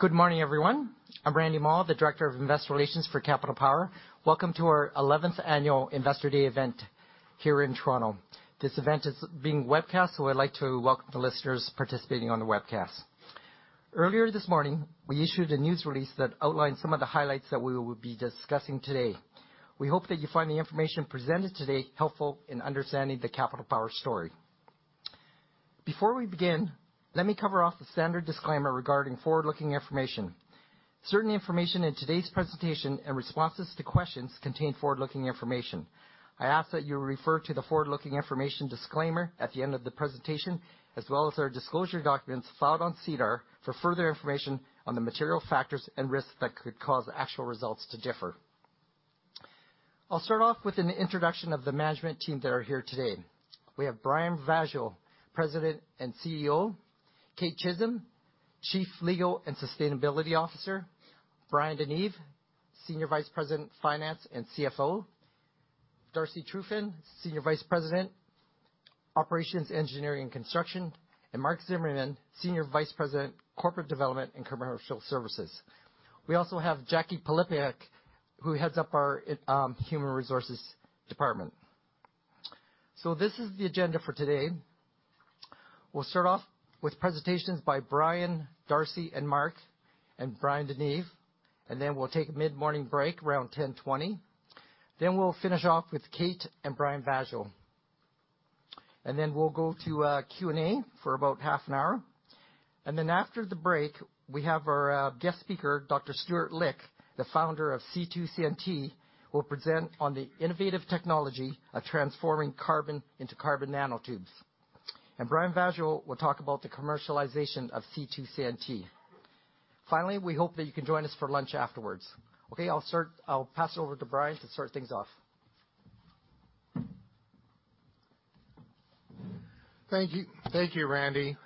Good morning, everyone. I'm Randy Mah, the Director of Investor Relations for Capital Power. Welcome to our 11th Annual Investor Day event here in Toronto. This event is being webcast, so I'd like to welcome the listeners participating on the webcast. Earlier this morning, we issued a news release that outlined some of the highlights that we will be discussing today. We hope that you find the information presented today helpful in understanding the Capital Power story. Before we begin, let me cover off the standard disclaimer regarding forward-looking information. Certain information in today's presentation and responses to questions contain forward-looking information. I ask that you refer to the forward-looking information disclaimer at the end of the presentation, as well as our disclosure documents filed on SEDAR for further information on the material factors and risks that could cause actual results to differ. I'll start off with an introduction of the management team that are here today. We have Brian Vaasjo, President and CEO, Kate Chisholm, Chief Legal and Sustainability Officer, Bryan DeNeve, Senior Vice President, Finance and CFO, Darcy Trufyn, Senior Vice President, Operations, Engineering, and Construction, and Mark Zimmerman, Senior Vice President, Corporate Development and Commercial Services. We also have Jacquie Pylypiuk, who heads up our Human Resources department. This is the agenda for today. We'll start off with presentations by Brian, Darcy, and Mark, and Bryan DeNeve, we'll take a mid-morning break around 10:20. We'll finish off with Kate and Brian Vaasjo. We'll go to a Q&A for about half an hour. After the break, we have our guest speaker, Dr. Stuart Licht, the founder of C2CNT, will present on the innovative technology of transforming carbon into carbon nanotubes. Brian Vaasjo will talk about the commercialization of C2CNT. Finally, we hope that you can join us for lunch afterwards. I'll pass it over to Brian to start things off. Thank you, Randy.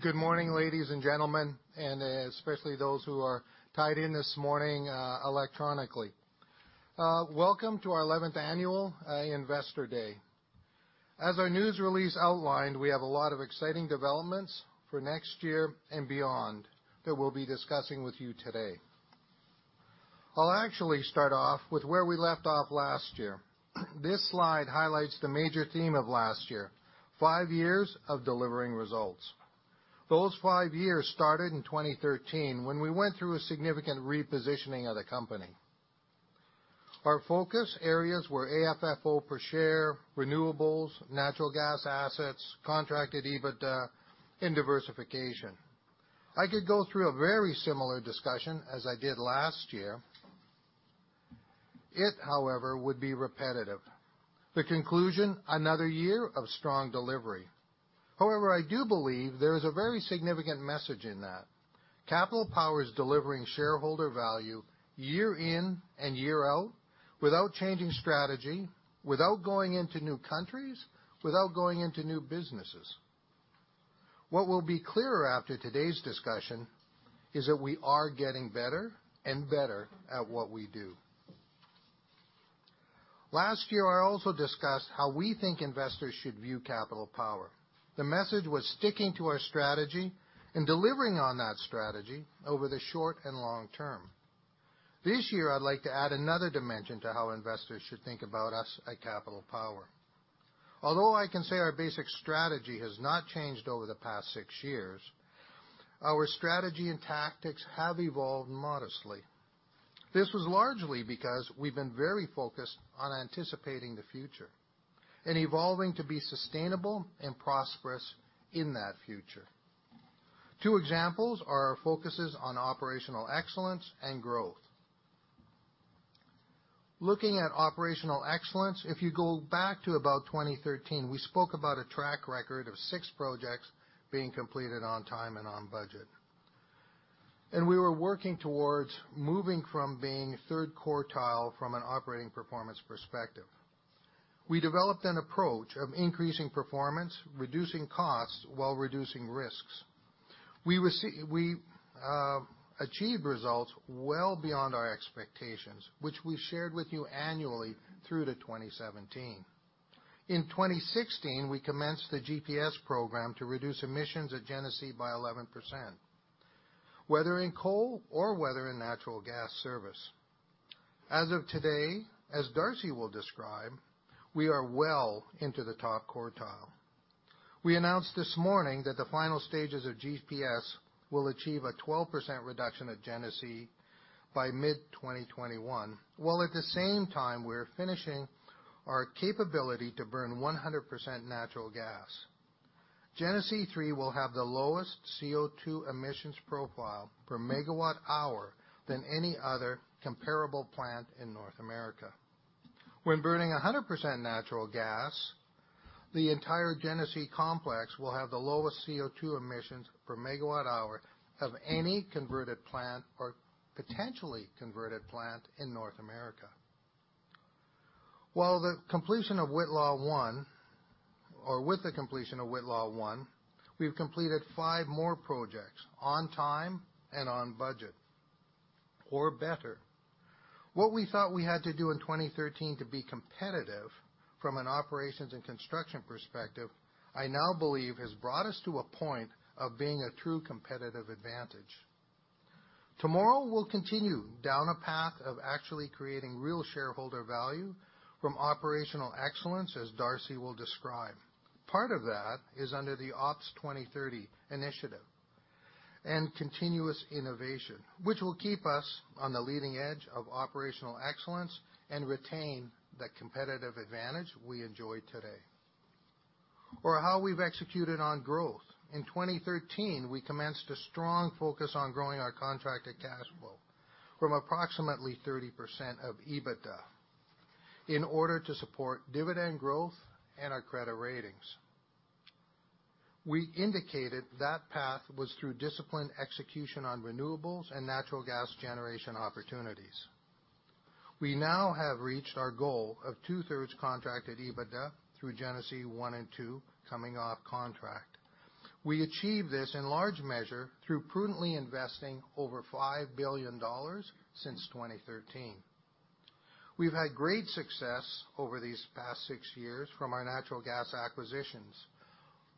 Good morning, ladies and gentlemen, and especially those who are tied in this morning electronically. Welcome to our 11th Annual Investor Day. As our news release outlined, we have a lot of exciting developments for next year and beyond that we'll be discussing with you today. I'll actually start off with where we left off last year. This slide highlights the major theme of last year, five years of delivering results. Those five years started in 2013 when we went through a significant repositioning of the company. Our focus areas were AFFO per share, renewables, natural gas assets, contracted EBITDA, and diversification. I could go through a very similar discussion as I did last year. It, however, would be repetitive. The conclusion, another year of strong delivery. However, I do believe there is a very significant message in that. Capital Power is delivering shareholder value year in and year out without changing strategy, without going into new countries, without going into new businesses. What will be clearer after today's discussion is that we are getting better and better at what we do. Last year, I also discussed how we think investors should view Capital Power. The message was sticking to our strategy and delivering on that strategy over the short and long term. This year, I'd like to add another dimension to how investors should think about us at Capital Power. Although I can say our basic strategy has not changed over the past six years, our strategy and tactics have evolved modestly. This was largely because we've been very focused on anticipating the future and evolving to be sustainable and prosperous in that future. Two examples are our focuses on operational excellence and growth. Looking at operational excellence, if you go back to about 2013, we spoke about a track record of six projects being completed on time and on budget. We were working towards moving from being third quartile from an operating performance perspective. We developed an approach of increasing performance, reducing costs while reducing risks. We achieved results well beyond our expectations, which we shared with you annually through to 2017. In 2016, we commenced the GPS Program to reduce emissions at Genesee by 11%, whether in coal or whether in natural gas service. As of today, as Darcy will describe, we are well into the top quartile. We announced this morning that the final stages of GPS will achieve a 12% reduction at Genesee by mid-2021, while at the same time, we're finishing our capability to burn 100% natural gas. Genesee 3 will have the lowest CO2 emissions profile per megawatt hour than any other comparable plant in North America. When burning 100% natural gas, the entire Genesee complex will have the lowest CO2 emissions per megawatt hour of any converted plant or potentially converted plant in North America. With the completion of Whitla 1, we've completed five more projects on time and on budget or better. What we thought we had to do in 2013 to be competitive from an operations and construction perspective, I now believe has brought us to a point of being a true competitive advantage. Tomorrow, we'll continue down a path of actually creating real shareholder value from operational excellence, as Darcy will describe. Part of that is under the Ops2030 initiative and continuous innovation, which will keep us on the leading edge of operational excellence and retain the competitive advantage we enjoy today. How we've executed on growth. In 2013, we commenced a strong focus on growing our contracted cash flow from approximately 30% of EBITDA in order to support dividend growth and our credit ratings. We indicated that path was through disciplined execution on renewables and natural gas generation opportunities. We now have reached our goal of two-thirds contracted EBITDA through Genesee 1 and 2 coming off contract. We achieved this in large measure through prudently investing over 5 billion dollars since 2013. We've had great success over these past six years from our natural gas acquisitions.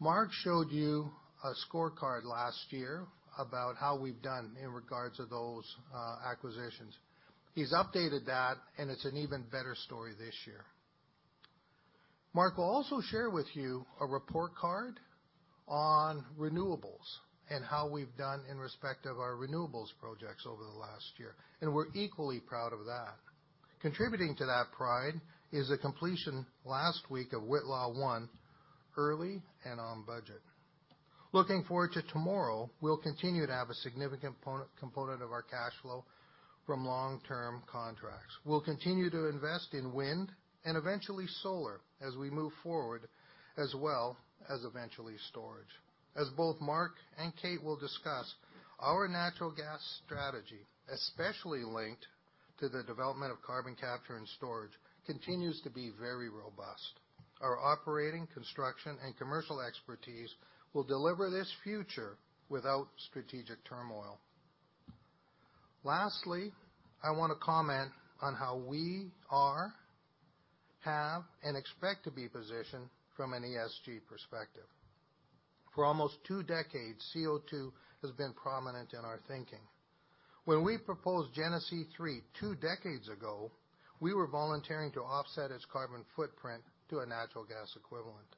Mark showed you a scorecard last year about how we've done in regards to those acquisitions. He's updated that, it's an even better story this year. Mark will also share with you a report card on renewables and how we've done in respect of our renewables projects over the last year. We're equally proud of that. Contributing to that pride is the completion last week of Whitla 1 early and on budget. Looking forward to tomorrow, we'll continue to have a significant component of our cash flow from long-term contracts. We'll continue to invest in wind and eventually solar as we move forward, as well as eventually storage. As both Mark and Kate will discuss, our natural gas strategy, especially linked to the development of carbon capture and storage, continues to be very robust. Our operating, construction, and commercial expertise will deliver this future without strategic turmoil. Lastly, I want to comment on how we are, have, and expect to be positioned from an ESG perspective. For almost two decades, CO2 has been prominent in our thinking. When we proposed Genesee 3 two decades ago, we were volunteering to offset its carbon footprint to a natural gas equivalent.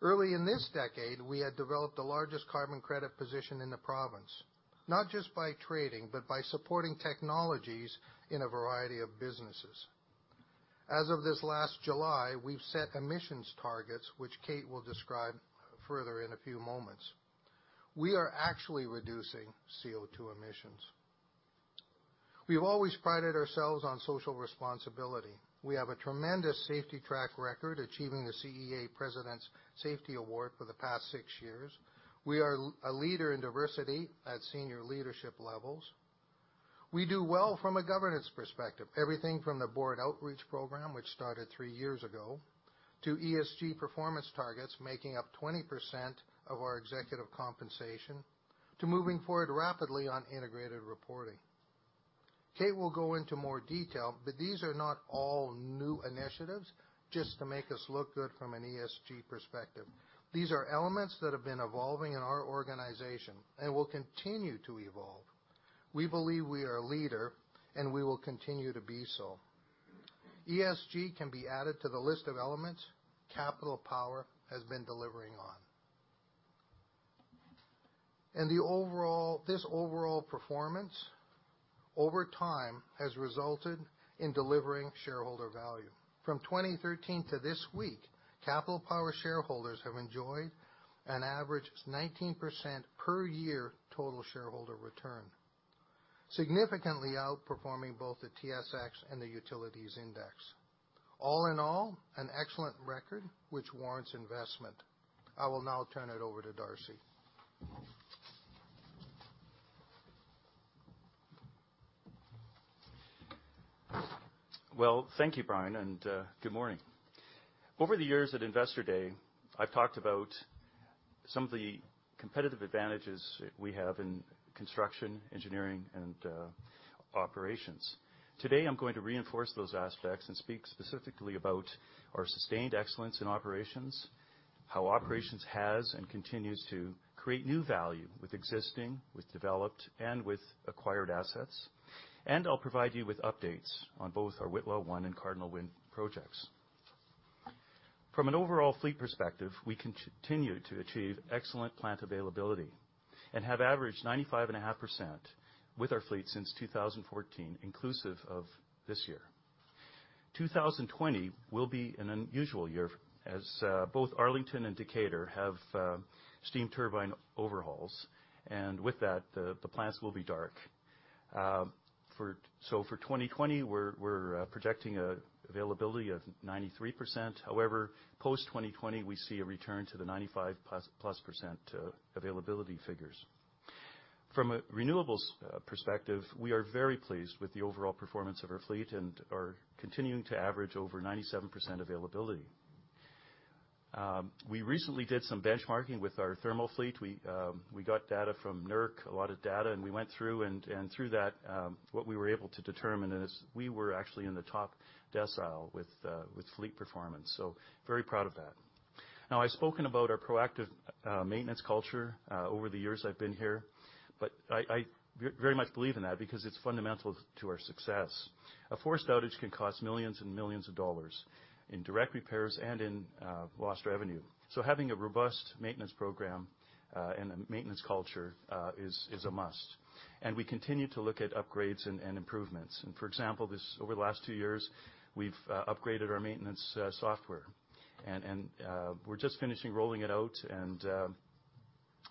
Early in this decade, we had developed the largest carbon credit position in the province, not just by trading, but by supporting technologies in a variety of businesses. As of this last July, we've set emissions targets, which Kate will describe further in a few moments. We are actually reducing CO2 emissions. We've always prided ourselves on social responsibility. We have a tremendous safety track record, achieving the CEA President's Safety Award for the past six years. We are a leader in diversity at senior leadership levels. We do well from a governance perspective. Everything from the board outreach program, which started three years ago, to ESG performance targets, making up 20% of our executive compensation, to moving forward rapidly on integrated reporting. Kate will go into more detail, but these are not all new initiatives just to make us look good from an ESG perspective. These are elements that have been evolving in our organization and will continue to evolve. We believe we are a leader, and we will continue to be so. ESG can be added to the list of elements Capital Power has been delivering on. This overall performance over time has resulted in delivering shareholder value. From 2013 to this week, Capital Power shareholders have enjoyed an average 19% per year total shareholder return, significantly outperforming both the TSX and the Utilities Index. All in all, an excellent record which warrants investment. I will now turn it over to Darcy. Well, thank you, Brian. Good morning. Over the years at Investor Day, I've talked about some of the competitive advantages we have in construction, engineering, and operations. Today, I'm going to reinforce those aspects and speak specifically about our sustained excellence in operations, how operations has and continues to create new value with existing, with developed, and with acquired assets. I'll provide you with updates on both our Whitla 1 and Cardinal Point Wind projects. From an overall fleet perspective, we continue to achieve excellent plant availability and have averaged 95.5% with our fleet since 2014, inclusive of this year. 2020 will be an unusual year as both Arlington and Decatur have steam turbine overhauls, and with that, the plants will be dark. For 2020, we're projecting availability of 93%. However, post-2020, we see a return to the 95%+ availability figures. From a renewables perspective, we are very pleased with the overall performance of our fleet and are continuing to average over 97% availability. We recently did some benchmarking with our thermal fleet. We got data from NERC, a lot of data. We went through and through that, what we were able to determine is we were actually in the top decile with fleet performance. Very proud of that. I've spoken about our proactive maintenance culture over the years I've been here. I very much believe in that because it's fundamental to our success. A forced outage can cost millions and millions of dollars in direct repairs and in lost revenue. Having a robust maintenance program and a maintenance culture is a must. We continue to look at upgrades and improvements. For example, over the last two years, we've upgraded our maintenance software. We're just finishing rolling it out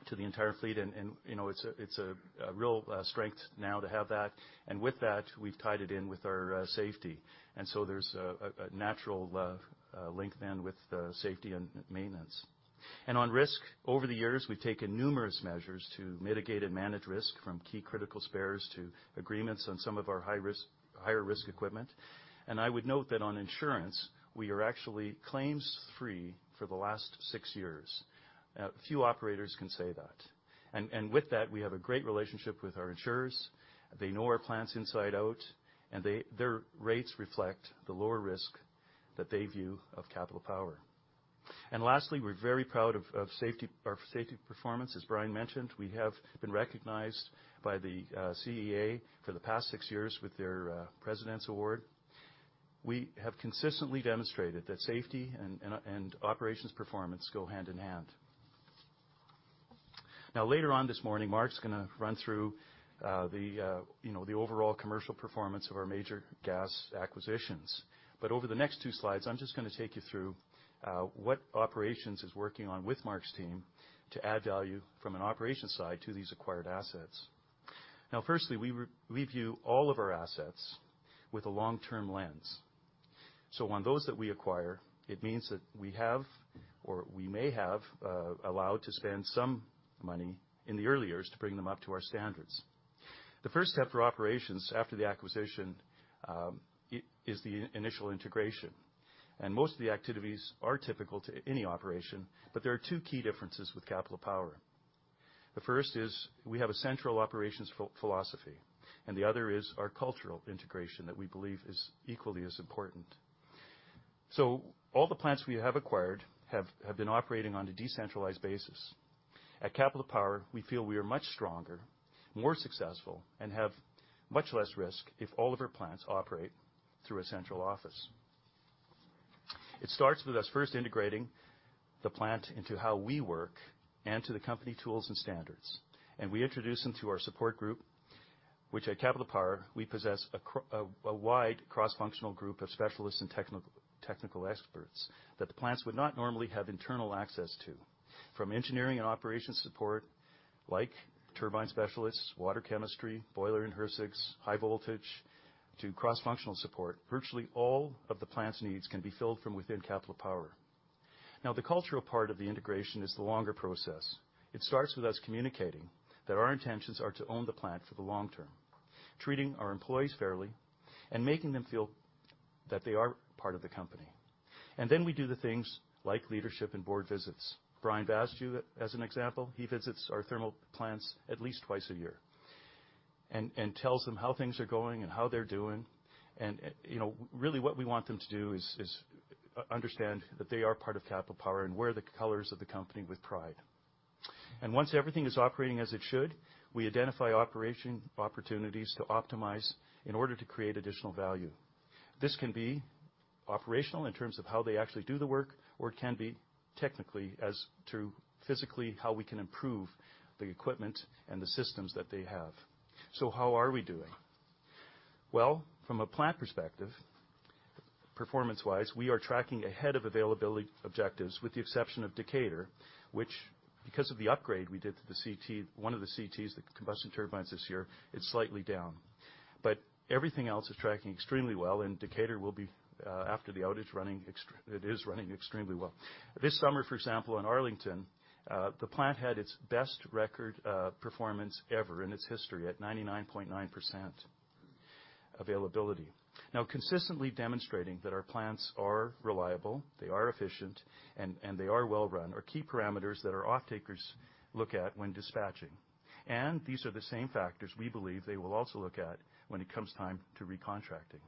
to the entire fleet, and it's a real strength now to have that. With that, we've tied it in with our safety, and so there's a natural link then with safety and maintenance. On risk, over the years, we've taken numerous measures to mitigate and manage risk, from key critical spares to agreements on some of our higher risk equipment. I would note that on insurance, we are actually claims-free for the last six years. Few operators can say that. With that, we have a great relationship with our insurers. They know our plants inside out, and their rates reflect the lower risk that they view of Capital Power. Lastly, we're very proud of our safety performance. As Brian mentioned, we have been recognized by the CEA for the past six years with their President's Award. We have consistently demonstrated that safety and operations performance go hand-in-hand. Later on this morning, Mark's going to run through the overall commercial performance of our major gas acquisitions. Over the next two slides, I'm just going to take you through what operations is working on with Mark's team to add value from an operations side to these acquired assets. Firstly, we review all of our assets with a long-term lens. On those that we acquire, it means that we have, or we may have allowed to spend some money in the early years to bring them up to our standards. The first step for operations after the acquisition is the initial integration. Most of the activities are typical to any operation, but there are two key differences with Capital Power. The first is we have a central operations philosophy, and the other is our cultural integration that we believe is equally as important. All the plants we have acquired have been operating on a decentralized basis. At Capital Power, we feel we are much stronger, more successful, and have much less risk if all of our plants operate through a central office. It starts with us first integrating the plant into how we work and to the company tools and standards. We introduce them to our support group, which at Capital Power, we possess a wide cross-functional group of specialists and technical experts that the plants would not normally have internal access to. From engineering and operations support like turbine specialists, water chemistry, boiler and HRSGs, high voltage-to cross-functional support. Virtually all of the plant's needs can be filled from within Capital Power. Now, the cultural part of the integration is the longer process. It starts with us communicating that our intentions are to own the plant for the long term, treating our employees fairly, and making them feel that they are part of the company. Then we do the things like leadership and Board visits. Brian Vaasjo as an example, he visits our thermal plants at least twice a year and tells them how things are going and how they're doing. Really what we want them to do is understand that they are part of Capital Power and wear the colors of the company with pride. Once everything is operating as it should, we identify operation opportunities to optimize in order to create additional value. This can be operational in terms of how they actually do the work, or it can be technically as to physically how we can improve the equipment and the systems that they have. How are we doing? Well, from a plant perspective, performance-wise, we are tracking ahead of availability objectives with the exception of Decatur, which because of the upgrade we did to one of the CTs, the combustion turbines this year, it is slightly down. Everything else is tracking extremely well and Decatur will be, after the outage, it is running extremely well. This summer, for example, in Arlington, the plant had its best record performance ever in its history at 99.9% availability. Consistently demonstrating that our plants are reliable, they are efficient, and they are well run are key parameters that our offtakers look at when dispatching. These are the same factors we believe they will also look at when it comes time to recontracting.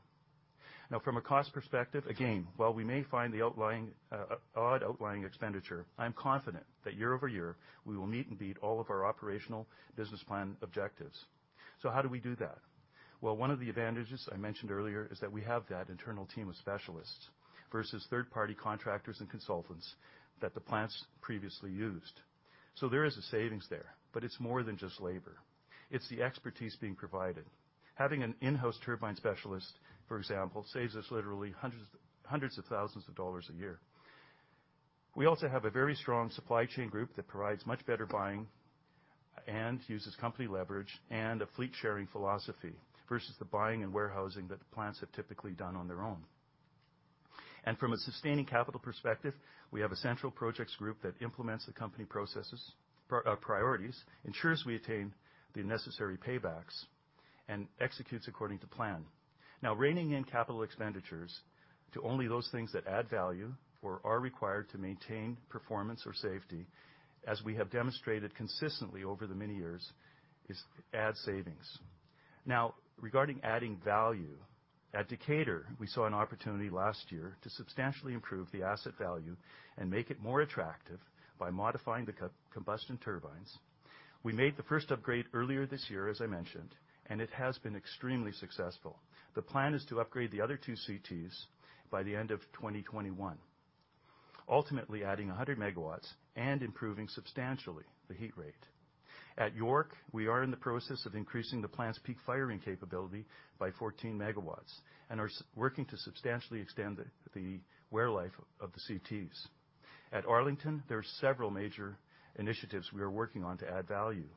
From a cost perspective, again, while we may find the odd outlying expenditure, I'm confident that year-over-year, we will meet and beat all of our operational business plan objectives. How do we do that? One of the advantages I mentioned earlier is that we have that internal team of specialists versus third-party contractors and consultants that the plants previously used. There is a savings there, but it's more than just labor. It's the expertise being provided. Having an in-house turbine specialist, for example, saves us literally hundreds of thousands of dollars a year. We also have a very strong supply chain group that provides much better buying and uses company leverage and a fleet-sharing philosophy versus the buying and warehousing that the plants have typically done on their own. From a sustaining capital perspective, we have a central projects group that implements the company priorities, ensures we attain the necessary paybacks and executes according to plan. Reining in capital expenditures to only those things that add value or are required to maintain performance or safety, as we have demonstrated consistently over the many years, adds savings. Regarding adding value, at Decatur, we saw an opportunity last year to substantially improve the asset value and make it more attractive by modifying the combustion turbines. We made the first upgrade earlier this year, as I mentioned, and it has been extremely successful. The plan is to upgrade the other two CTs by the end of 2021, ultimately adding 100 MW and improving substantially the heat rate. At York, we are in the process of increasing the plant's peak firing capability by 14 MW and are working to substantially extend the wear life of the CTs. At Arlington, there are several major initiatives we are working on to add value.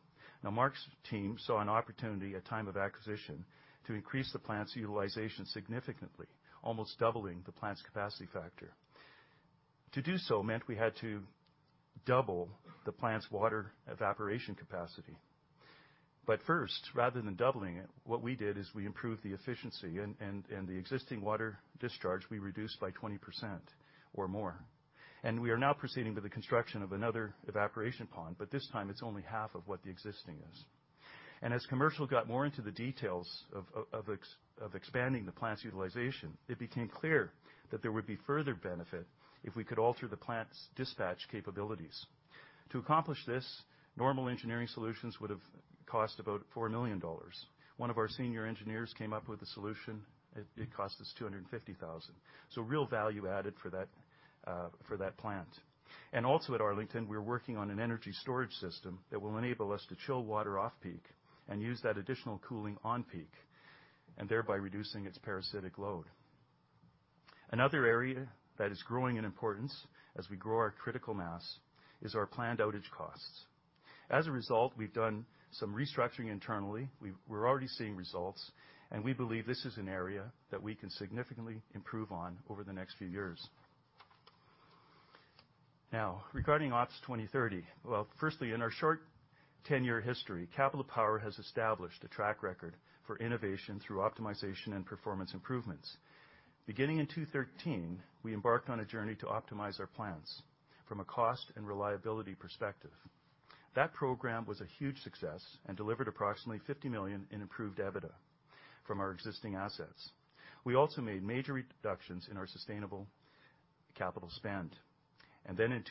Mark's team saw an opportunity at time of acquisition to increase the plant's utilization significantly, almost doubling the plant's capacity factor. To do so meant we had to double the plant's water evaporation capacity. First, rather than doubling it, what we did is we improved the efficiency and the existing water discharge we reduced by 20% or more. We are now proceeding with the construction of another evaporation pond, this time it's only half of what the existing is. As commercial got more into the details of expanding the plant's utilization, it became clear that there would be further benefit if we could alter the plant's dispatch capabilities. To accomplish this, normal engineering solutions would have cost about 4 million dollars. One of our senior engineers came up with a solution. It cost us 250,000. Real value added for that plant. Also at Arlington, we are working on an energy storage system that will enable us to chill water off-peak and use that additional cooling on-peak, and thereby reducing its parasitic load. Another area that is growing in importance as we grow our critical mass is our planned outage costs. As a result, we've done some restructuring internally. We're already seeing results, and we believe this is an area that we can significantly improve on over the next few years. Regarding Ops2030. Well, firstly, in our short 10-year history, Capital Power has established a track record for innovation through optimization and performance improvements. Beginning in 2013, we embarked on a journey to optimize our plants from a cost and reliability perspective. That program was a huge success and delivered approximately 50 million in improved EBITDA from our existing assets. We also made major reductions in our sustainable capital spend. Then in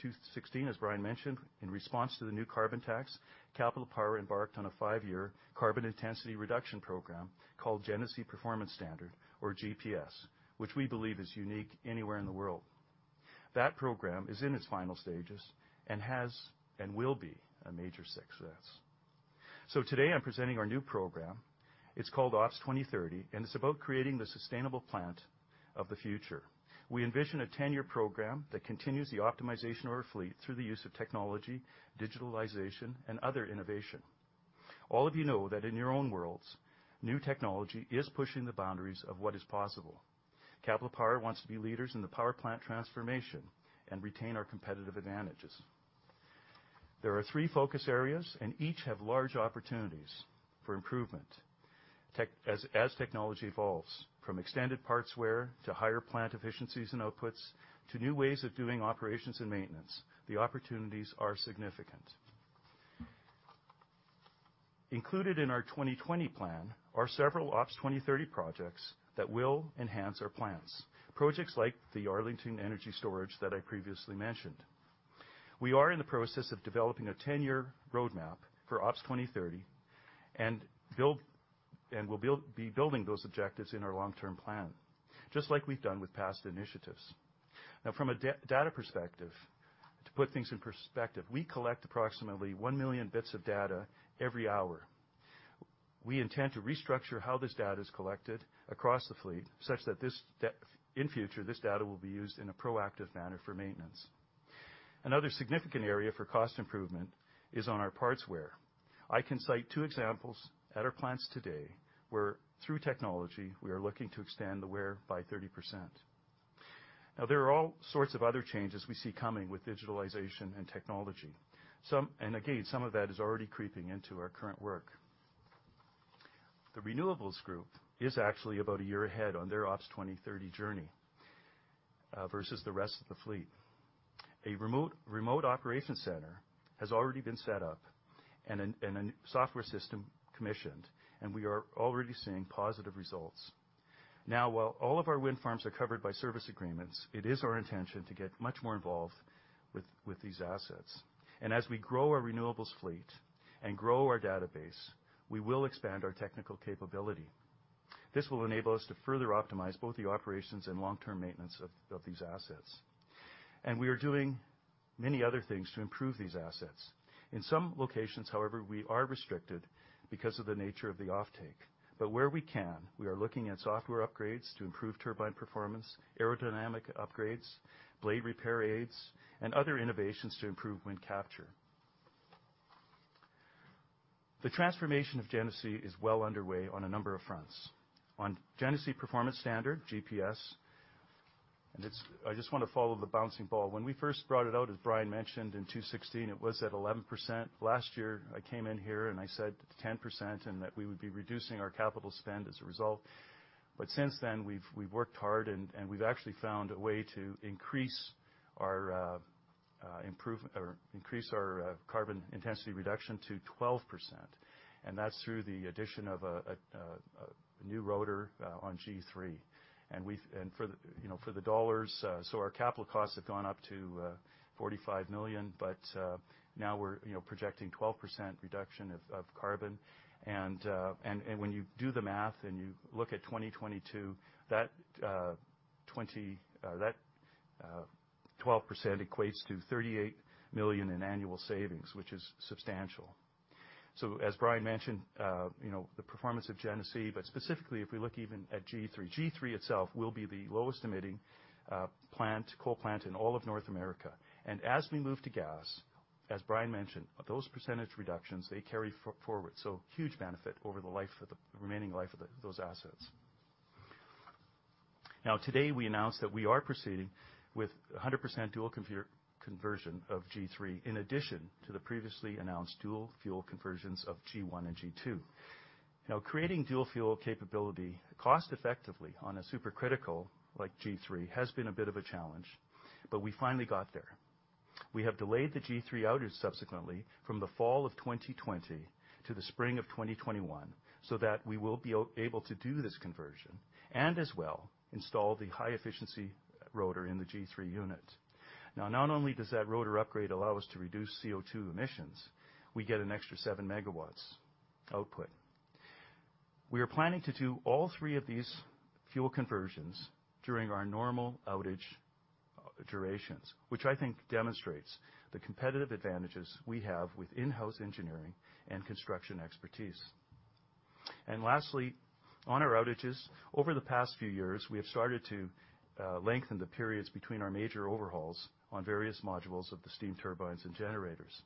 2016, as Brian mentioned, in response to the new carbon tax, Capital Power embarked on a five-year carbon intensity reduction program called Genesee Performance Standard, or GPS, which we believe is unique anywhere in the world. That program is in its final stages and will be a major success. Today, I'm presenting our new program. It's called Ops2030, and it's about creating the sustainable plant of the future. We envision a 10-year program that continues the optimization of our fleet through the use of technology, digitalization, and other innovation. All of you know that in your own worlds, new technology is pushing the boundaries of what is possible. Capital Power wants to be leaders in the power plant transformation and retain our competitive advantages. There are three focus areas. Each have large opportunities for improvement. As technology evolves from extended parts wear to higher plant efficiencies and outputs, to new ways of doing operations and maintenance, the opportunities are significant. Included in our 2020 plan are several Ops2030 projects that will enhance our plans. Projects like the Arlington energy storage that I previously mentioned. We are in the process of developing a 10-year roadmap for Ops2030 and will be building those objectives in our long-term plan, just like we've done with past initiatives. Now from a data perspective, to put things in perspective, we collect approximately 1 million bits of data every hour. We intend to restructure how this data is collected across the fleet, such that in future, this data will be used in a proactive manner for maintenance. Another significant area for cost improvement is on our parts wear. I can cite two examples at our plants today where through technology, we are looking to extend the wear by 30%. Now, there are all sorts of other changes we see coming with digitalization and technology. Again, some of that is already creeping into our current work. The renewables group is actually about a year ahead on their Ops2030 journey, versus the rest of the fleet. A remote operation center has already been set up and a software system commissioned, and we are already seeing positive results. Now, while all of our wind farms are covered by service agreements, it is our intention to get much more involved with these assets. As we grow our renewables fleet and grow our database, we will expand our technical capability. This will enable us to further optimize both the operations and long-term maintenance of these assets. We are doing many other things to improve these assets. In some locations, however, we are restricted because of the nature of the offtake. Where we can, we are looking at software upgrades to improve turbine performance, aerodynamic upgrades, blade repair aids, and other innovations to improve wind capture. The transformation of Genesee is well underway on a number of fronts. On Genesee Performance Standard, GPS. I just want to follow the bouncing ball. When we first brought it out, as Brian mentioned, in 2016, it was at 11%. Last year, I came in here and I said 10%, and that we would be reducing our capital spend as a result. Since then, we've worked hard and we've actually found a way to increase our carbon intensity reduction to 12%. That's through the addition of a new rotor on G3. For the dollars, our capital costs have gone up to 45 million, but now we're projecting 12% reduction of carbon, and when you do the math and you look at 2022, that 12% equates to 38 million in annual savings, which is substantial. As Brian mentioned, the performance of Genesee, but specifically if we look even at G3 itself will be the lowest emitting coal plant in all of North America. As we move to gas, as Brian mentioned, those percentage reductions, they carry forward. Huge benefit over the remaining life of those assets. Today, we announced that we are proceeding with 100% dual conversion of G3, in addition to the previously announced dual-fuel conversions of G1 and G2. Creating dual-fuel capability cost effectively on a supercritical like G3 has been a bit of a challenge, but we finally got there. We have delayed the G3 outage subsequently from the fall of 2020 to the spring of 2021, so that we will be able to do this conversion and as well install the high-efficiency rotor in the G3 unit. Not only does that rotor upgrade allow us to reduce CO2 emissions, we get an extra 7 MW output. We are planning to do all three of these fuel conversions during our normal outage durations, which I think demonstrates the competitive advantages we have with in-house engineering and construction expertise. Lastly, on our outages, over the past few years, we have started to lengthen the periods between our major overhauls on various modules of the steam turbines and generators.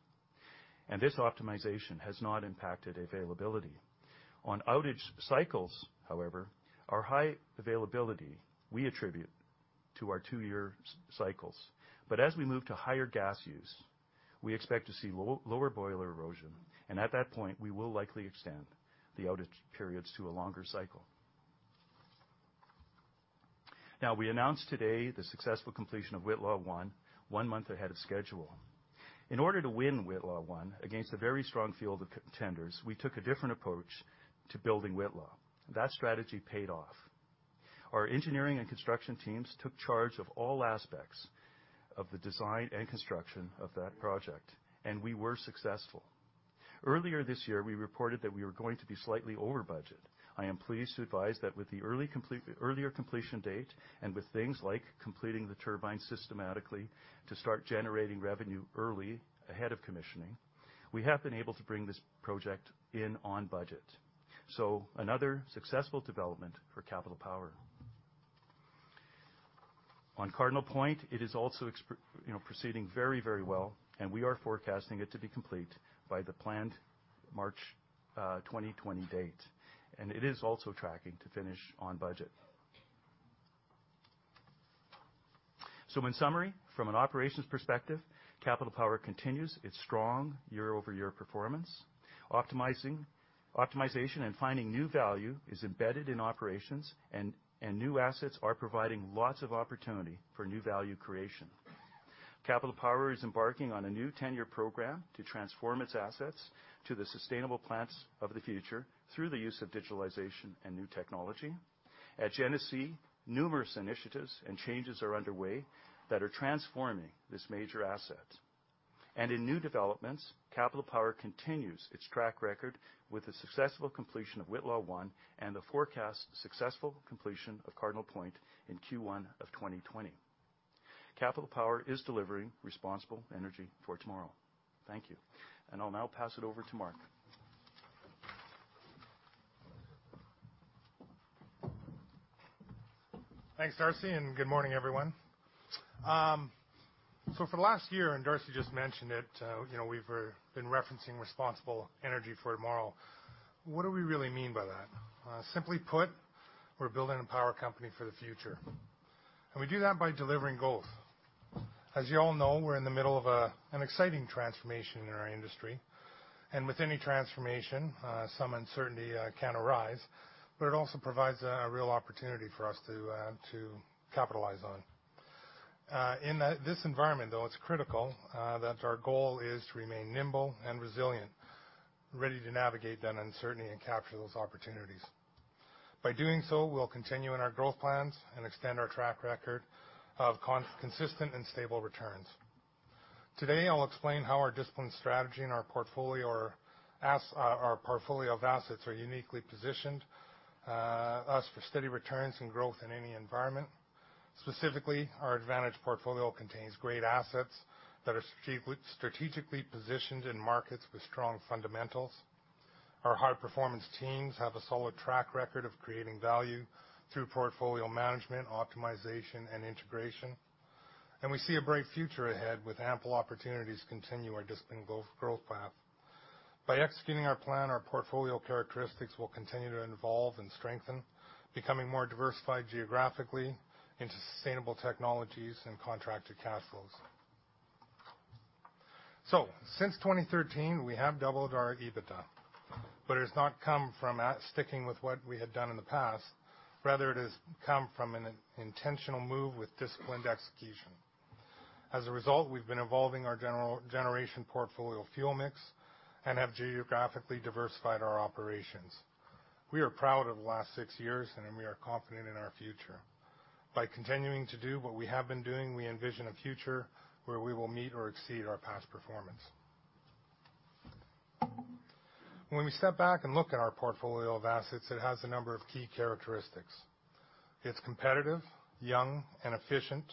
This optimization has not impacted availability. On outage cycles, however, our high availability we attribute to our two-year cycles. As we move to higher gas use, we expect to see lower boiler erosion. At that point, we will likely extend the outage periods to a longer cycle. We announced today the successful completion of Whitla 1, one month ahead of schedule. In order to win Whitla 1 against a very strong field of contenders, we took a different approach to building Whitla. That strategy paid off. Our engineering and construction teams took charge of all aspects of the design and construction of that project. We were successful. Earlier this year, we reported that we were going to be slightly over budget. I am pleased to advise that with the earlier completion date and with things like completing the turbine systematically to start generating revenue early ahead of commissioning, we have been able to bring this project in on budget. Another successful development for Capital Power. On Cardinal Point, it is also proceeding very well, and we are forecasting it to be complete by the planned March 2020 date. It is also tracking to finish on budget. In summary, from an operations perspective, Capital Power continues its strong year-over-year performance. Optimization and finding new value is embedded in operations, and new assets are providing lots of opportunity for new value creation. Capital Power is embarking on a new 10-year program to transform its assets to the sustainable plants of the future through the use of digitalization and new technology. At Genesee, numerous initiatives and changes are underway that are transforming this major asset. In new developments, Capital Power continues its track record with the successful completion of Whitla 1 and the forecast successful completion of Cardinal Point in Q1 of 2020. Capital Power is delivering responsible energy for tomorrow. Thank you. I'll now pass it over to Mark. Thanks, Darcy, and good morning, everyone. For the last year, and Darcy just mentioned it, we've been referencing Responsible Energy for Tomorrow. What do we really mean by that? Simply put, we're building a power company for the future. We do that by delivering goals. As you all know, we're in the middle of an exciting transformation in our industry. With any transformation, some uncertainty can arise, but it also provides a real opportunity for us to capitalize on. In this environment, though, it is critical that our goal is to remain nimble and resilient, ready to navigate that uncertainty and capture those opportunities. By doing so, we'll continue in our growth plans and extend our track record of consistent and stable returns. Today, I'll explain how our disciplined strategy and our portfolio of assets are uniquely positioned us for steady returns and growth in any environment. Specifically, our advantage portfolio contains great assets that are strategically positioned in markets with strong fundamentals. Our high-performance teams have a solid track record of creating value through portfolio management, optimization, and integration. We see a bright future ahead with ample opportunities to continue our disciplined growth path. By executing our plan, our portfolio characteristics will continue to evolve and strengthen, becoming more diversified geographically into sustainable technologies and contracted cash flows. Since 2013, we have doubled our EBITDA, but it has not come from sticking with what we had done in the past. Rather, it has come from an intentional move with disciplined execution. As a result, we've been evolving our generation portfolio fuel mix and have geographically diversified our operations. We are proud of the last six years, and we are confident in our future. By continuing to do what we have been doing, we envision a future where we will meet or exceed our past performance. When we step back and look at our portfolio of assets, it has a number of key characteristics. It's competitive, young, and efficient,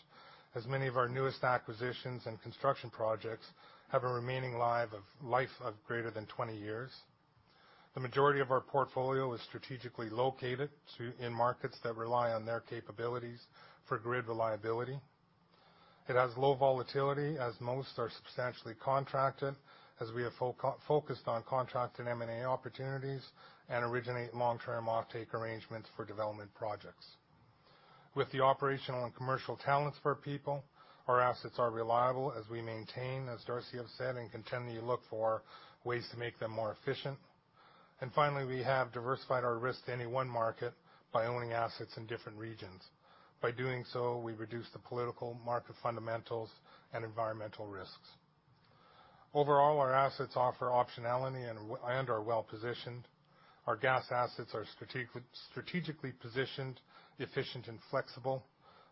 as many of our newest acquisitions and construction projects have a remaining life of greater than 20 years. The majority of our portfolio is strategically located in markets that rely on their capabilities for grid reliability. It has low volatility as most are substantially contracted as we have focused on contracted M&A opportunities and originate long-term offtake arrangements for development projects. With the operational and commercial talents for our people, our assets are reliable as we maintain, as Darcy has said, and continually look for ways to make them more efficient. Finally, we have diversified our risk to any one market by owning assets in different regions. By doing so, we reduce the political market fundamentals and environmental risks. Overall, our assets offer optionality and are well-positioned. Our gas assets are strategically positioned, efficient, and flexible.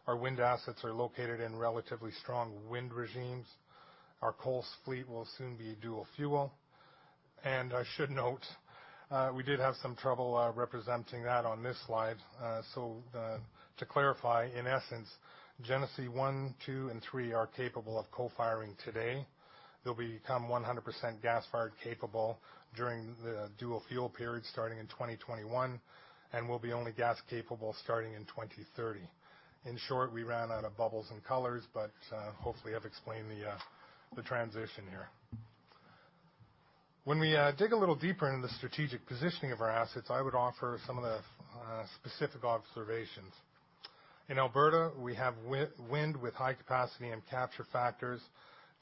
Our wind assets are located in relatively strong wind regimes. Our coal fleet will soon be dual-fuel. I should note, we did have some trouble representing that on this slide. To clarify, in essence, Genesee 1, 2, and 3 are capable of co-firing today. They'll become 100% gas-fired capable during the dual-fuel period starting in 2021, and will be only gas capable starting in 2030. In short, we ran out of bubbles and colors, but hopefully, I've explained the transition here. When we dig a little deeper into the strategic positioning of our assets, I would offer some of the specific observations. In Alberta, we have wind with high capacity and capture factors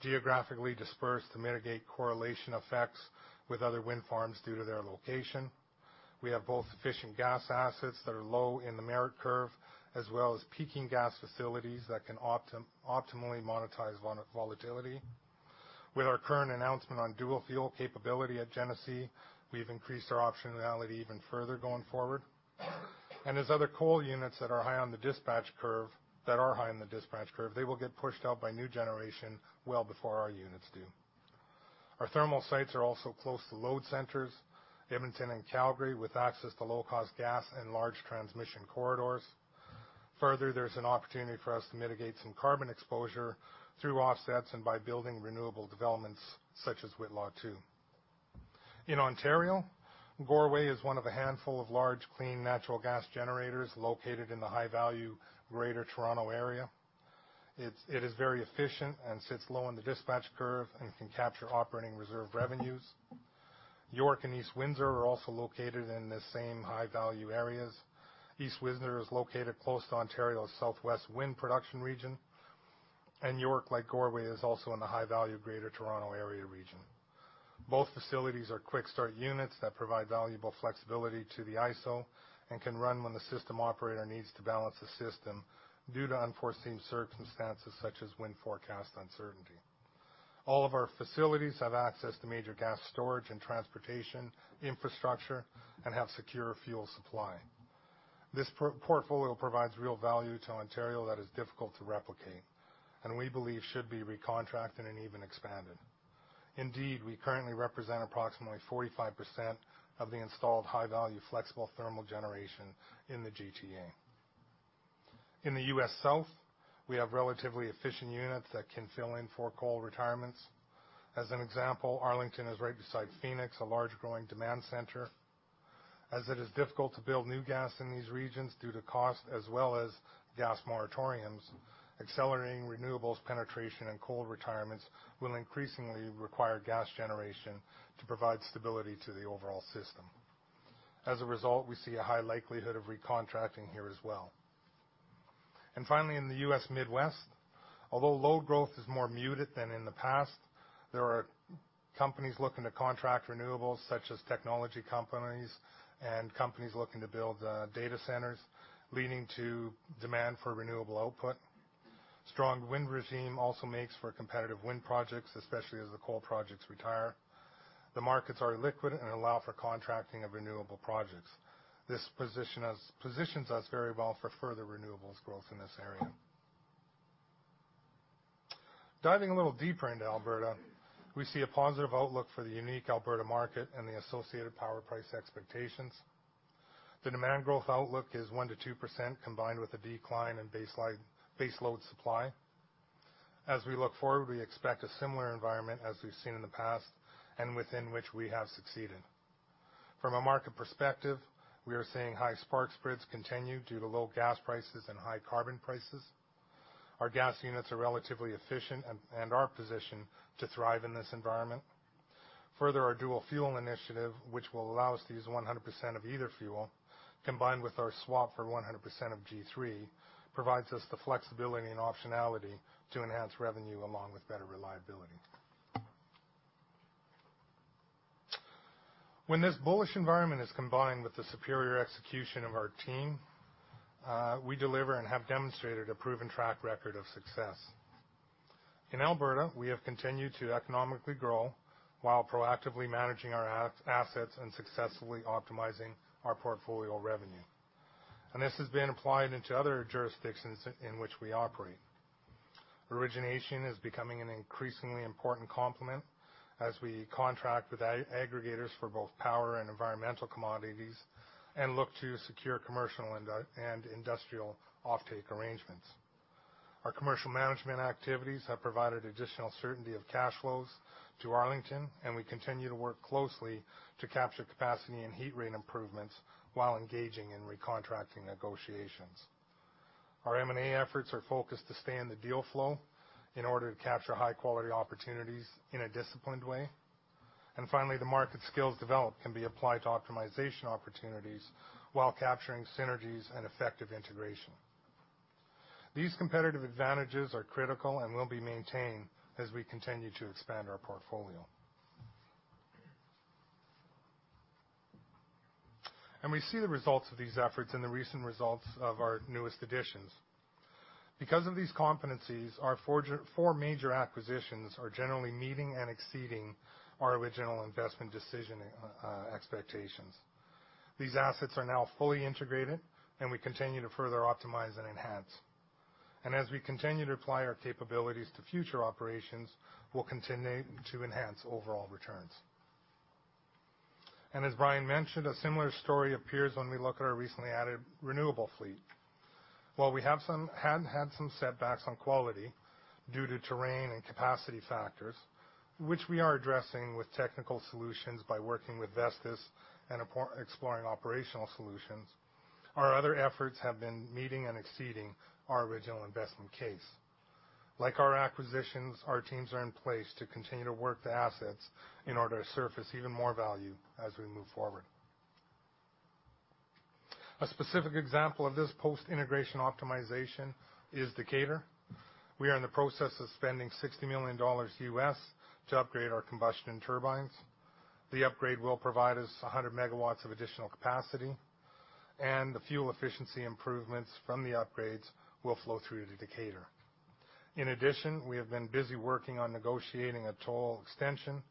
geographically dispersed to mitigate correlation effects with other wind farms due to their location. We have both efficient gas assets that are low in the merit curve, as well as peaking gas facilities that can optimally monetize volatility. With our current announcement on dual-fuel capability at Genesee, we've increased our optionality even further going forward. As other coal units that are high on the dispatch curve, they will get pushed out by new generation well before our units do. Our thermal sites are also close to load centers, Edmonton and Calgary, with access to low-cost gas and large transmission corridors. Further, there's an opportunity for us to mitigate some carbon exposure through offsets and by building renewable developments such as Whitla 2. In Ontario, Goreway is one of a handful of large, clean natural gas generators located in the high-value Greater Toronto Area. It is very efficient and sits low on the dispatch curve and can capture operating reserve revenues. York and East Windsor are also located in the same high-value areas. East Windsor is located close to Ontario's southwest wind production region. York, like Goreway, is also in the high-value Greater Toronto Area region. Both facilities are quick-start units that provide valuable flexibility to the IESO and can run when the system operator needs to balance the system due to unforeseen circumstances such as wind forecast uncertainty. All of our facilities have access to major gas storage and transportation infrastructure and have secure fuel supply. This portfolio provides real value to Ontario that is difficult to replicate, and we believe should be recontracted and even expanded. Indeed, we currently represent approximately 45% of the installed high-value flexible thermal generation in the GTA. In the U.S. South, we have relatively efficient units that can fill in for coal retirements. As an example, Arlington is right beside Phoenix, a large growing demand center. As it is difficult to build new gas in these regions due to cost as well as gas moratoriums, accelerating renewables penetration and coal retirements will increasingly require gas generation to provide stability to the overall system. As a result, we see a high likelihood of recontracting here as well. And finally, in the U.S. Midwest, although load growth is more muted than in the past, there are companies looking to contract renewables, such as technology companies and companies looking to build data centers, leading to demand for renewable output. Strong wind regime also makes for competitive wind projects, especially as the coal projects retire. The markets are liquid and allow for contracting of renewable projects. This positions us very well for further renewables growth in this area. Diving a little deeper into Alberta, we see a positive outlook for the unique Alberta market and the associated power price expectations. The demand growth outlook is 1%-2% combined with a decline in baseload supply. As we look forward, we expect a similar environment as we've seen in the past and within which we have succeeded. From a market perspective, we are seeing high spark spreads continue due to low gas prices and high carbon prices. Our gas units are relatively efficient and are positioned to thrive in this environment. Further, our dual-fuel initiative, which will allow us to use 100% of either fuel, combined with our swap for 100% of G3, provides us the flexibility and optionality to enhance revenue along with better reliability. When this bullish environment is combined with the superior execution of our team, we deliver and have demonstrated a proven track record of success. In Alberta, we have continued to economically grow while proactively managing our assets and successfully optimizing our portfolio revenue. This has been applied into other jurisdictions in which we operate. Origination is becoming an increasingly important complement as we contract with aggregators for both power and environmental commodities and look to secure commercial and industrial offtake arrangements. Our commercial management activities have provided additional certainty of cash flows to Arlington, and we continue to work closely to capture capacity and heat rate improvements while engaging in recontracting negotiations. Our M&A efforts are focused to stay in the deal flow in order to capture high-quality opportunities in a disciplined way. Finally, the market skills developed can be applied to optimization opportunities while capturing synergies and effective integration. These competitive advantages are critical and will be maintained as we continue to expand our portfolio. We see the results of these efforts in the recent results of our newest additions. Because of these competencies, our four major acquisitions are generally meeting and exceeding our original investment decision expectations. These assets are now fully integrated, and we continue to further optimize and enhance. As we continue to apply our capabilities to future operations, we'll continue to enhance overall returns. As Brian mentioned, a similar story appears when we look at our recently added renewable fleet. While we have had some setbacks on quality due to terrain and capacity factors, which we are addressing with technical solutions by working with Vestas and exploring operational solutions, our other efforts have been meeting and exceeding our original investment case. Like our acquisitions, our teams are in place to continue to work the assets in order to surface even more value as we move forward. A specific example of this post-integration optimization is Decatur. We are in the process of spending $60 million U.S. to upgrade our combustion turbines. The upgrade will provide us 100 megawatts of additional capacity, and the fuel efficiency improvements from the upgrades will flow through to Decatur. In addition, we have been busy working on negotiating a toll extension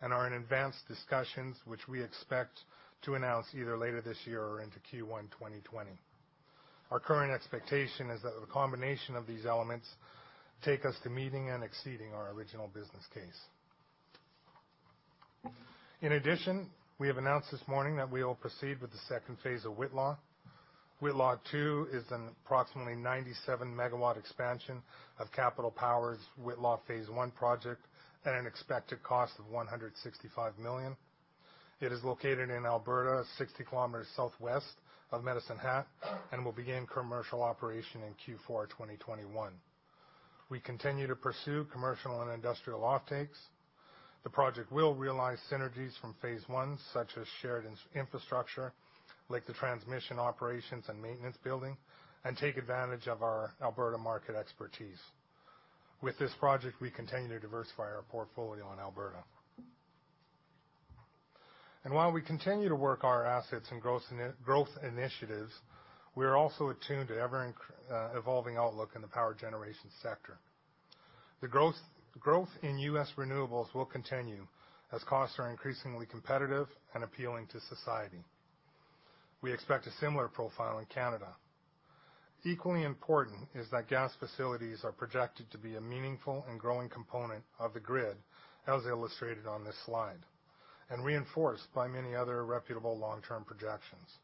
and are in advanced discussions, which we expect to announce either later this year or into Q1 2020. We have announced this morning that we will proceed with the second phase of Whitla. Whitla 2 is an approximately 97 MW expansion of Capital Power's Whitla Phase 1 project at an expected cost of 165 million. It is located in Alberta, 60 km southwest of Medicine Hat, and will begin commercial operation in Q4 2021. We continue to pursue commercial and industrial offtakes. The project will realize synergies from Phase 1, such as shared infrastructure, like the transmission operations and maintenance building, and take advantage of our Alberta market expertise. With this project, we continue to diversify our portfolio in Alberta. While we continue to work our assets and growth initiatives, we are also attuned to the ever-evolving outlook in the power generation sector. The growth in U.S. renewables will continue as costs are increasingly competitive and appealing to society. We expect a similar profile in Canada. Equally important is that gas facilities are projected to be a meaningful and growing component of the grid, as illustrated on this slide, and reinforced by many other reputable long-term projections.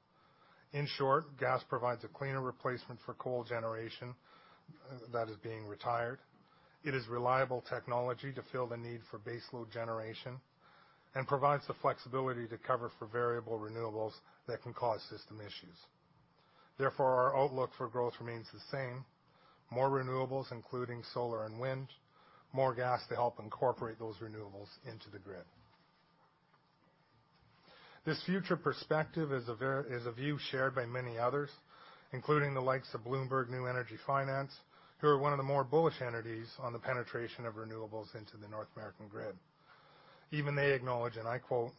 In short, gas provides a cleaner replacement for coal generation that is being retired. It is reliable technology to fill the need for baseload generation and provides the flexibility to cover for variable renewables that can cause system issues. Therefore, our outlook for growth remains the same. More renewables, including solar and wind, more gas to help incorporate those renewables into the grid. This future perspective is a view shared by many others, including the likes of Bloomberg New Energy Finance, who are one of the more bullish entities on the penetration of renewables into the North American grid. Even they acknowledge, and I quote,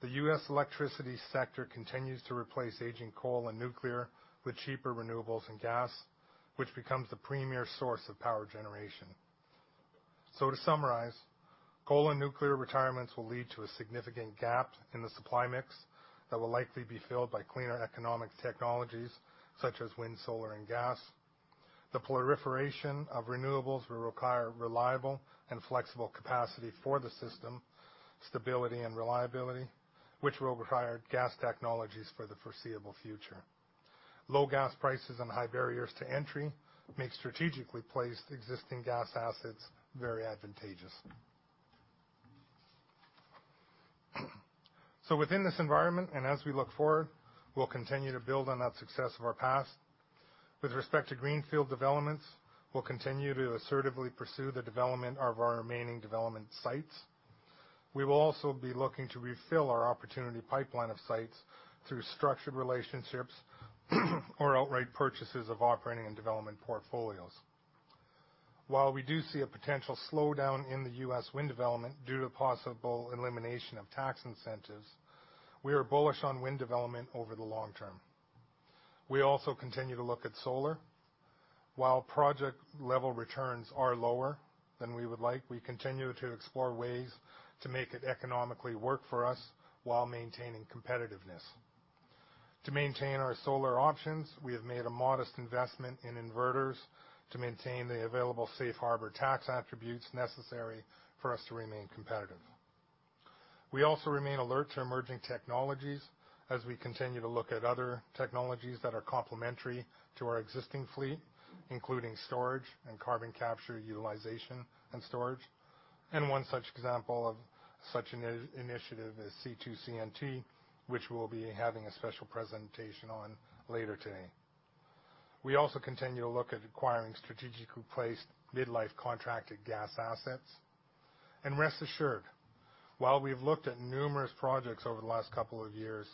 "The U.S. electricity sector continues to replace aging coal and nuclear with cheaper renewables and gas, which becomes the premier source of power generation." To summarize, coal and nuclear retirements will lead to a significant gap in the supply mix that will likely be filled by cleaner economic technologies, such as wind, solar, and gas. The proliferation of renewables will require reliable and flexible capacity for the system, stability, and reliability, which will require gas technologies for the foreseeable future. Low gas prices and high barriers to entry make strategically placed existing gas assets very advantageous. Within this environment and as we look forward, we'll continue to build on that success of our past. With respect to greenfield developments, we'll continue to assertively pursue the development of our remaining development sites. We will also be looking to refill our opportunity pipeline of sites through structured relationships or outright purchases of operating and development portfolios. We do see a potential slowdown in the U.S. wind development due to possible elimination of tax incentives, we are bullish on wind development over the long term. We also continue to look at solar. Project-level returns are lower than we would like, we continue to explore ways to make it economically work for us while maintaining competitiveness. To maintain our solar options, we have made a modest investment in inverters to maintain the available safe harbor tax attributes necessary for us to remain competitive. We also remain alert to emerging technologies as we continue to look at other technologies that are complementary to our existing fleet, including storage and carbon capture utilization and storage. One such example of such an initiative is C2CNT, which we'll be having a special presentation on later today. We also continue to look at acquiring strategically placed mid-life contracted gas assets. Rest assured, while we have looked at numerous projects over the last couple of years,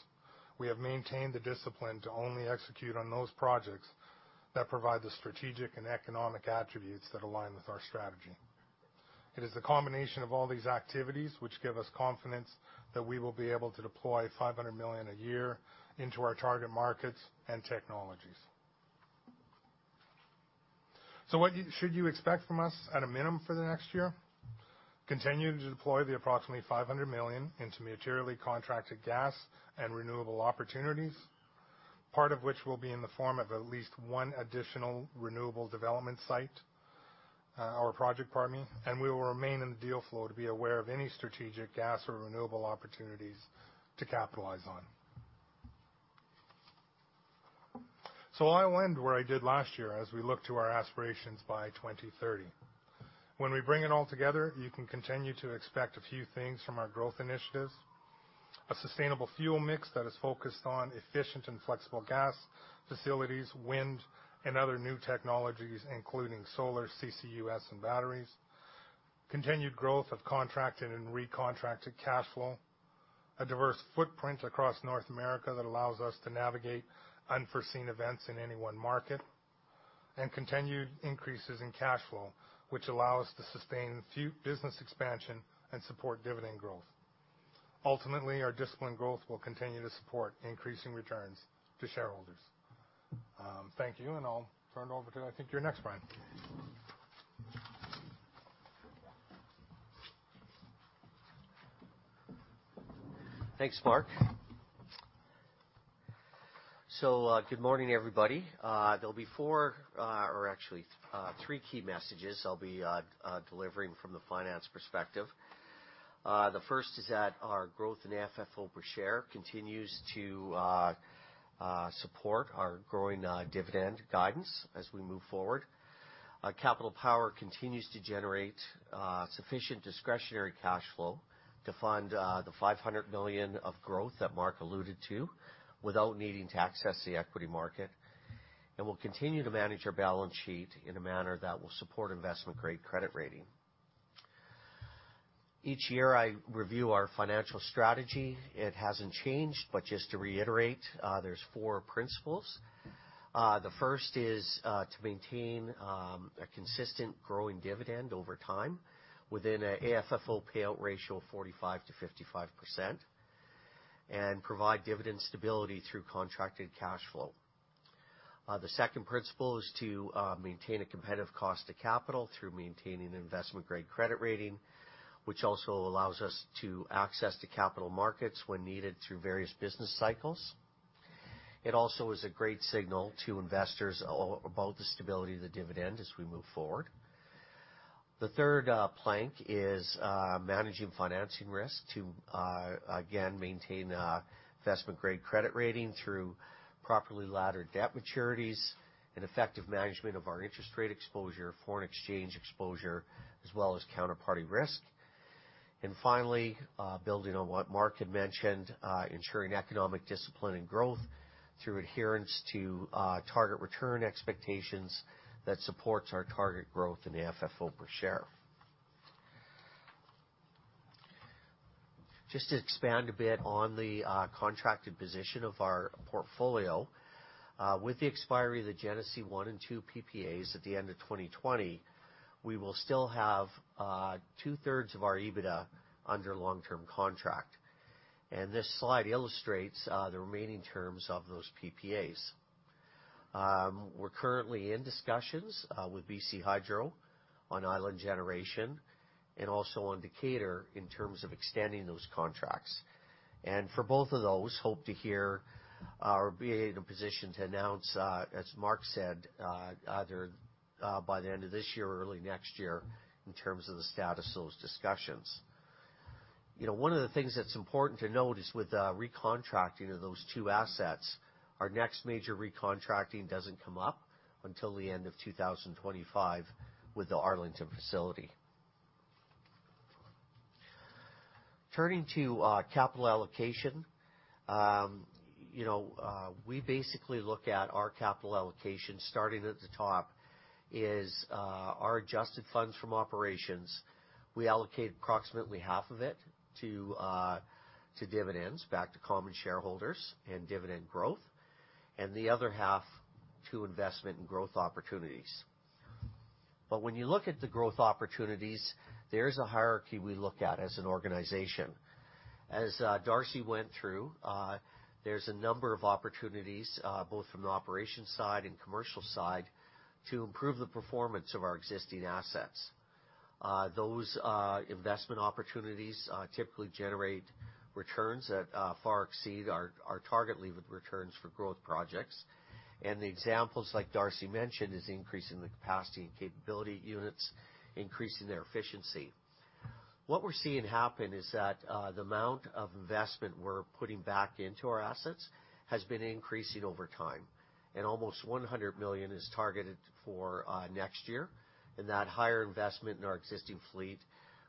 we have maintained the discipline to only execute on those projects that provide the strategic and economic attributes that align with our strategy. It is the combination of all these activities which give us confidence that we will be able to deploy 500 million a year into our target markets and technologies. What should you expect from us at a minimum for the next year? Continue to deploy the approximately 500 million into materially contracted gas and renewable opportunities. Part of which will be in the form of at least one additional renewable development site, or project, pardon me. We will remain in the deal flow to be aware of any strategic gas or renewable opportunities to capitalize on. I'll end where I did last year as we look to our aspirations by 2030. When we bring it all together, you can continue to expect a few things from our growth initiatives. A sustainable fuel mix that is focused on efficient and flexible gas facilities, wind, and other new technologies, including solar, CCUS, and batteries. Continued growth of contracted and recontracted cash flow. A diverse footprint across North America that allows us to navigate unforeseen events in any one market. Continued increases in cash flow, which allow us to sustain business expansion and support dividend growth. Ultimately, our disciplined growth will continue to support increasing returns to shareholders. Thank you, and I'll turn it over to, I think you're next, Bryan. Thanks, Mark. Good morning, everybody. There'll be four, or actually three key messages I'll be delivering from the finance perspective. The first is that our growth in AFFO per share continues to support our growing dividend guidance as we move forward. Our Capital Power continues to generate sufficient discretionary cash flow to fund the 500 million of growth that Mark alluded to, without needing to access the equity market. We'll continue to manage our balance sheet in a manner that will support investment-grade credit rating. Each year I review our financial strategy. It hasn't changed, but just to reiterate, there's four principles. The first is to maintain a consistent growing dividend over time within an AFFO payout ratio of 45%-55%, and provide dividend stability through contracted cash flow. The second principle is to maintain a competitive cost of capital through maintaining investment-grade credit rating. Which also allows us to access the capital markets when needed through various business cycles. It also is a great signal to investors about the stability of the dividend as we move forward. The third plank is managing financing risk to, again, maintain investment-grade credit rating through properly laddered debt maturities and effective management of our interest rate exposure, foreign exchange exposure, as well as counterparty risk. Finally, building on what Mark had mentioned, ensuring economic discipline and growth through adherence to target return expectations that supports our target growth in AFFO per share. Just to expand a bit on the contracted position of our portfolio. With the expiry of the Genesee 1 and 2 PPAs at the end of 2020, we will still have 2/3 of our EBITDA under long-term contract. This slide illustrates the remaining terms of those PPAs. We're currently in discussions with BC Hydro on Island Generation and also on Decatur in terms of extending those contracts. For both of those, hope to hear or be in a position to announce, as Mark said, either by the end of this year or early next year in terms of the status of those discussions. One of the things that's important to note is with recontracting of those two assets, our next major recontracting doesn't come up until the end of 2025 with the Arlington facility. Turning to capital allocation. We basically look at our capital allocation, starting at the top is our Adjusted Funds from Operations. We allocate approximately half of it to dividends back to common shareholders and dividend growth, and the other half to investment and growth opportunities. When you look at the growth opportunities, there is a hierarchy we look at as an organization. As Darcy went through, there is a number of opportunities, both from the operations side and commercial side, to improve the performance of our existing assets. Those investment opportunities typically generate returns that far exceed our target levered returns for growth projects. The examples, like Darcy mentioned, is increasing the capacity and capability of units, increasing their efficiency. What we are seeing happen is that the amount of investment we are putting back into our assets has been increasing over time, and almost 100 million is targeted for next year. That higher investment in our existing fleet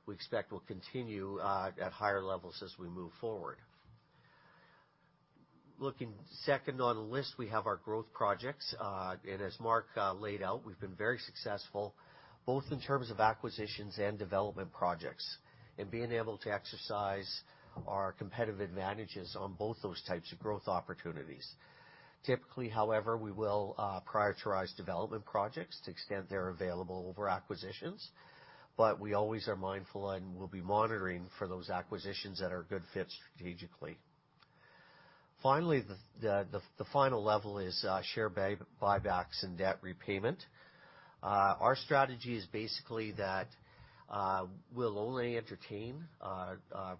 we expect will continue at higher levels as we move forward. Looking second on the list, we have our growth projects. As Mark laid out, we have been very successful both in terms of acquisitions and development projects, and being able to exercise our competitive advantages on both those types of growth opportunities. Typically, however, we will prioritize development projects to extent they're available over acquisitions. We always are mindful and will be monitoring for those acquisitions that are good fits strategically. Finally, the final level is share buybacks and debt repayment. Our strategy is basically that we'll only entertain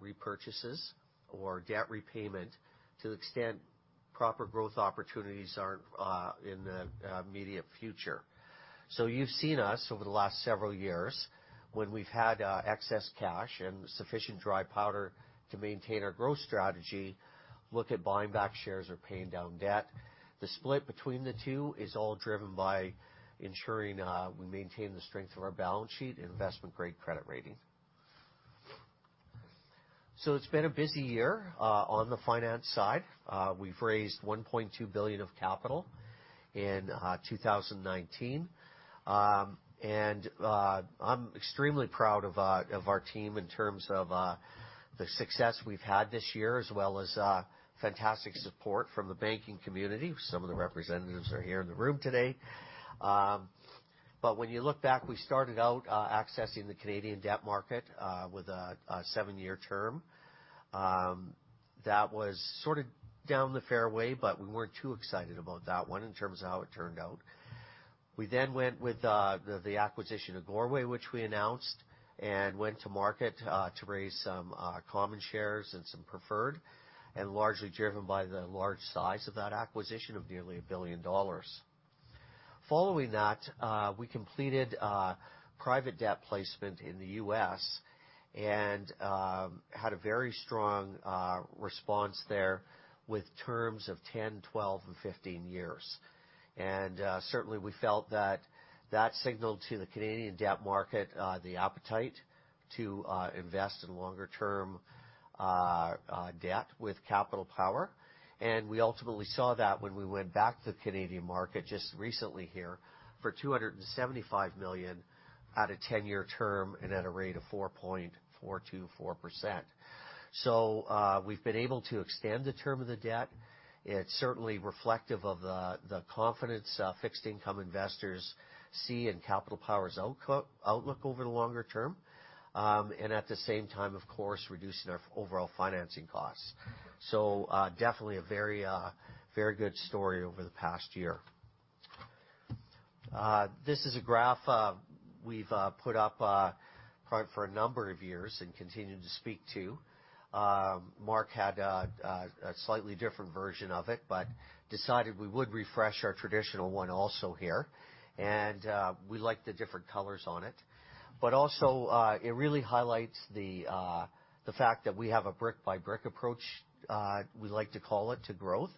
repurchases or debt repayment to the extent proper growth opportunities aren't in the immediate future. You've seen us over the last several years, when we've had excess cash and sufficient dry powder to maintain our growth strategy, look at buying back shares or paying down debt. The split between the two is all driven by ensuring we maintain the strength of our balance sheet and investment-grade credit rating. It's been a busy year on the finance side. We've raised 1.2 billion of capital in 2019. I'm extremely proud of our team in terms of the success we've had this year, as well as fantastic support from the banking community. Some of the representatives are here in the room today. When you look back, we started out accessing the Canadian debt market with a seven-year term. That was sort of down the fairway, but we weren't too excited about that one in terms of how it turned out. We then went with the acquisition of Goreway, which we announced, and went to market to raise some common shares and some preferred, and largely driven by the large size of that acquisition of nearly 1 billion dollars. Following that, we completed a private debt placement in the U.S. and had a very strong response there with terms of 10, 12, and 15 years. Certainly, we felt that that signaled to the Canadian debt market the appetite to invest in longer-term debt with Capital Power. We ultimately saw that when we went back to the Canadian market just recently here for 275 million at a 10-year term and at a rate of 4.424%. We've been able to extend the term of the debt. It's certainly reflective of the confidence fixed income investors see in Capital Power's outlook over the longer term. At the same time, of course, reducing our overall financing costs. Definitely a very good story over the past year. This is a graph we've put up for a number of years and continue to speak to. Mark had a slightly different version of it, but decided we would refresh our traditional one also here, and we like the different colors on it. It really highlights the fact that we have a brick by brick approach, we like to call it, to growth.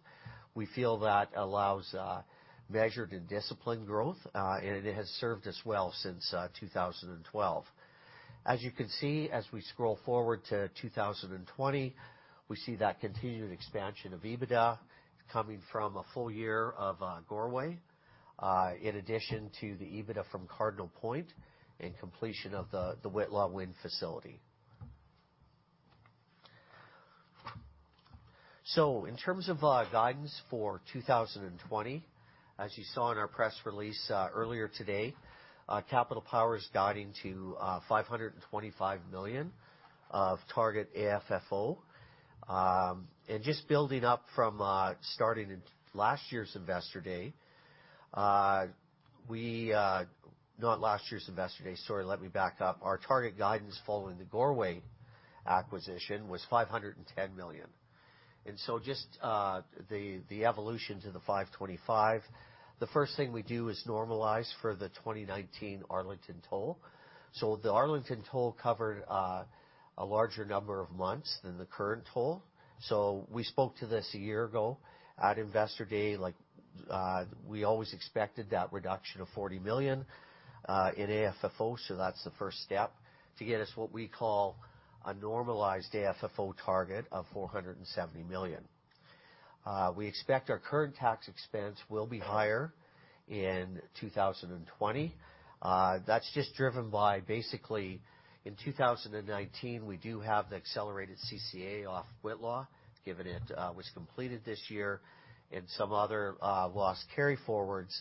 We feel that allows measured and disciplined growth, and it has served us well since 2012. As you can see, as we scroll forward to 2020, we see that continued expansion of EBITDA coming from a full year of Goreway, in addition to the EBITDA from Cardinal Point and completion of the Whitla Wind facility. In terms of guidance for 2020, as you saw in our press release earlier today, Capital Power is guiding to 525 million of target AFFO. Just building up from starting at last year's investor day. Not last year's investor day. Sorry, let me back up. Our target guidance following the Goreway acquisition was 510 million. Just the evolution to the 525 million. The first thing we do is normalize for the 2019 Arlington toll. The Arlington toll covered a larger number of months than the current toll. We spoke to this a year ago at Investor Day. We always expected that reduction of 40 million in AFFO. That's the first step to get us what we call a normalized AFFO target of 470 million. We expect our current tax expense will be higher in 2020. That's just driven by basically in 2019, we do have the accelerated CCA off Whitla, given it was completed this year, and some other loss carryforwards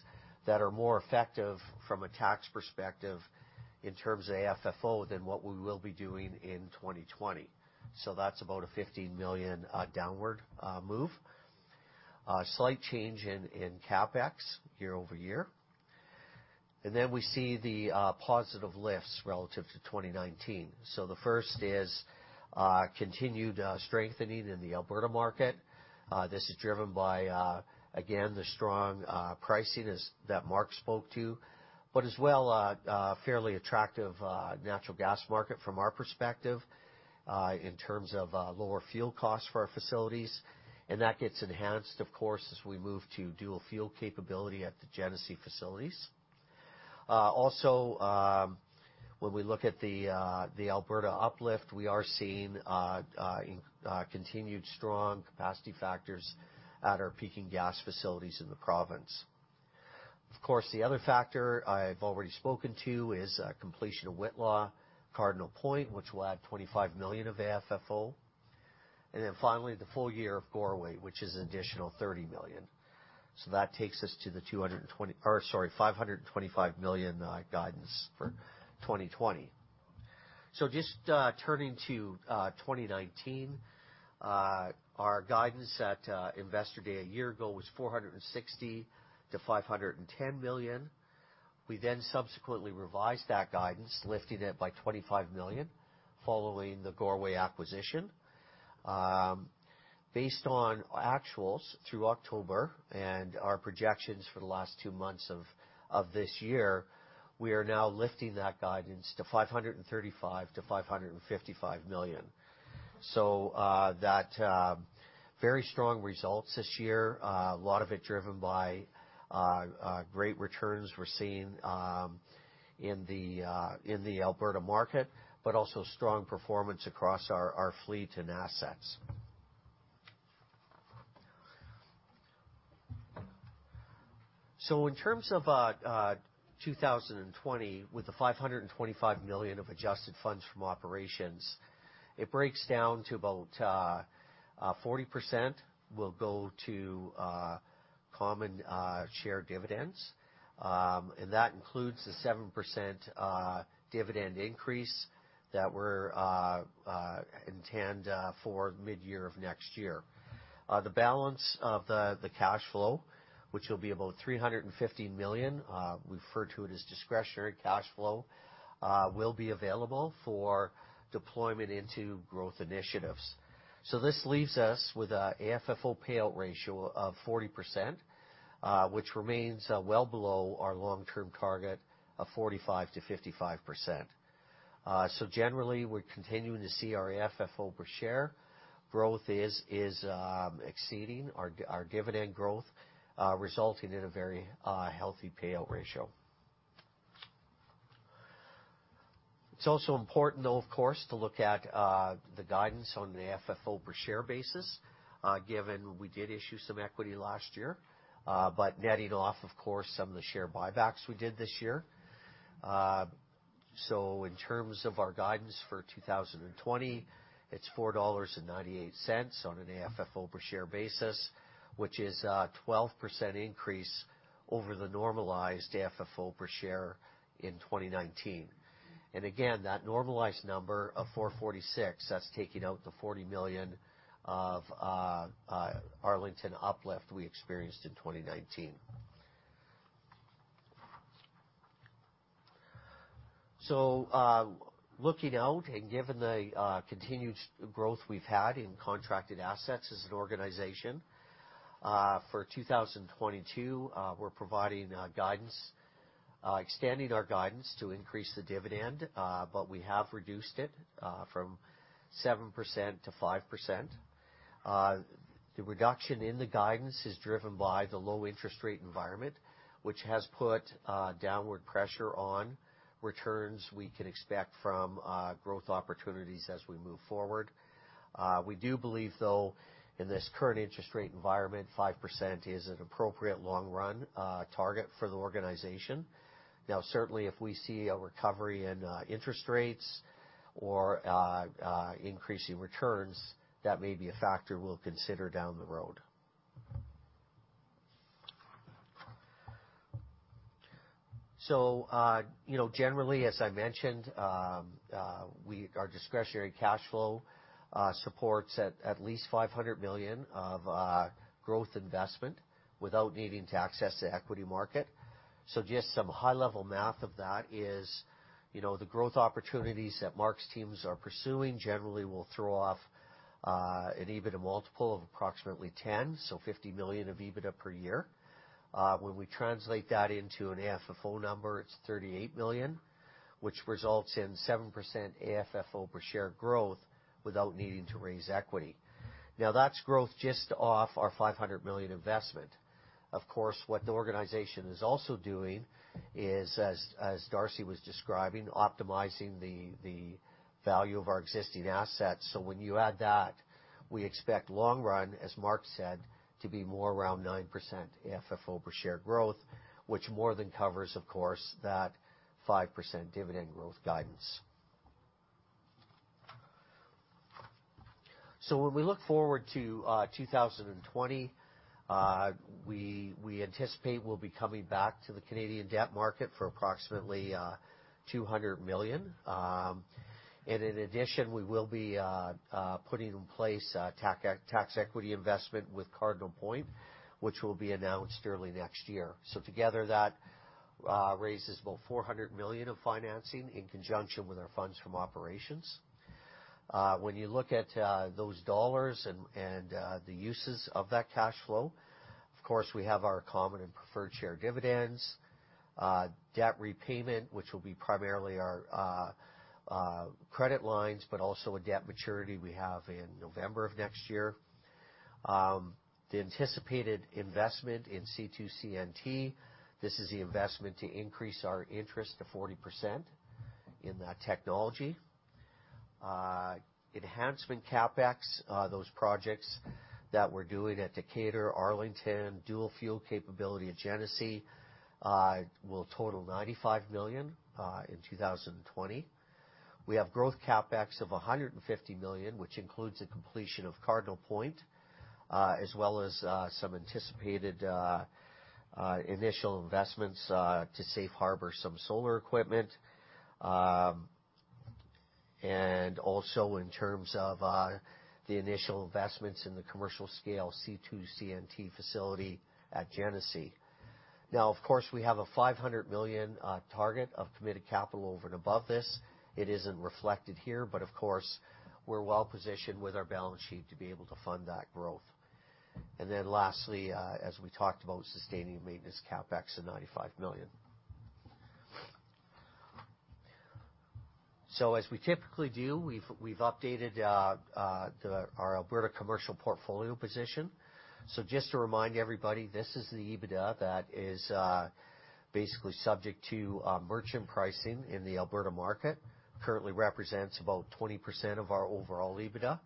that are more effective from a tax perspective in terms of AFFO than what we will be doing in 2020. That's about a 15 million downward move. A slight change in CapEx year-over-year. Then we see the positive lifts relative to 2019. The first is continued strengthening in the Alberta market. This is driven by, again, the strong pricing that Mark spoke to. As well, a fairly attractive natural gas market from our perspective, in terms of lower fuel costs for our facilities. That gets enhanced, of course, as we move to dual-fuel capability at the Genesee facilities. Also, when we look at the Alberta uplift, we are seeing continued strong capacity factors at our peaking gas facilities in the province. Of course, the other factor I've already spoken to is completion of Whitla, Cardinal Point, which will add 25 million of AFFO. Finally, the full year of Goreway, which is an additional 30 million. That takes us to the 525 million guidance for 2020. Just turning to 2019. Our guidance at Investor Day a year ago was 460 million-510 million. We subsequently revised that guidance, lifting it by 25 million following the Goreway acquisition. Based on actuals through October and our projections for the last two months of this year, we are now lifting that guidance to 535 million-555 million. Very strong results this year. A lot of it driven by great returns we're seeing in the Alberta market, but also strong performance across our fleet and assets. In terms of 2020, with the 525 million of adjusted funds from operations, it breaks down to about 40% will go to common share dividends. That includes the 7% dividend increase that we're intend for mid-year of next year. The balance of the cash flow, which will be about 350 million, we refer to it as discretionary cash flow, will be available for deployment into growth initiatives. This leaves us with a AFFO payout ratio of 40%, which remains well below our long-term target of 45%-55%. Generally, we're continuing to see our AFFO per share growth is exceeding our dividend growth, resulting in a very healthy payout ratio. It's also important though, of course, to look at the guidance on an AFFO per share basis, given we did issue some equity last year, netting off, of course, some of the share buybacks we did this year. In terms of our guidance for 2020, it's 4.98 dollars on an AFFO per share basis, which is a 12% increase over the normalized AFFO per share in 2019. Again, that normalized number of 446 million, that's taking out the 40 million of Arlington uplift we experienced in 2019. Looking out and given the continued growth we've had in contracted assets as an organization, for 2022, we're providing guidance, extending our guidance to increase the dividend, but we have reduced it from 7% to 5%. The reduction in the guidance is driven by the low interest rate environment, which has put downward pressure on returns we can expect from growth opportunities as we move forward. We do believe, though, in this current interest rate environment, 5% is an appropriate long run target for the organization. Certainly if we see a recovery in interest rates or increasing returns, that may be a factor we'll consider down the road. Generally, as I mentioned, our discretionary cash flow supports at least 500 million of growth investment without needing to access the equity market. Just some high-level math of that is, the growth opportunities that Mark's teams are pursuing generally will throw off an EBITDA multiple of approximately 10 million, so 50 million of EBITDA per year. When we translate that into an AFFO number, it's 38 million, which results in 7% AFFO per share growth without needing to raise equity. That's growth just off our 500 million investment. Of course, what the organization is also doing is, as Darcy was describing, optimizing the value of our existing assets. When you add that, we expect long run, as Mark said, to be more around 9% AFFO per share growth, which more than covers, of course, that 5% dividend growth guidance. When we look forward to 2020, we anticipate we'll be coming back to the Canadian debt market for approximately 200 million. In addition, we will be putting in place a tax equity investment with Cardinal Point, which will be announced early next year. Together that raises about 400 million of financing in conjunction with our funds from operations. When you look at those dollars and the uses of that cash flow, of course, we have our common and preferred share dividends, debt repayment, which will be primarily our credit lines, but also a debt maturity we have in November of next year. The anticipated investment in C2CNT, this is the investment to increase our interest to 40% in that technology. Enhancement CapEx, those projects that we're doing at Decatur, Arlington, dual-fuel capability at Genesee, will total 95 million in 2020. We have growth CapEx of 150 million, which includes the completion of Cardinal Point, as well as some anticipated initial investments to safe harbor some solar equipment. Also in terms of the initial investments in the commercial scale C2CNT facility at Genesee. Of course, we have a 500 million target of committed capital over and above this. It isn't reflected here, but of course, we're well-positioned with our balance sheet to be able to fund that growth. Lastly, as we talked about, sustaining maintenance CapEx of 95 million. As we typically do, we've updated our Alberta commercial portfolio position. Just to remind everybody, this is the EBITDA that is basically subject to merchant pricing in the Alberta market. Currently represents about 20% of our overall EBITDA.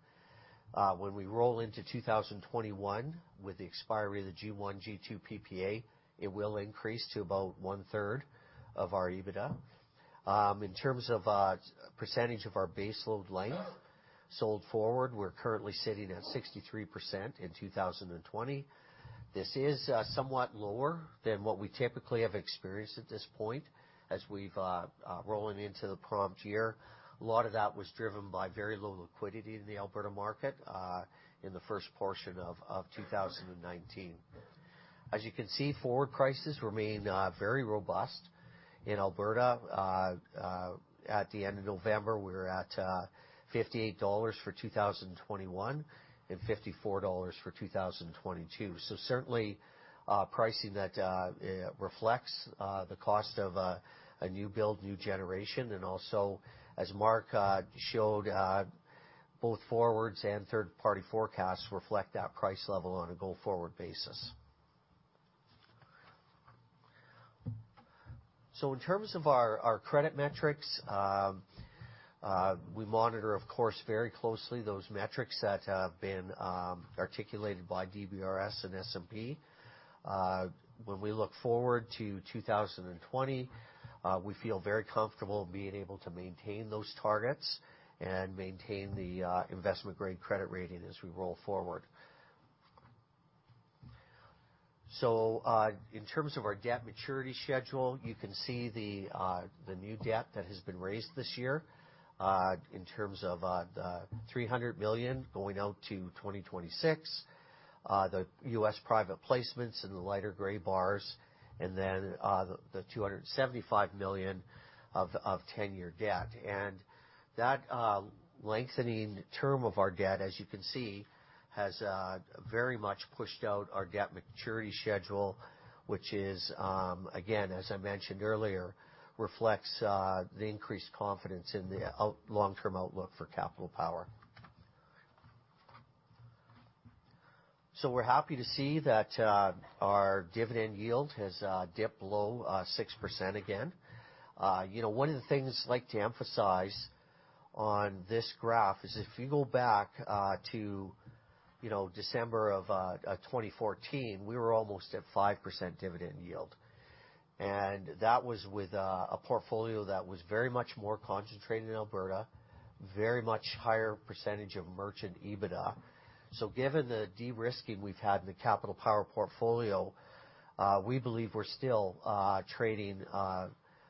When we roll into 2021 with the expiry of the G1, G2 PPA, it will increase to about 1/3 of our EBITDA. In terms of percentage of our base load length sold forward, we're currently sitting at 63% in 2020. This is somewhat lower than what we typically have experienced at this point as rolling into the prompt year. A lot of that was driven by very low liquidity in the Alberta market in the first portion of 2019. You can see, forward prices remain very robust in Alberta. At the end of November, we were at 58 dollars for 2021 and CAD 54 for 2022. Certainly, pricing that reflects the cost of a new build, new generation, and also, as Mark showed, both forwards and third-party forecasts reflect that price level on a go-forward basis. In terms of our credit metrics, we monitor, of course, very closely those metrics that have been articulated by DBRS and S&P. When we look forward to 2020, we feel very comfortable being able to maintain those targets and maintain the investment-grade credit rating as we roll forward. In terms of our debt maturity schedule, you can see the new debt that has been raised this year, in terms of the 300 million going out to 2026. The U.S. private placements in the lighter gray bars, then the 275 million of 10-year debt. That lengthening term of our debt, as you can see, has very much pushed out our debt maturity schedule, which is, again, as I mentioned earlier, reflects the increased confidence in the long-term outlook for Capital Power. We're happy to see that our dividend yield has dipped below 6% again. One of the things I'd like to emphasize on this graph is if you go back to December of 2014, we were almost at 5% dividend yield. That was with a portfolio that was very much more concentrated in Alberta, very much higher percentage of merchant EBITDA. Given the de-risking we've had in the Capital Power portfolio, we believe we're still trading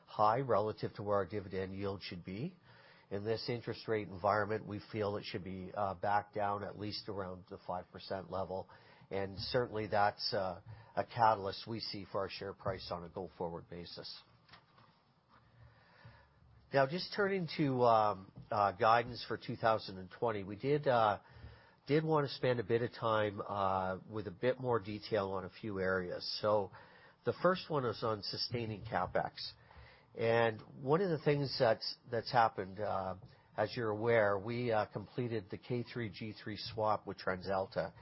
high relative to where our dividend yield should be. In this interest rate environment, we feel it should be back down at least around the 5% level. Certainly that's a catalyst we see for our share price on a go-forward basis. Just turning to guidance for 2020. We did want to spend a bit of time with a bit more detail on a few areas. The first one is on sustaining CapEx. One of the things that's happened, as you're aware, we completed the K3, G3 swap with TransAlta.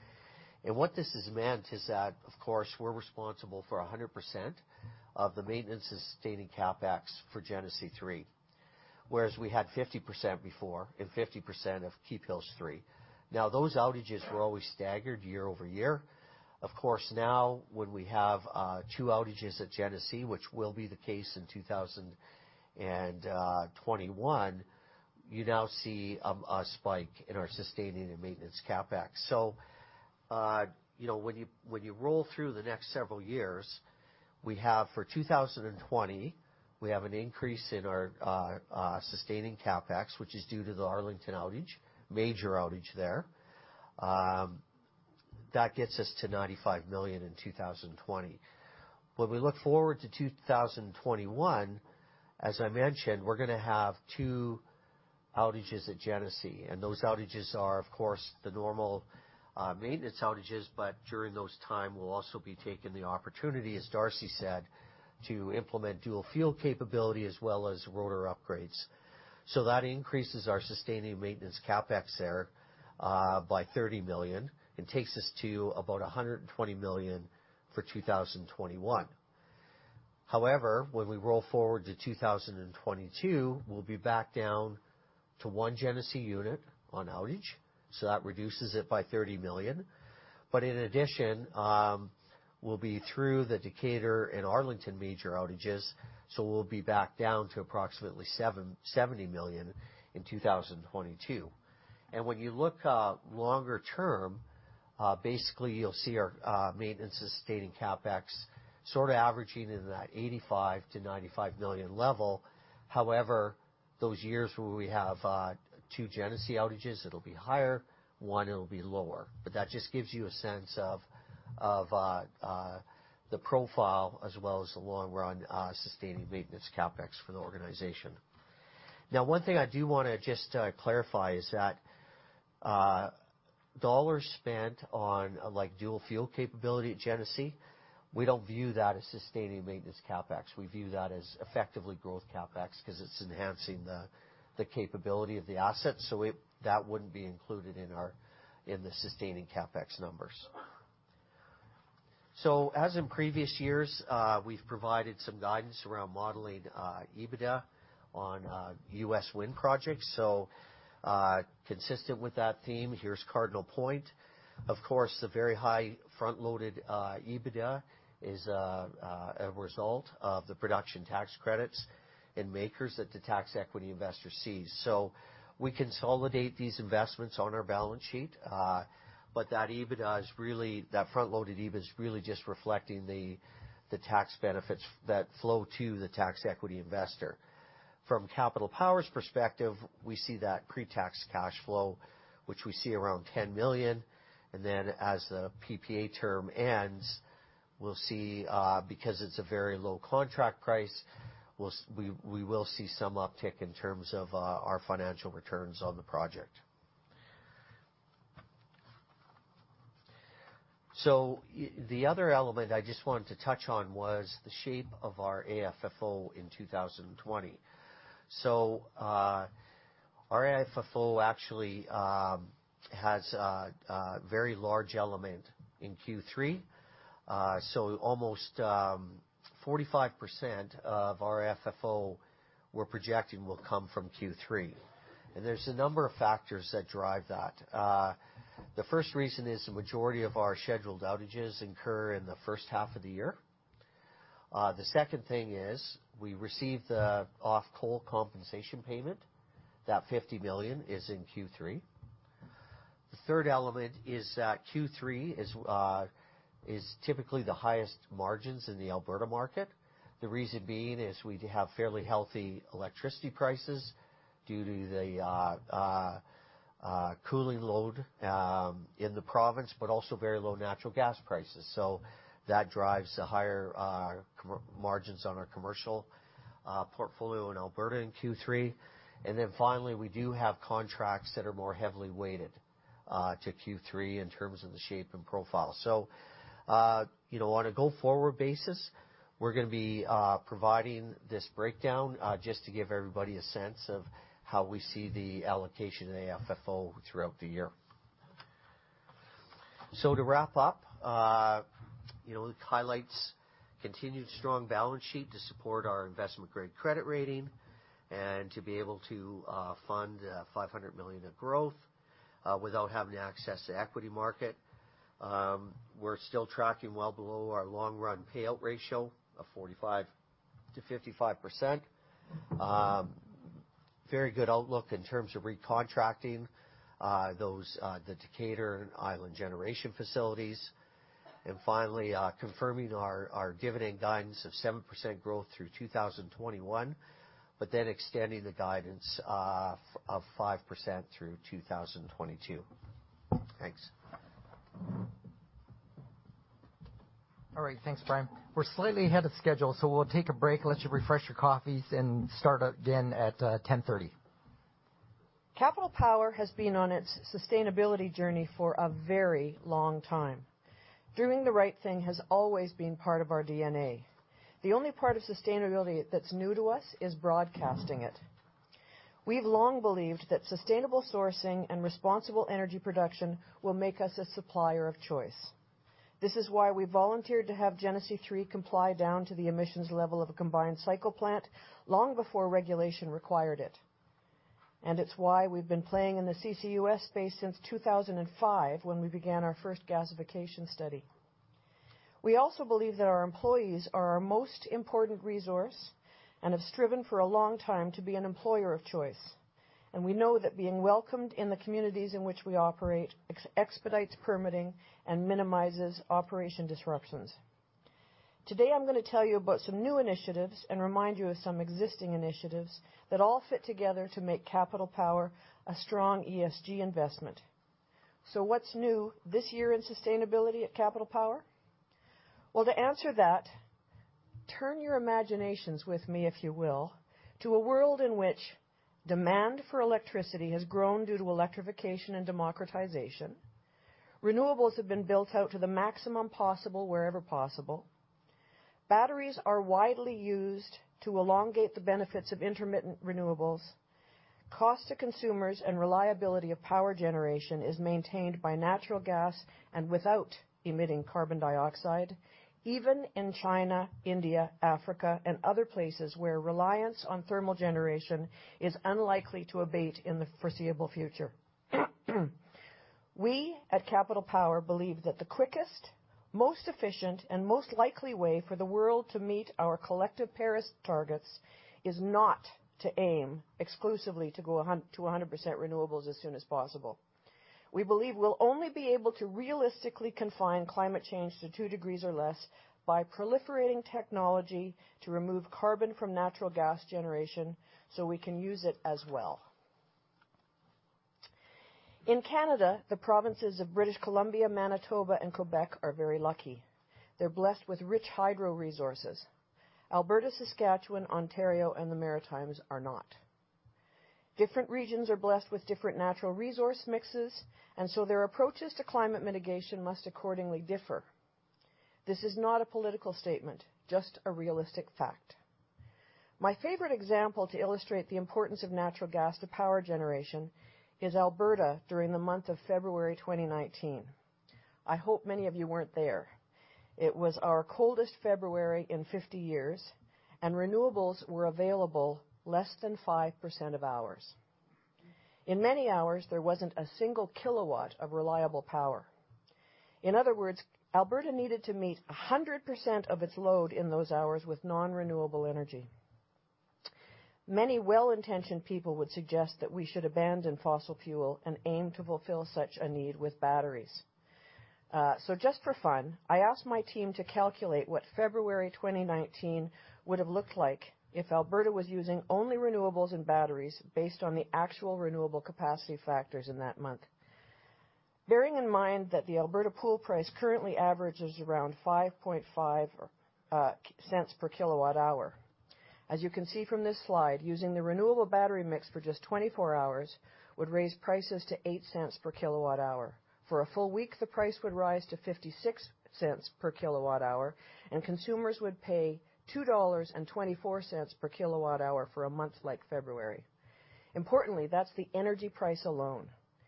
What this has meant is that, of course, we're responsible for 100% of the maintenance and sustaining CapEx for Genesee 3, whereas we had 50% before, and 50% of Keephills 3. Those outages were always staggered year-over-year. When we have two outages at Genesee, which will be the case in 2021, you now see a spike in our sustaining and maintenance CapEx. When you roll through the next several years, we have for 2020, we have an increase in our sustaining CapEx, which is due to the Arlington outage, major outage there. That gets us to 95 million in 2020. When we look forward to 2021, as I mentioned, we are going to have two outages at Genesee, and those outages are, of course, the normal maintenance outages. During those time, we will also be taking the opportunity, as Darcy said, to implement dual-fuel capability as well as rotor upgrades. That increases our sustaining maintenance CapEx there, by 30 million, and takes us to about 120 million for 2021. However, when we roll forward to 2022, we will be back down to one Genesee unit on outage, that reduces it by 30 million. In addition, we will be through the Decatur and Arlington major outages. We will be back down to approximately 70 million in 2022. When you look longer term, basically you will see our maintenance and sustaining CapEx sort of averaging in that 85 million-95 million level. Those years where we have two Genesee outages, it'll be higher, one, it'll be lower. That just gives you a sense of the profile as well as the long-run sustaining maintenance CapEx for the organization. One thing I do want to just clarify is that dollars spent on dual-fuel capability at Genesee, we don't view that as sustaining maintenance CapEx. We view that as effectively growth CapEx because it's enhancing the capability of the asset. That wouldn't be included in the sustaining CapEx numbers. As in previous years, we've provided some guidance around modeling EBITDA on U.S. wind projects. Consistent with that theme, here's Cardinal Point. Of course, the very high front-loaded EBITDA is a result of the production tax credits in MACRS that the tax equity investor sees. We consolidate these investments on our balance sheet. That front-loaded EBITDA is really just reflecting the tax benefits that flow to the tax equity investor. From Capital Power's perspective, we see that pre-tax cash flow, which we see around 10 million. Then as the PPA term ends, because it's a very low contract price, we will see some uptick in terms of our financial returns on the project. The other element I just wanted to touch was the shape of our AFFO in 2020. Our AFFO actually has a very large element in Q3. Almost 45% of our AFFO we're projecting will come from Q3. There's a number of factors that drive that. The first reason is the majority of our scheduled outages occur in the first half of the year. The second thing is we receive the off-coal compensation payment. That 50 million is in Q3. The third element is that Q3 is typically the highest margins in the Alberta market. The reason being is we have fairly healthy electricity prices due to the cooling load in the province, but also very low natural gas prices. That drives the higher margins on our commercial portfolio in Alberta in Q3. Finally, we do have contracts that are more heavily weighted to Q3 in terms of the shape and profile. On a go-forward basis, we're going to be providing this breakdown, just to give everybody a sense of how we see the allocation in AFFO throughout the year. To wrap up, the highlights, continued strong balance sheet to support our investment-grade credit rating and to be able to fund 500 million of growth without having to access the equity market. We're still tracking well below our long-run payout ratio of 45%-55%. Very good outlook in terms of recontracting the Decatur and Island Generation facilities. Finally, confirming our dividend guidance of 7% growth through 2021, extending the guidance of 5% through 2022. Thanks. All right. Thanks, Bryan. We're slightly ahead of schedule, so we'll take a break, let you refresh your coffees, and start up again at 10:30. Capital Power has been on its sustainability journey for a very long time. Doing the right thing has always been part of our DNA. The only part of sustainability that's new to us is broadcasting it. We've long believed that sustainable sourcing and responsible energy production will make us a supplier of choice. This is why we volunteered to have Genesee 3 comply down to the emissions level of a combined cycle plant long before regulation required it. It's why we've been playing in the CCUS space since 2005, when we began our first gasification study. We also believe that our employees are our most important resource and have striven for a long time to be an employer of choice. We know that being welcomed in the communities in which we operate expedites permitting and minimizes operation disruptions. Today, I'm going to tell you about some new initiatives and remind you of some existing initiatives that all fit together to make Capital Power a strong ESG investment. What's new this year in sustainability at Capital Power? Well, to answer that, turn your imaginations with me, if you will, to a world in which demand for electricity has grown due to electrification and democratization. Renewables have been built out to the maximum possible wherever possible. Batteries are widely used to elongate the benefits of intermittent renewables. Cost to consumers and reliability of power generation is maintained by natural gas and without emitting carbon dioxide, even in China, India, Africa, and other places where reliance on thermal generation is unlikely to abate in the foreseeable future. We at Capital Power believe that the quickest, most efficient, and most likely way for the world to meet our collective Paris targets is not to aim exclusively to go to 100% renewables as soon as possible. We believe we'll only be able to realistically confine climate change to two degrees or less by proliferating technology to remove carbon from natural gas generation so we can use it as well. In Canada, the provinces of British Columbia, Manitoba, and Quebec are very lucky. They're blessed with rich hydro resources. Alberta, Saskatchewan, Ontario, and the Maritimes are not. Different regions are blessed with different natural resource mixes, and so their approaches to climate mitigation must accordingly differ. This is not a political statement, just a realistic fact. My favorite example to illustrate the importance of natural gas to power generation is Alberta during the month of February 2019. I hope many of you weren't there. It was our coldest February in 50 years, and renewables were available less than 5% of hours. In many hours, there wasn't a single kilowatt of reliable power. In other words, Alberta needed to meet 100% of its load in those hours with non-renewable energy. Many well-intentioned people would suggest that we should abandon fossil fuel and aim to fulfill such a need with batteries. Just for fun, I asked my team to calculate what February 2019 would have looked like if Alberta was using only renewables and batteries based on the actual renewable capacity factors in that month. Bearing in mind that the Alberta pool price currently averages around 0.055 per kilowatt hour. As you can see from this slide, using the renewable battery mix for just 24 hours would raise prices to 0.08 per kilowatt hour. For a full week, the price would rise to $0.56 per kilowatt hour, and consumers would pay $2.24 per kilowatt hour for a month like February. Importantly, that's the energy price alone.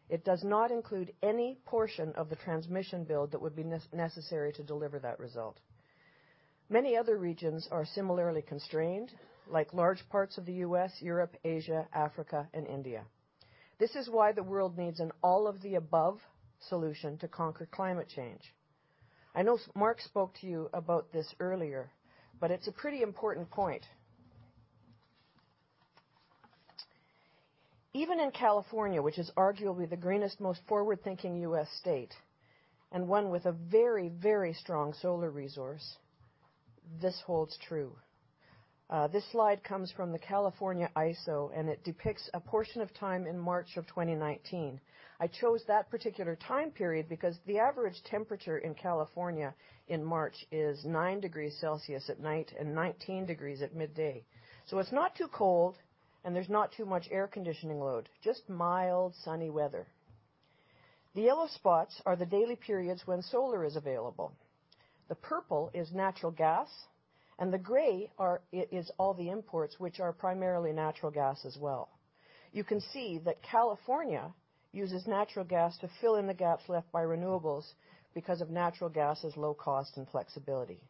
It does not include any portion of the transmission bill that would be necessary to deliver that result. Many other regions are similarly constrained, like large parts of the U.S., Europe, Asia, Africa, and India. This is why the world needs an all-of-the-above solution to conquer climate change. I know Mark spoke to you about this earlier, but it's a pretty important point. Even in California, which is arguably the greenest, most forward-thinking U.S. state, and one with a very, very strong solar resource, this holds true. This slide comes from the California ISO, and it depicts a portion of time in March of 2019. I chose that particular time period because the average temperature in California in March is nine degrees Celsius at night and 19 degrees at midday. It's not too cold, and there's not too much air conditioning load, just mild, sunny weather. The yellow spots are the daily periods when solar is available. The purple is natural gas, and the gray is all the imports, which are primarily natural gas as well. You can see that California uses natural gas to fill in the gaps left by renewables because of natural gas's low cost and flexibility.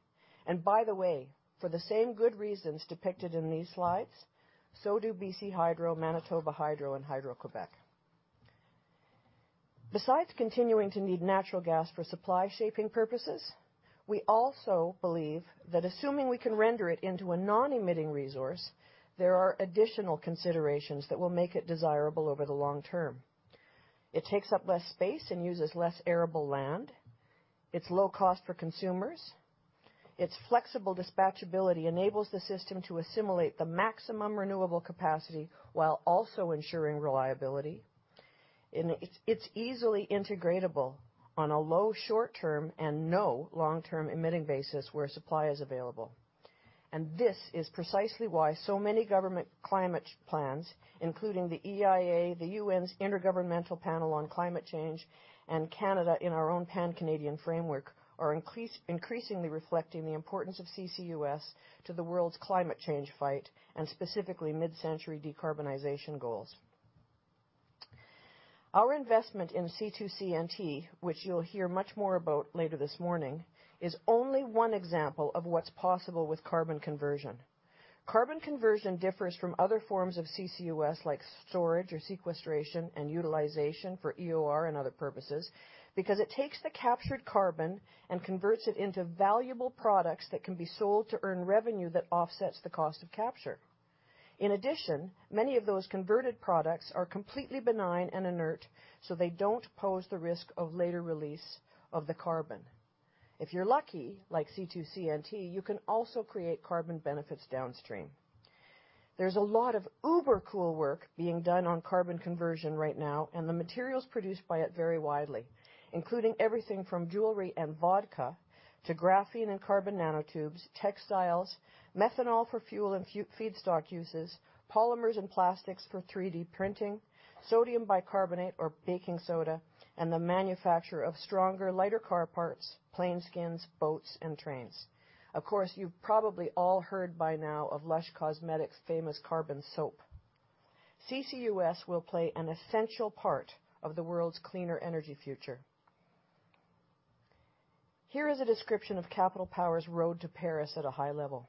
By the way, for the same good reasons depicted in these slides, so do BC Hydro, Manitoba Hydro, and Hydro-Québec. Besides continuing to need natural gas for supply shaping purposes, we also believe that assuming we can render it into a non-emitting resource, there are additional considerations that will make it desirable over the long term. It takes up less space and uses less arable land. It's low cost for consumers. Its flexible dispatchability enables the system to assimilate the maximum renewable capacity while also ensuring reliability. It's easily integratable on a low short-term and no long-term emitting basis where supply is available. This is precisely why so many government climate plans, including the EIA, the UN's Intergovernmental Panel on Climate Change, and Canada in our own Pan-Canadian Framework, are increasingly reflecting the importance of CCUS to the world's climate change fight and specifically mid-century decarbonization goals. Our investment in C2CNT, which you'll hear much more about later this morning, is only one example of what's possible with carbon conversion. Carbon conversion differs from other forms of CCUS, like storage or sequestration and utilization for EOR and other purposes, because it takes the captured carbon and converts it into valuable products that can be sold to earn revenue that offsets the cost of capture. In addition, many of those converted products are completely benign and inert, so they don't pose the risk of later release of the carbon. If you're lucky, like C2CNT, you can also create carbon benefits downstream. There's a lot of uber cool work being done on carbon conversion right now, and the materials produced by it vary widely, including everything from jewelry and vodka to graphene and carbon nanotubes, textiles, methanol for fuel and feedstock uses, polymers and plastics for 3D printing, sodium bicarbonate or baking soda, and the manufacture of stronger, lighter car parts, plane skins, boats, and trains. Of course, you've probably all heard by now of Lush Cosmetics' famous carbon soap. CCUS will play an essential part of the world's cleaner energy future. Here is a description of Capital Power's road to Paris at a high level.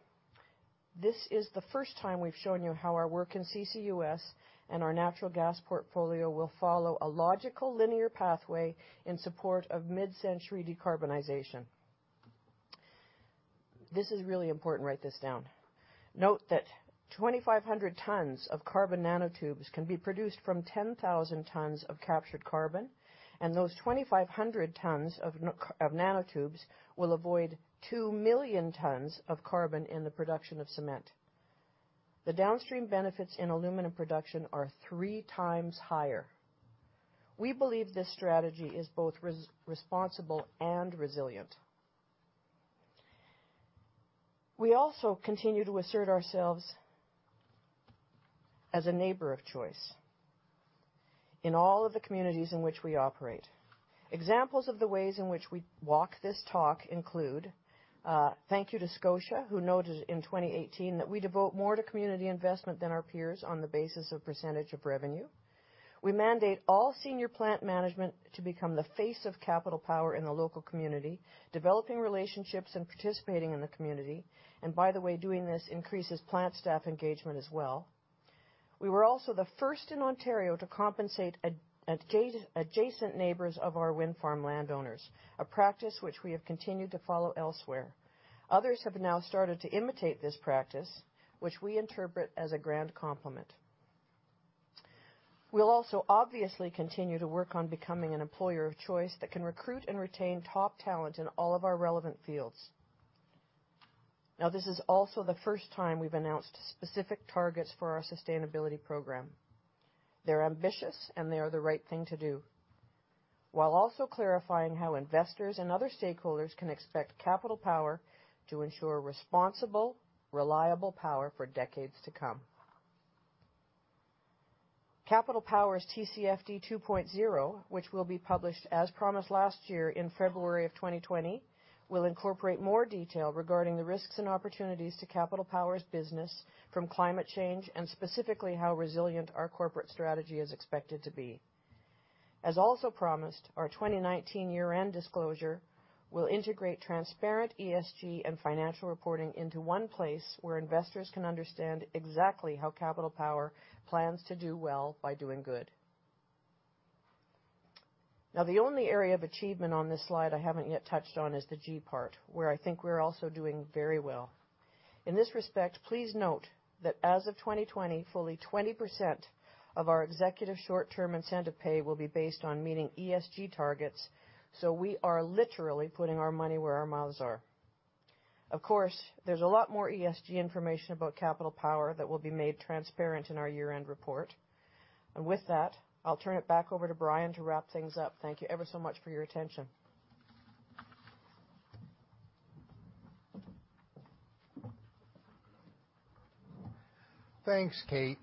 This is the first time we've shown you how our work in CCUS and our natural gas portfolio will follow a logical linear pathway in support of mid-century decarbonization. This is really important. Write this down. Note that 2,500 tonnes of carbon nanotubes can be produced from 10,000 tonnes of captured carbon. Those 2,500 tonnes of nanotubes will avoid 2 million tonnes of carbon in the production of cement. The downstream benefits in aluminum production are three times higher. We believe this strategy is both responsible and resilient. We also continue to assert ourselves as a neighbor of choice in all of the communities in which we operate. Examples of the ways in which we walk this talk include thank you to Scotia, who noted in 2018 that we devote more to community investment than our peers on the basis of percentage of revenue. We mandate all senior plant management to become the face of Capital Power in the local community, developing relationships and participating in the community. By the way, doing this increases plant staff engagement as well. We were also the first in Ontario to compensate adjacent neighbors of our wind farm landowners, a practice which we have continued to follow elsewhere. Others have now started to imitate this practice, which we interpret as a grand compliment. We'll also obviously continue to work on becoming an employer of choice that can recruit and retain top talent in all of our relevant fields. Now, this is also the first time we've announced specific targets for our sustainability program. They're ambitious, and they are the right thing to do, while also clarifying how investors and other stakeholders can expect Capital Power to ensure responsible, reliable power for decades to come. Capital Power's TCFD 2.0, which will be published as promised last year in February of 2020, will incorporate more detail regarding the risks and opportunities to Capital Power's business from climate change and specifically how resilient our corporate strategy is expected to be. As also promised, our 2019 year-end disclosure will integrate transparent ESG and financial reporting into one place where investors can understand exactly how Capital Power plans to do well by doing good. The only area of achievement on this slide I haven't yet touched on is the G part, where I think we're also doing very well. In this respect, please note that as of 2020, fully 20% of our executive short-term incentive pay will be based on meeting ESG targets, so we are literally putting our money where our mouths are. Of course, there's a lot more ESG information about Capital Power that will be made transparent in our year-end report. With that, I'll turn it back over to Brian to wrap things up. Thank you ever so much for your attention. Thanks, Kate.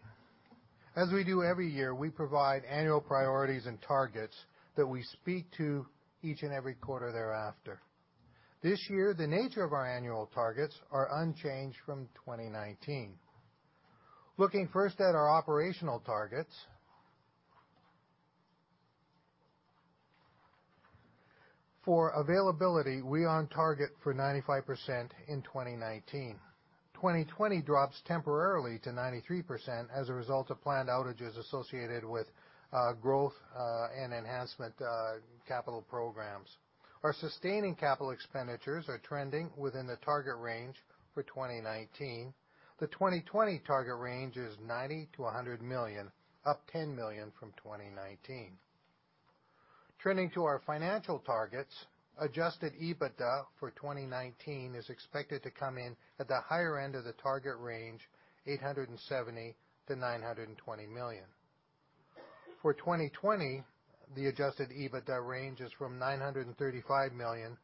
As we do every year, we provide annual priorities and targets that we speak to each and every quarter thereafter. This year, the nature of our annual targets are unchanged from 2019. Looking first at our operational targets. For availability, we are on target for 95% in 2019. 2020 drops temporarily to 93% as a result of planned outages associated with growth and enhancement capital programs. Our sustaining capital expenditures are trending within the target range for 2019. The 2020 target range is 90 million-100 million, up 10 million from 2019. Trending to our financial targets, adjusted EBITDA for 2019 is expected to come in at the higher end of the target range, 870 million-920 million. For 2020, the adjusted EBITDA range is from 935 million-985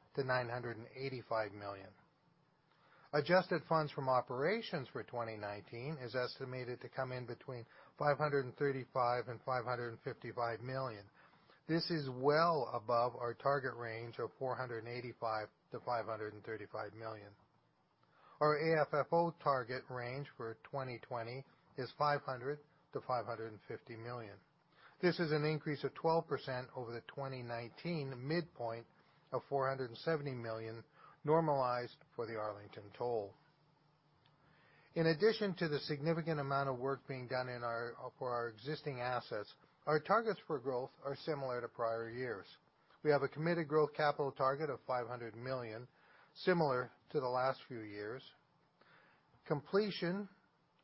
million. Adjusted Funds from Operations for 2019 is estimated to come in between 535 million and 555 million. This is well above our target range of 485 million-535 million. Our AFFO target range for 2020 is 500 million-550 million. This is an increase of 12% over the 2019 midpoint of 470 million, normalized for the Arlington toll. In addition to the significant amount of work being done for our existing assets, our targets for growth are similar to prior years. We have a committed growth capital target of 500 million, similar to the last few years. Completion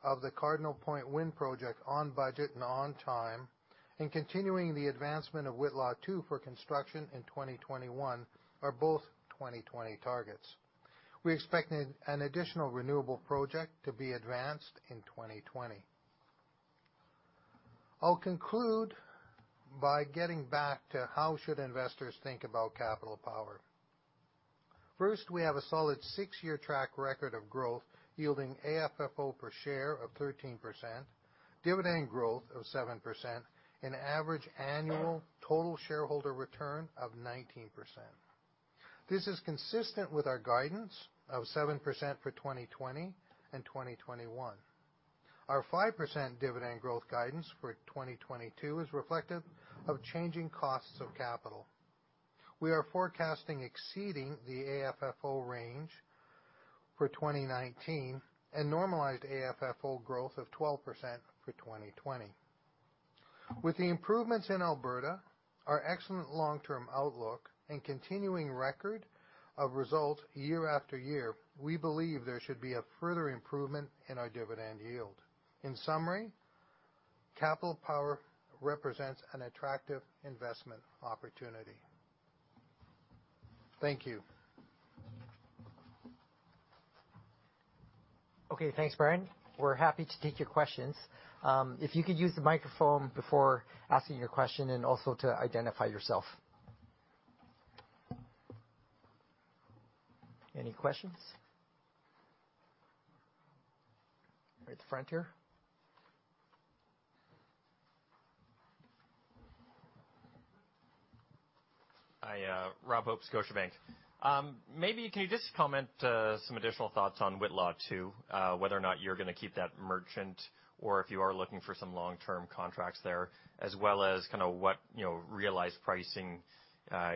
of the Cardinal Point Wind project on budget and on time, and continuing the advancement of Whitla 2 for construction in 2021 are both 2020 targets. We expect an additional renewable project to be advanced in 2020. I'll conclude by getting back to how should investors think about Capital Power. First, we have a solid six-year track record of growth yielding AFFO per share of 13%, dividend growth of 7%, and average annual total shareholder return of 19%. This is consistent with our guidance of 7% for 2020 and 2021. Our 5% dividend growth guidance for 2022 is reflective of changing costs of capital. We are forecasting exceeding the AFFO range for 2019 and normalized AFFO growth of 12% for 2020. With the improvements in Alberta, our excellent long-term outlook, and continuing record of results year after year, we believe there should be a further improvement in our dividend yield. In summary, Capital Power represents an attractive investment opportunity. Thank you. Okay, thanks, Brian. We are happy to take your questions. If you could use the microphone before asking your question and also to identify yourself. Any questions? Right at the front here. Hi, Rob Hope, Scotiabank. Maybe can you just comment some additional thoughts on Whitla 2, whether or not you're going to keep that merchant or if you are looking for some long-term contracts there, as well as what realized pricing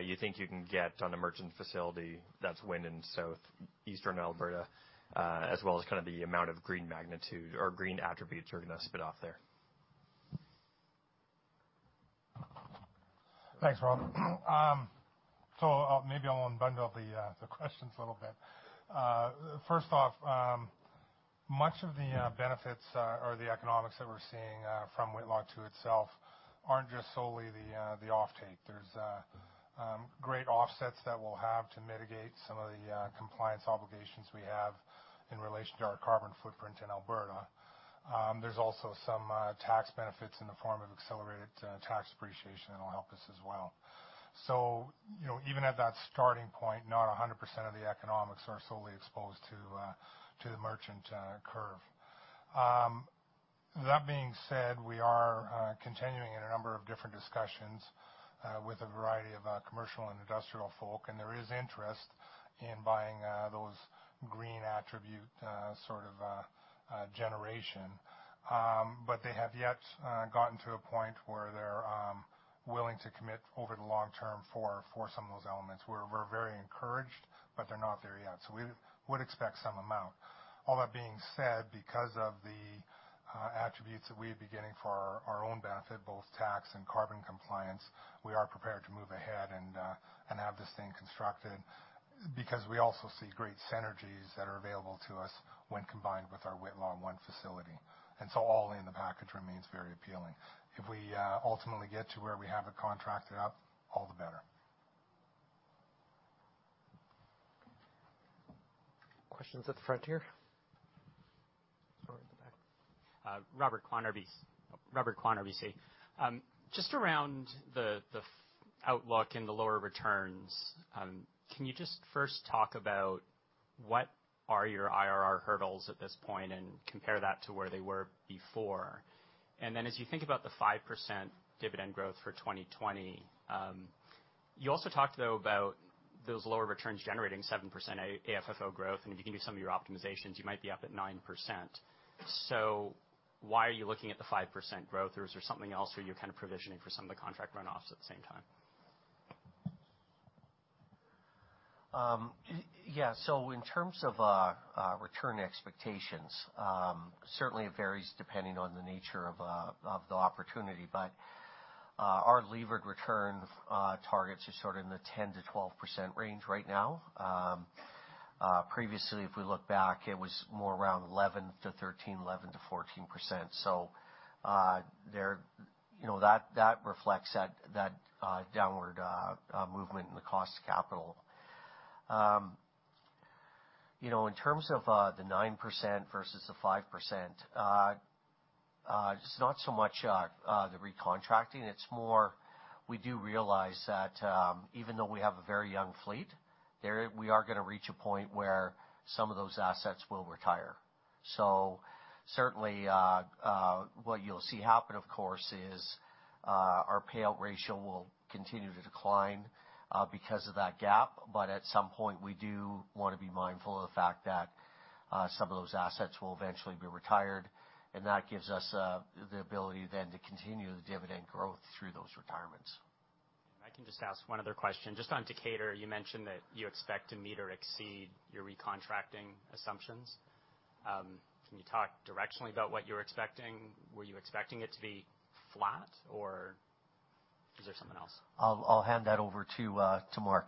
you think you can get on a merchant facility that's wind in Southeastern Alberta, as well as the amount of green magnitude or green attributes you're going to spit off there? Thanks, Rob. Maybe I'll unbundle the questions a little bit. First off, much of the benefits or the economics that we're seeing from Whitla 2 itself aren't just solely the off-take. There's great offsets that we'll have to mitigate some of the compliance obligations we have in relation to our carbon footprint in Alberta. There's also some tax benefits in the form of accelerated tax depreciation that'll help us as well. Even at that starting point, not 100% of the economics are solely exposed to the merchant curve. That being said, we are continuing in a number of different discussions with a variety of commercial and industrial folk, and there is interest in buying those green attribute sort of generation. They have yet gotten to a point where they're willing to commit over the long term for some of those elements. We're very encouraged, but they're not there yet. We would expect some amount. All that being said, because of the attributes that we'd be getting for our own benefit, both tax and carbon compliance, we are prepared to move ahead and have this thing constructed because we also see great synergies that are available to us when combined with our Whitla 1 facility. All in the package remains very appealing. If we ultimately get to where we have it contracted out, all the better. Questions at the front here or at the back. Robert Kwan, RBC. Just around the outlook and the lower returns, can you just first talk about what are your IRR hurdles at this point and compare that to where they were before? As you think about the 5% dividend growth for 2020, you also talked though about those lower returns generating 7% AFFO growth and if you can do some of your optimizations, you might be up at 9%. Why are you looking at the 5% growth? Is there something else where you're kind of provisioning for some of the contract run-offs at the same time? In terms of return expectations, certainly it varies depending on the nature of the opportunity. Our levered return targets are sort of in the 10%-12% range right now. Previously, if we look back, it was more around 11%-13%, 11%-14%. That reflects that downward movement in the cost of capital. In terms of the 9% versus the 5%, it's not so much the recontracting. It's more, we do realize that even though we have a very young fleet, we are going to reach a point where some of those assets will retire. Certainly, what you'll see happen, of course, is our payout ratio will continue to decline because of that gap. At some point, we do want to be mindful of the fact that some of those assets will eventually be retired, and that gives us the ability then to continue the dividend growth through those retirements. If I can just ask one other question. Just on Decatur, you mentioned that you expect to meet or exceed your recontracting assumptions. Can you talk directionally about what you're expecting? Were you expecting it to be flat, or is there something else? I'll hand that over to Mark.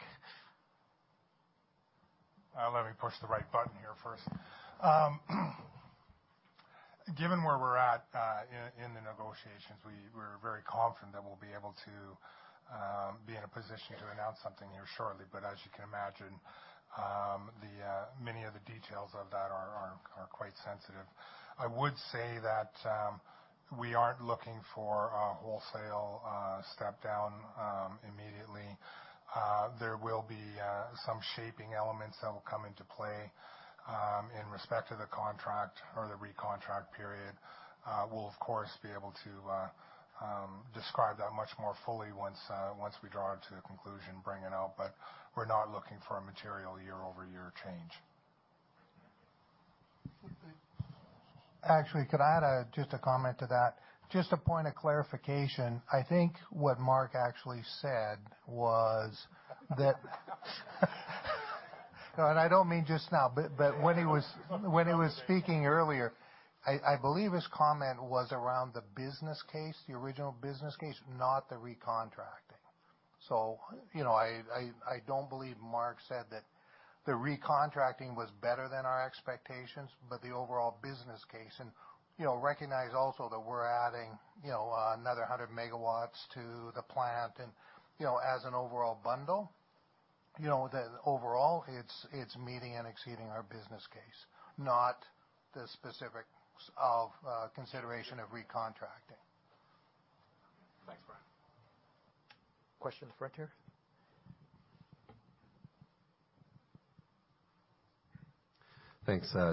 Let me push the right button here first. Given where we're at in the negotiations, we're very confident that we'll be able to be in a position to announce something here shortly. As you can imagine, many of the details of that are quite sensitive. I would say that we aren't looking for a wholesale step-down immediately. There will be some shaping elements that will come into play in respect to the contract or the recontract period. We'll, of course, be able to describe that much more fully once we draw to the conclusion, bring it out, but we're not looking for a material year-over-year change. Actually, could I add just a comment to that? Just a point of clarification. I think what Mark actually said was that No, and I don't mean just now, but when he was speaking earlier, I believe his comment was around the business case, the original business case, not the recontracting. I don't believe Mark said that the recontracting was better than our expectations, but the overall business case. Recognize also that we're adding another 100 MW to the plant, and as an overall bundle, overall, it's meeting and exceeding our business case, not the specifics of consideration of recontracting. Thanks, Brian. Question at the front here. Thanks.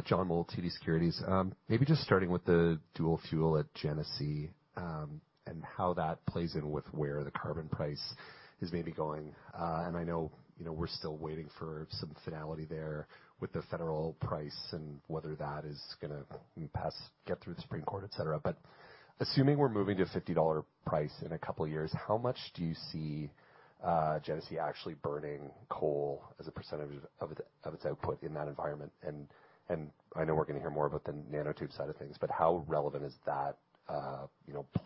John Mould, TD Securities. Maybe just starting with the dual fuel at Genesee and how that plays in with where the carbon price is maybe going. I know we're still waiting for some finality there with the federal price and whether that is going to get through the Supreme Court, et cetera. Assuming we're moving to a 50 dollar price in a couple of years, how much do you see Genesee actually burning coal as a % of its output in that environment? I know we're going to hear more about the nanotube side of things, but how relevant is that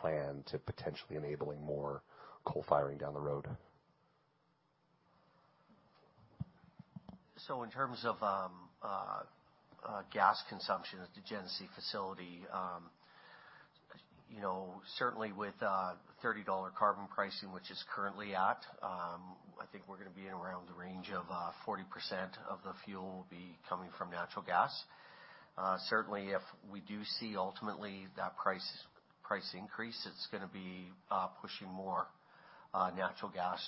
plan to potentially enabling more coal firing down the road? In terms of gas consumption at the Genesee facility, certainly with a 30 dollar carbon pricing, which it's currently at, I think we're going to be in around the range of 40% of the fuel will be coming from natural gas. If we do see ultimately that price increase, it's going to be pushing more natural gas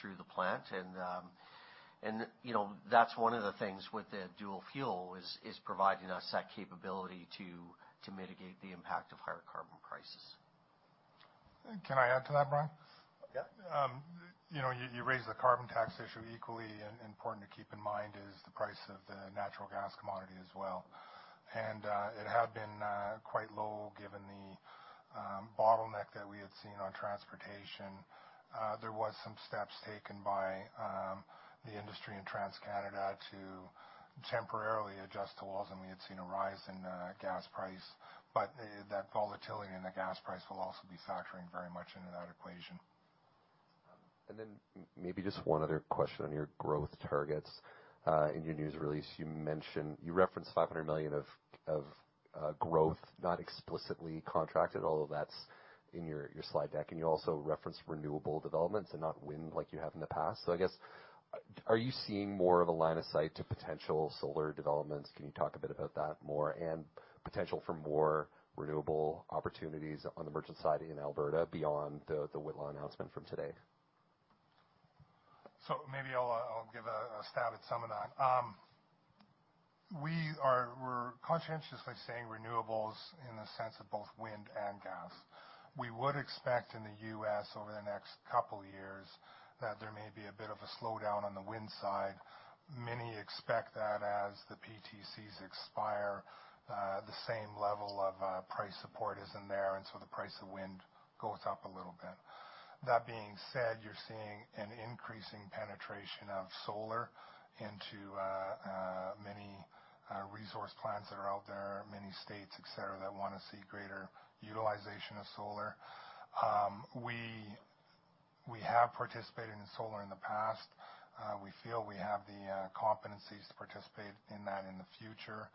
through the plant. That's one of the things with the dual-fuel, is providing us that capability to mitigate the impact of higher carbon prices. Can I add to that, Bryan? Yeah. You raised the carbon tax issue. Equally important to keep in mind is the price of the natural gas commodity as well. It had been quite low given the bottleneck that we had seen on transportation. There was some steps taken by the industry and TC Energy to temporarily adjust to what we had seen a rise in gas price. That volatility in the gas price will also be factoring very much into that equation. Then maybe just one other question on your growth targets. In your news release, you referenced 500 million of growth not explicitly contracted, although that's in your slide deck. You also referenced renewable developments and not wind like you have in the past. I guess, are you seeing more of a line of sight to potential solar developments? Can you talk a bit about that more? Potential for more renewable opportunities on the merchant side in Alberta beyond the Whitla Wind announcement from today? Maybe I'll give a stab at some of that. We're conscientiously saying renewables in the sense of both wind and gas. We would expect in the U.S. over the next couple of years that there may be a bit of a slowdown on the wind side. Many expect that as the PTCs expire, the same level of price support isn't there, and so the price of wind goes up a little bit. That being said, you're seeing an increasing penetration of solar into many resource plants that are out there, many states, et cetera, that want to see greater utilization of solar. We have participated in solar in the past. We feel we have the competencies to participate in that in the future.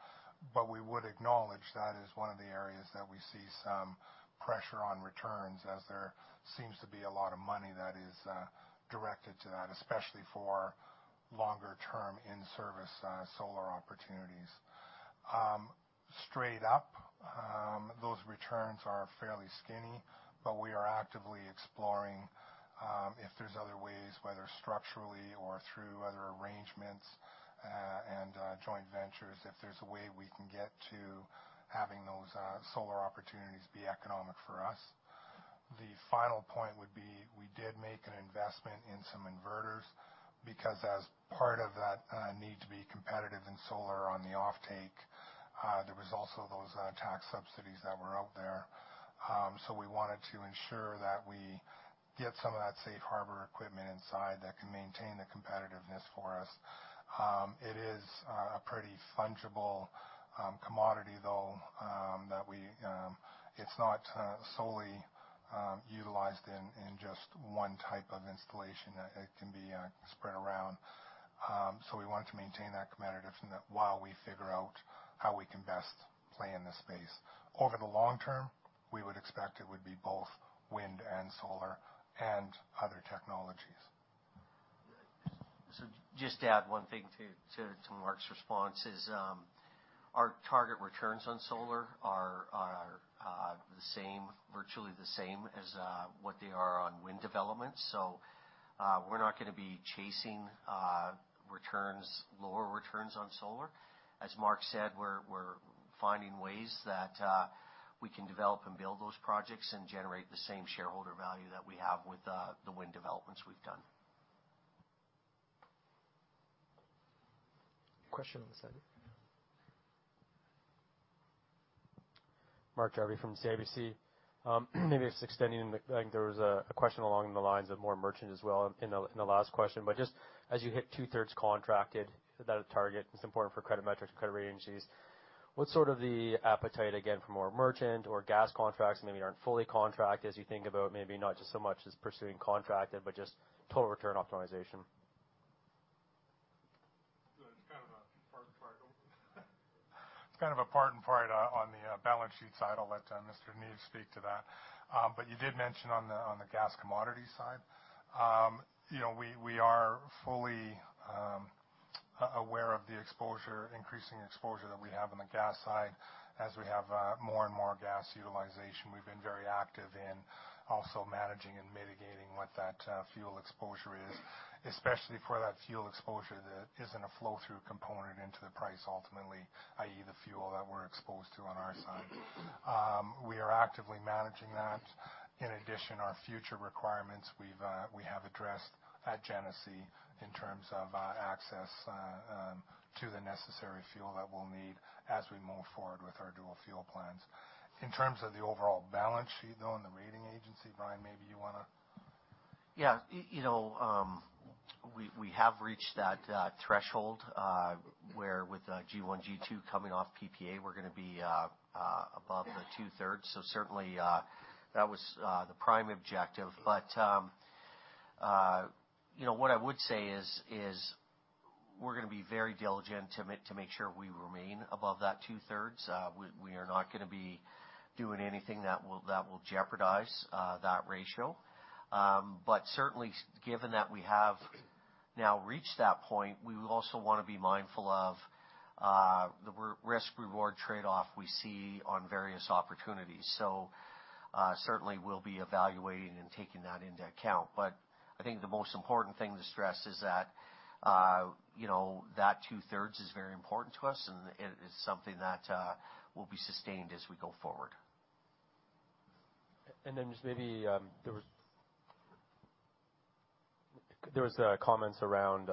We would acknowledge that is one of the areas that we see some pressure on returns, as there seems to be a lot of money that is directed to that, especially for longer-term in-service solar opportunities. Straight up, those returns are fairly skinny, but we are actively exploring if there's other ways, whether structurally or through other arrangements and joint ventures, if there's a way we can get to having those solar opportunities be economic for us. The final point would be, we did make an investment in some inverters, because as part of that need to be competitive in solar on the offtake, there was also those tax subsidies that were out there. We wanted to ensure that we get some of that safe harbor equipment inside that can maintain the competitiveness for us. It is a pretty fungible commodity, though. It's not solely utilized in just one type of installation. It can be spread around. We wanted to maintain that competitiveness while we figure out how we can best play in this space. Over the long term, we would expect it would be both wind and solar and other technologies. Just to add one thing to Mark's response is, our target returns on solar are virtually the same as what they are on wind development. We're not going to be chasing lower returns on solar. As Mark said, we're finding ways that we can develop and build those projects and generate the same shareholder value that we have with the wind developments we've done. Question on this side. Mark Jarvi from CIBC. Maybe just extending, I think there was a question along the lines of more merchant as well in the last question. Just as you hit two-thirds contracted, that a target that's important for credit metrics, credit rating agencies, what's sort of the appetite, again, for more merchant or gas contracts maybe aren't fully contracted as you think about maybe not just so much as pursuing contracted, but just total return optimization? It's kind of a part and part on the balance sheet side. I'll let Mr. DeNeve speak to that. You did mention on the gas commodity side. We are fully aware of the increasing exposure that we have on the gas side as we have more and more gas utilization. We've been very active in also managing and mitigating what that fuel exposure is, especially for that fuel exposure that isn't a flow-through component into the price ultimately, i.e., the fuel that we're exposed to on our side. We are actively managing that. In addition, our future requirements, we have addressed at Genesee in terms of access to the necessary fuel that we'll need as we move forward with our dual-fuel plans. In terms of the overall balance sheet, though, and the rating agency, Bryan, maybe you want to? Yeah. We have reached that threshold, where with G1, G2 coming off PPA, we're going to be above the 2/3. Certainly, that was the prime objective. What I would say is we're going to be very diligent to make sure we remain above that 2/3. We are not going to be doing anything that will jeopardize that ratio. Certainly, given that we have now reached that point, we will also want to be mindful of the risk-reward trade-off we see on various opportunities. Certainly, we'll be evaluating and taking that into account. I think the most important thing to stress is that 2/3 is very important to us, and it is something that will be sustained as we go forward. Just maybe, there was comments around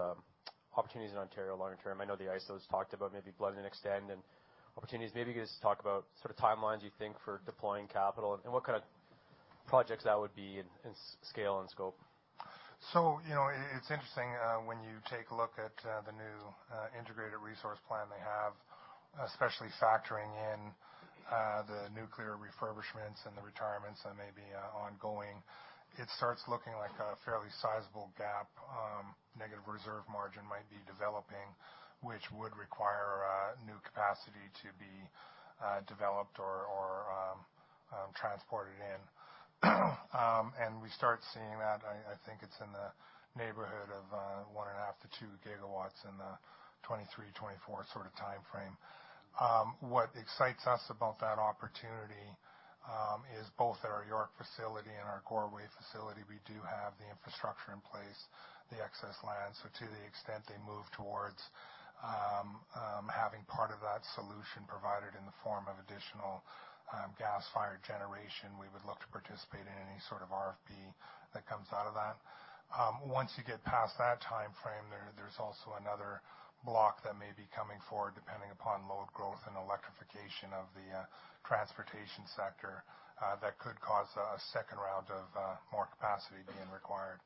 opportunities in Ontario long term. I know the IESO's talked about maybe blend and extend and opportunities. Maybe just talk about timelines you think for deploying capital, and what kind of projects that would be in scale and scope. It's interesting when you take a look at the new integrated resource plan they have, especially factoring in the nuclear refurbishments and the retirements that may be ongoing. It starts looking like a fairly sizable gap. Negative reserve margin might be developing, which would require new capacity to be developed or transported in. We start seeing that, I think it's in the neighborhood of 1.5 GW-2 GW in the 2023, 2024 sort of timeframe. What excites us about that opportunity is both at our York facility and our Goreway facility. We do have the infrastructure in place, the excess land. To the extent they move towards having part of that solution provided in the form of additional gas-fired generation, we would look to participate in any sort of RFP that comes out of that. Once you get past that time frame, there's also another block that may be coming forward, depending upon load growth and electrification of the transportation sector, that could cause a second round of more capacity being required.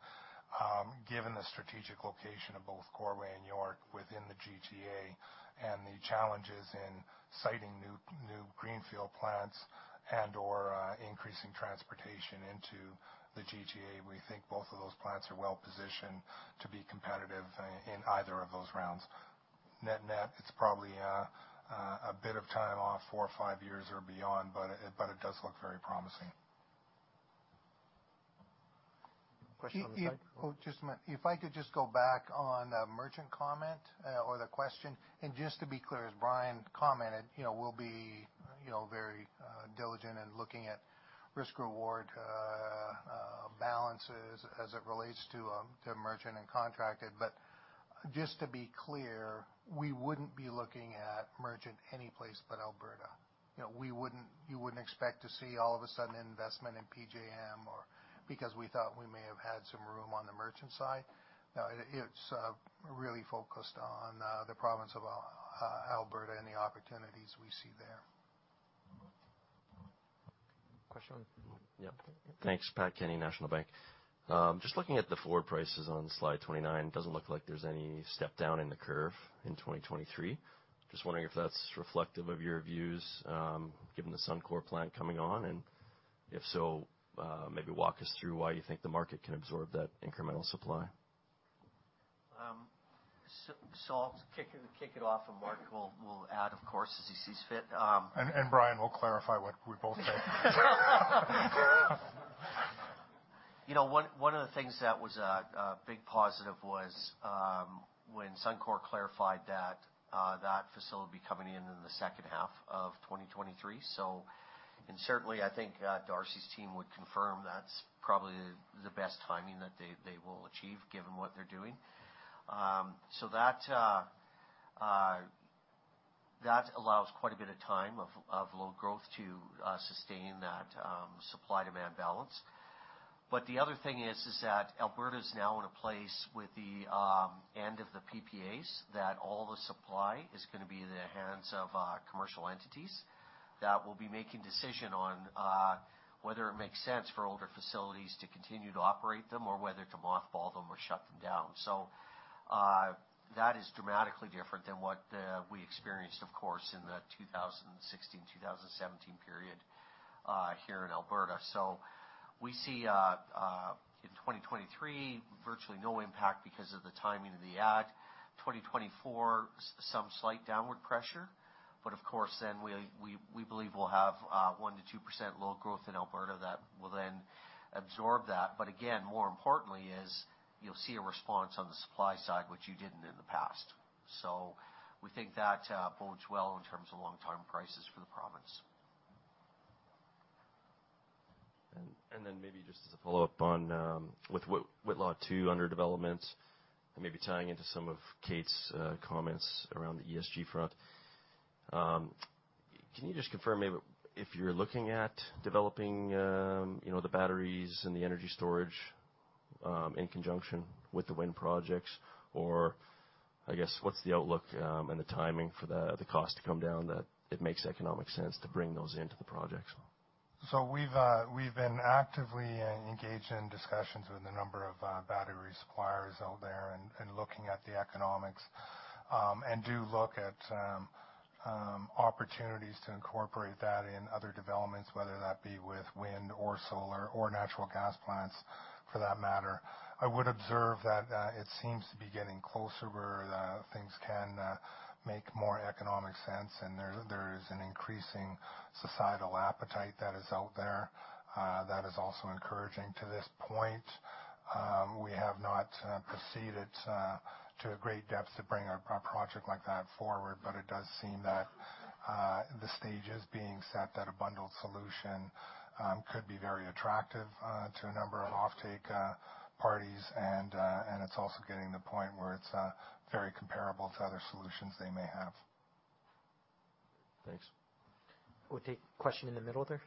Given the strategic location of both Goreway and York within the GTA and the challenges in siting new greenfield plants and/or increasing transportation into the GTA, we think both of those plants are well-positioned to be competitive in either of those rounds. Net-net, it's probably a bit of time off, four or five years or beyond, but it does look very promising. If I could just go back on the merchant comment or the question. Just to be clear, as Bryan commented, we'll be very diligent in looking at risk/reward balances as it relates to merchant and contracted. Just to be clear, we wouldn't be looking at merchant any place but Alberta. You wouldn't expect to see all of a sudden investment in PJM or because we thought we may have had some room on the merchant side. It's really focused on the province of Alberta and the opportunities we see there. Question? Yep. Thanks. Pat Kenny, National Bank. Looking at the forward prices on slide 29, doesn't look like there's any step down in the curve in 2023. Wondering if that's reflective of your views, given the Suncor plant coming on, and if so, maybe walk us through why you think the market can absorb that incremental supply. I'll kick it off, and Mark will add, of course, as he sees fit. Brian will clarify what we both say. One of the things that was a big positive was when Suncor clarified that that facility would be coming in in the second half of 2023. Certainly, I think Darcy's team would confirm that's probably the best timing that they will achieve given what they're doing. That allows quite a bit of time of load growth to sustain that supply-demand balance. The other thing is that Alberta's now in a place with the end of the PPAs, that all the supply is going to be in the hands of commercial entities that will be making decision on whether it makes sense for older facilities to continue to operate them or whether to mothball them or shut them down. That is dramatically different than what we experienced, of course, in the 2016, 2017 period here in Alberta. We see in 2023, virtually no impact because of the timing of the act. 2024, some slight downward pressure. Of course, then we believe we'll have 1% to 2% load growth in Alberta that will then absorb that. Again, more importantly is you'll see a response on the supply side, which you didn't in the past. We think that bodes well in terms of long-term prices for the province. Maybe just as a follow-up on with Whitla 2 under development, and maybe tying into some of Kate's comments around the ESG front, can you just confirm maybe if you're looking at developing the batteries and the energy storage in conjunction with the wind projects, or, I guess, what's the outlook and the timing for the cost to come down that it makes economic sense to bring those into the projects? We've been actively engaged in discussions with a number of battery suppliers out there and looking at the economics and do look at opportunities to incorporate that in other developments, whether that be with wind or solar or natural gas plants for that matter. I would observe that it seems to be getting closer where things can make more economic sense, and there's an increasing societal appetite that is out there. That is also encouraging. To this point, we have not proceeded to a great depth to bring a project like that forward, but it does seem that the stage is being set that a bundled solution could be very attractive to a number of offtake parties. It's also getting to the point where it's very comparable to other solutions they may have. Thanks. We'll take question in the middle there.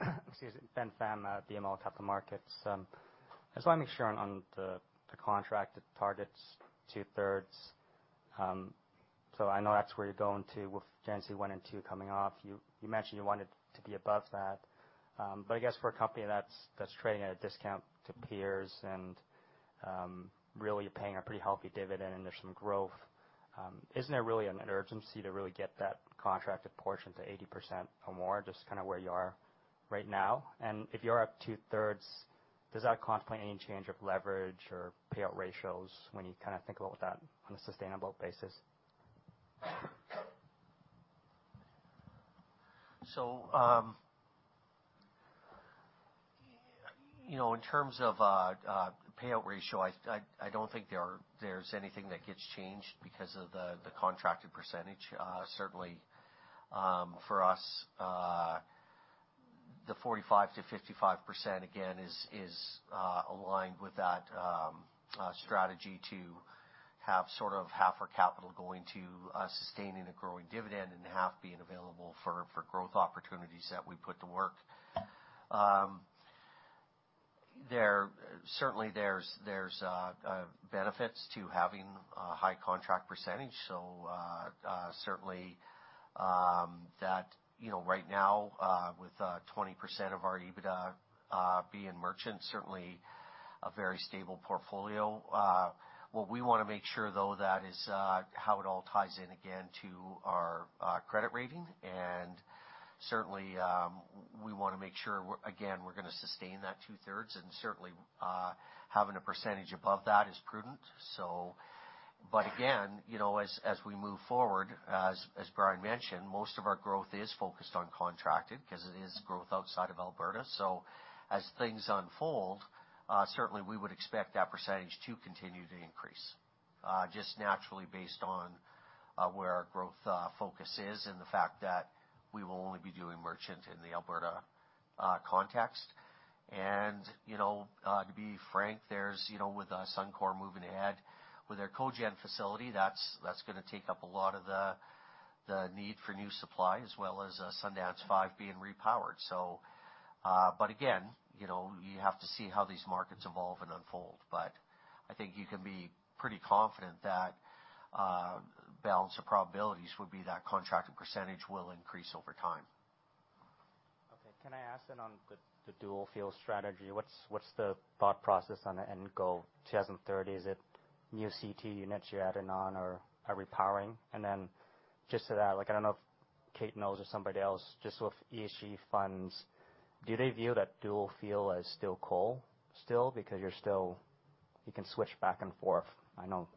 Hi. Excuse me, Ben Pham, BMO Capital Markets. I just want to make sure on the contracted targets, 2/3. I know that's where you're going to with Genesee 1 and 2 coming off. You mentioned you wanted to be above that. I guess for a company that's trading at a discount to peers and really paying a pretty healthy dividend and there's some growth, isn't there really an urgency to really get that contracted portion to 80% or more? Just where you are right now. If you are up 2/3, does that contemplate any change of leverage or payout ratios when you think about that on a sustainable basis? In terms of payout ratio, I don't think there's anything that gets changed because of the contracted percentage. Certainly, for us, the 45%-55% again is aligned with that strategy to have sort of half our capital going to sustaining a growing dividend and half being available for growth opportunities that we put to work. Certainly, there's benefits to having a high contract percentage. Certainly, right now, with 20% of our EBITDA being merchant, certainly a very stable portfolio. What we want to make sure, though, that is how it all ties in, again, to our credit rating. Certainly, we want to make sure, again, we're going to sustain that 2/3, and certainly, having a percentage above that is prudent. Again, as we move forward, as Brian mentioned, most of our growth is focused on contracted because it is growth outside of Alberta. As things unfold, certainly we would expect that percentage to continue to increase, just naturally based on where our growth focus is and the fact that we will only be doing merchant in the Alberta context. To be frank, with Suncor moving ahead with their cogen facility, that's going to take up a lot of the need for new supply, as well as Sundance 5 being repowered. Again, you have to see how these markets evolve and unfold. I think you can be pretty confident that balance of probabilities would be that contracted percentage will increase over time. Okay. Can I ask then on the dual-fuel strategy, what's the thought process on the end goal 2030? Is it new CT units you're adding on or are repowering? Then just to that, I don't know if Kate knows or somebody else, just with ESG funds, do they view that dual-fuel as still coal? Because you can switch back and forth. I know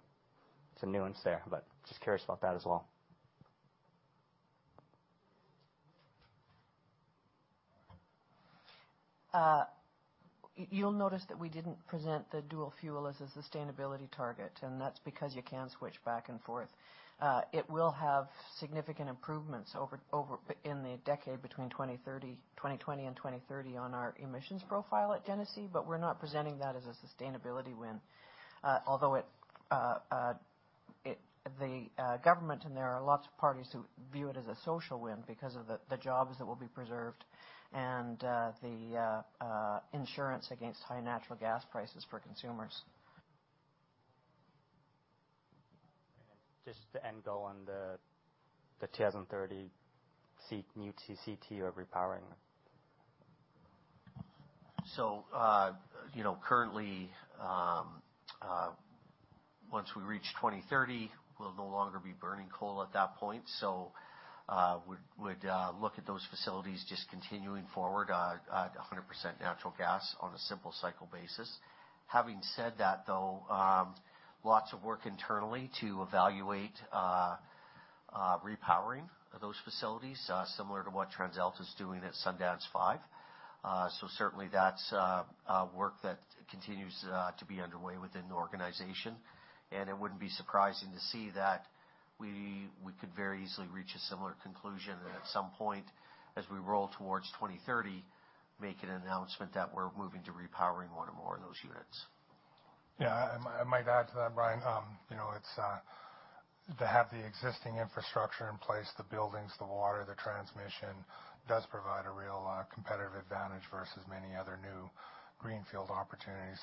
it's a nuance there, but just curious about that as well. You'll notice that we didn't present the dual fuel as a sustainability target. That's because you can switch back and forth. It will have significant improvements in the decade between 2020 and 2030 on our emissions profile at Genesee. We're not presenting that as a sustainability win. Although the government, and there are lots of parties who view it as a social win because of the jobs that will be preserved and the insurance against high natural gas prices for consumers. Just the end goal on the 2030 new CCGT or repowering. Currently, once we reach 2030, we'll no longer be burning coal at that point. We'd look at those facilities just continuing forward at 100% natural gas on a simple cycle basis. Having said that, though, lots of work internally to evaluate repowering those facilities, similar to what TransAlta is doing at Sundance 5. Certainly, that's work that continues to be underway within the organization, and it wouldn't be surprising to see that we could very easily reach a similar conclusion, and at some point, as we roll towards 2030, make an announcement that we're moving to repowering one or more of those units. Yeah. I might add to that, Bryan. To have the existing infrastructure in place, the buildings, the water, the transmission, does provide a real competitive advantage versus many other new greenfield opportunities.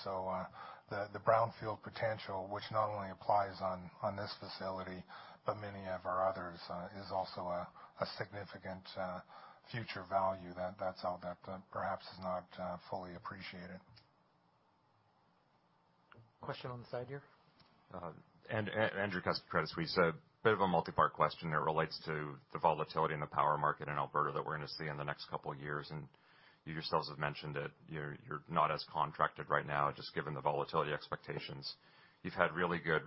The brownfield potential, which not only applies on this facility, but many of our others, is also a significant future value that perhaps is not fully appreciated. Question on the side here. Andrew Kuske, Credit Suisse. A bit of a multi-part question that relates to the volatility in the power market in Alberta that we're going to see in the next couple of years, and you yourselves have mentioned it. You're not as contracted right now, just given the volatility expectations. You've had really good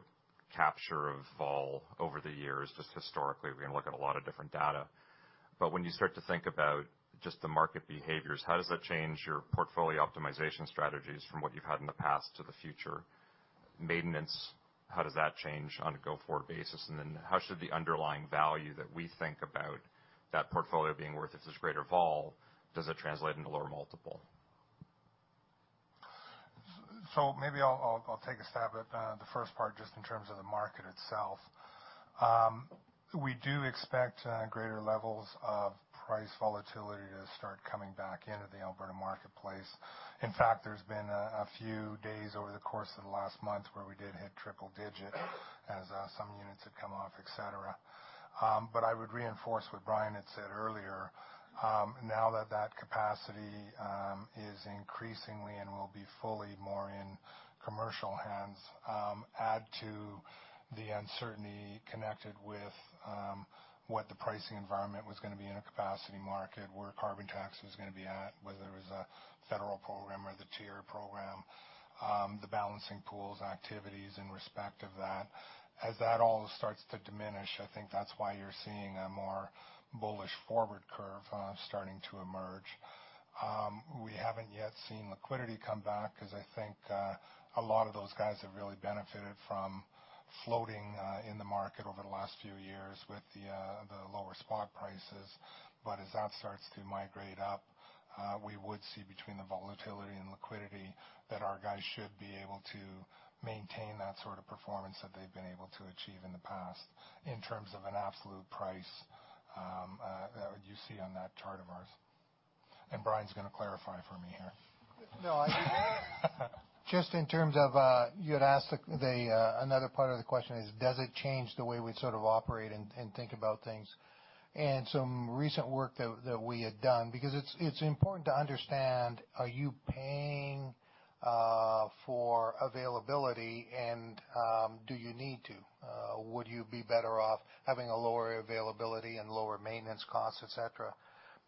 capture of vol over the years, just historically, we can look at a lot of different data. When you start to think about just the market behaviors, how does that change your portfolio optimization strategies from what you've had in the past to the future? Maintenance, how does that change on a go-forward basis? How should the underlying value that we think about that portfolio being worth, if there's greater vol, does it translate into lower multiple? Maybe I'll take a stab at the first part, just in terms of the market itself. We do expect greater levels of price volatility to start coming back into the Alberta marketplace. In fact, there's been a few days over the course of the last month where we did hit triple digits as some units had come off, et cetera. I would reinforce what Bryan had said earlier. Now that that capacity is increasingly and will be fully more in commercial hands, add to the uncertainty connected with what the pricing environment was going to be in a capacity market, where carbon tax was going to be at, whether it was a federal program or the TIER program. The Balancing Pool's activities in respect of that. As that all starts to diminish, I think that's why you're seeing a more bullish forward curve starting to emerge. We haven't yet seen liquidity come back, because I think a lot of those guys have really benefited from floating in the market over the last few years with the lower spot prices. As that starts to migrate up, we would see between the volatility and liquidity that our guys should be able to maintain that sort of performance that they've been able to achieve in the past, in terms of an absolute price that you see on that chart of ours. Brian's going to clarify for me here. No, just in terms of, you had asked another part of the question is, does it change the way we sort of operate and think about things? Some recent work that we had done, because it's important to understand, are you paying for availability and do you need to? Would you be better off having a lower availability and lower maintenance costs, et cetera?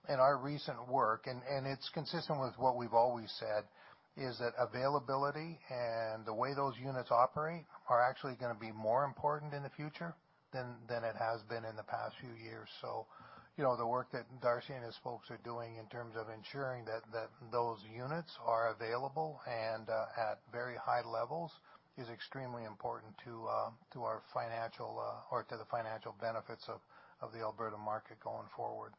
In our recent work, and it's consistent with what we've always said, is that availability and the way those units operate are actually going to be more important in the future than it has been in the past few years. The work that Darcy and his folks are doing in terms of ensuring that those units are available and at very high levels is extremely important to the financial benefits of the Alberta market going forward.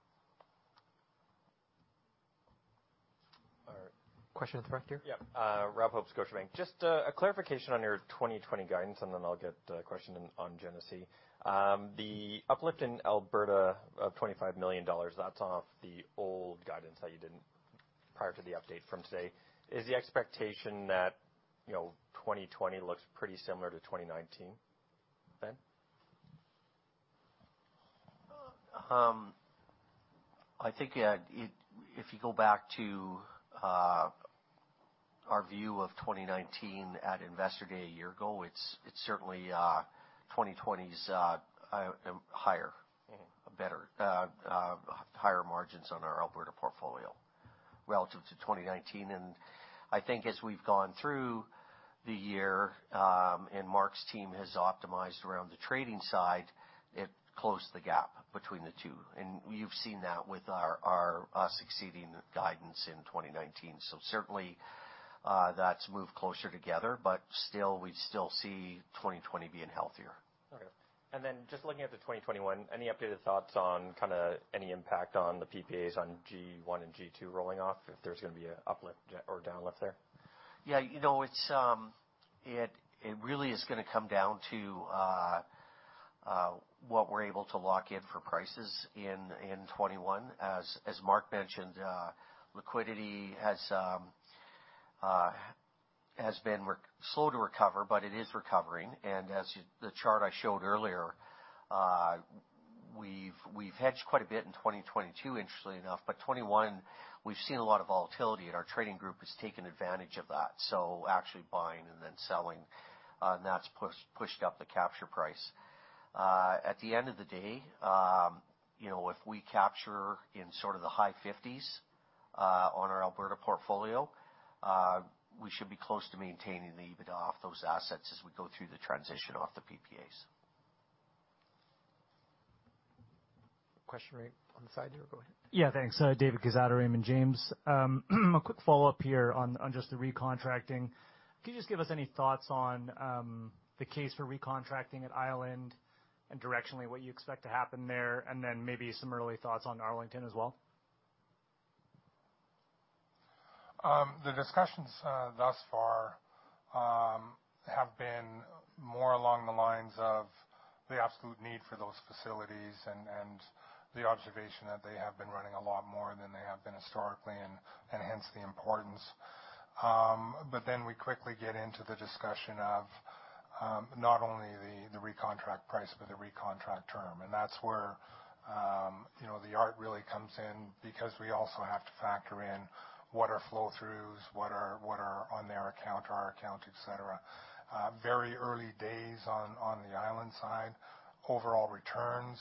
All right. Question at the front here? Yeah. Rob Hope, Scotiabank. Just a clarification on your 2020 guidance, then I'll get a question in on Genesee. The uplift in Alberta of 25 million dollars, that's off the old guidance that you did prior to the update from today. Is the expectation that 2020 looks pretty similar to 2019? I think, if you go back to our view of 2019 at Investor Day a year ago, it is certainly 2020 is higher. Better. Higher margins on our Alberta portfolio relative to 2019. I think as we've gone through the year, and Mark's team has optimized around the trading side, it closed the gap between the two. You've seen that with our succeeding guidance in 2019. Certainly, that's moved closer together, but still, we still see 2020 being healthier. Then just looking at the 2021, any updated thoughts on any impact on the PPAs on G1 and G2 rolling off, if there's going to be an uplift or down lift there? Yeah. It really is going to come down to what we're able to lock in for prices in 2021. As Mark mentioned, liquidity has been slow to recover, but it is recovering. As the chart I showed earlier, we've hedged quite a bit in 2022, interestingly enough. 2021, we've seen a lot of volatility, and our trading group has taken advantage of that. Actually buying and then selling, and that's pushed up the capture price. At the end of the day, if we capture in sort of the high CAD 50s on our Alberta portfolio, we should be close to maintaining the EBITDA of those assets as we go through the transition off the PPAs. Question right on the side here. Go ahead. Yeah, thanks. David Quezada, Raymond James. A quick follow-up here on just the recontracting. Can you just give us any thoughts on the case for recontracting at Island, and directionally, what you expect to happen there, and then maybe some early thoughts on Arlington as well? The discussions thus far have been more along the lines of the absolute need for those facilities and the observation that they have been running a lot more than they have been historically, and hence the importance. We quickly get into the discussion of not only the recontract price, but the recontract term. That's where the art really comes in, because we also have to factor in what are flow throughs, what are on their account, our account, et cetera. Very early days on the Island side. Overall returns,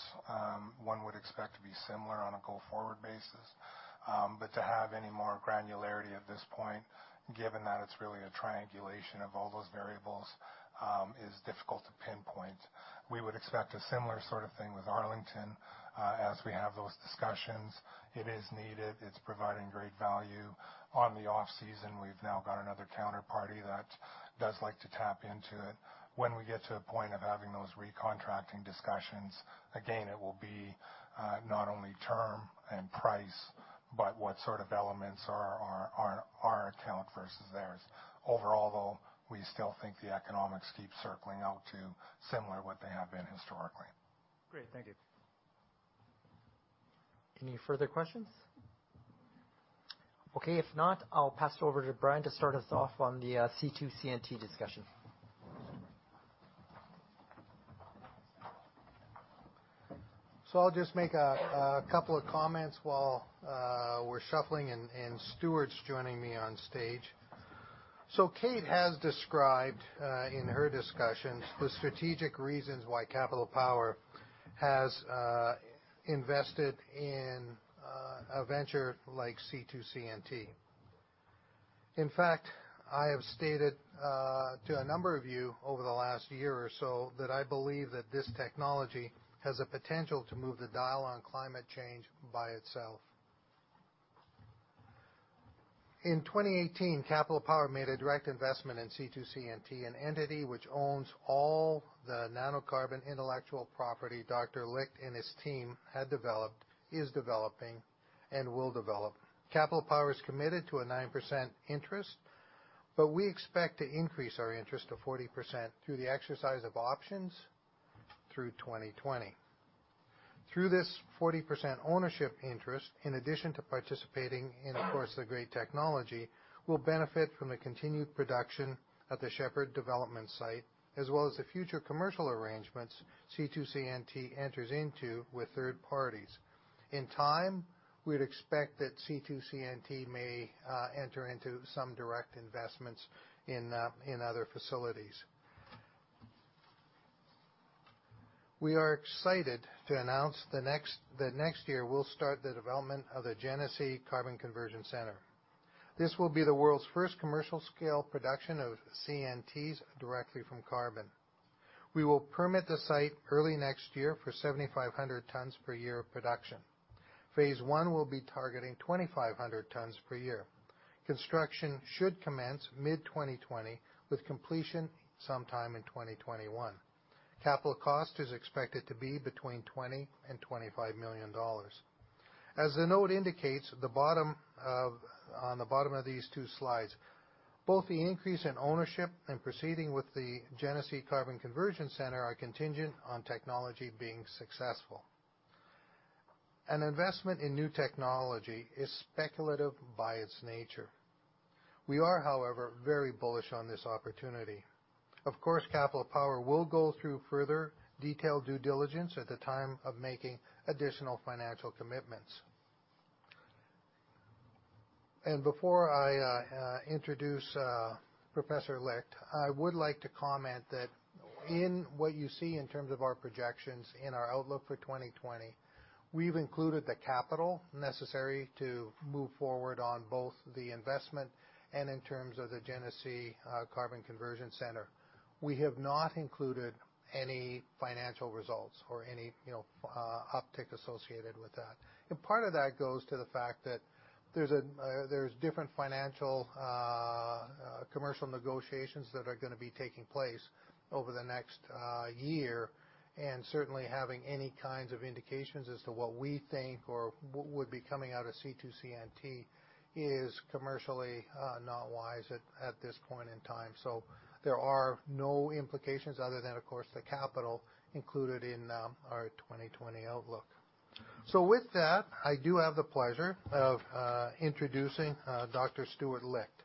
one would expect to be similar on a go-forward basis. To have any more granularity at this point, given that it's really a triangulation of all those variables, is difficult to pinpoint. We would expect a similar sort of thing with Arlington as we have those discussions. It is needed. It's providing great value. On the off-season, we've now got another counterparty that does like to tap into it. When we get to a point of having those recontracting discussions, again, it will be not only term and price, but what sort of elements are on our account versus theirs. Overall, though, we still think the economics keep circling out to similar what they have been historically. Great. Thank you. Any further questions? Okay, if not, I'll pass it over to Brian to start us off on the C2CNT discussion. I'll just make a couple of comments while we're shuffling, and Stuart's joining me on stage. Kate has described in her discussions the strategic reasons why Capital Power has invested in a venture like C2CNT. In fact, I have stated to a number of you over the last year or so that I believe that this technology has the potential to move the dial on climate change by itself. In 2018, Capital Power made a direct investment in C2CNT, an entity which owns all the nanocarbon intellectual property Dr. Licht and his team had developed, is developing, and will develop. Capital Power is committed to a 9% interest, but we expect to increase our interest to 40% through the exercise of options through 2020. Through this 40% ownership interest, in addition to participating in, of course, the great technology, we'll benefit from the continued production at the Shepard development site, as well as the future commercial arrangements C2CNT enters into with third parties. In time, we'd expect that C2CNT may enter into some direct investments in other facilities. We are excited to announce that next year, we'll start the development of the Genesee Carbon Conversion Centre. This will be the world's first commercial-scale production of CNTs directly from carbon. We will permit the site early next year for 7,500 tonnes per year of production. Phase 1 will be targeting 2,500 tonnes per year. Construction should commence mid-2020, with completion sometime in 2021. Capital cost is expected to be between 20 million and 25 million dollars. As the note indicates on the bottom of these two slides, both the increase in ownership and proceeding with the Genesee Carbon Conversion Centre are contingent on technology being successful. An investment in new technology is speculative by its nature. We are, however, very bullish on this opportunity. Of course, Capital Power will go through further detailed due diligence at the time of making additional financial commitments. Before I introduce Professor Licht, I would like to comment that in what you see in terms of our projections in our outlook for 2020, we've included the capital necessary to move forward on both the investment and in terms of the Genesee Carbon Conversion Centre. We have not included any financial results or any uptick associated with that. Part of that goes to the fact that there's different financial commercial negotiations that are going to be taking place over the next year, and certainly having any kinds of indications as to what we think or what would be coming out of C2CNT is commercially not wise at this point in time. There are no implications other than, of course, the capital included in our 2020 outlook. With that, I do have the pleasure of introducing Dr. Stuart Licht.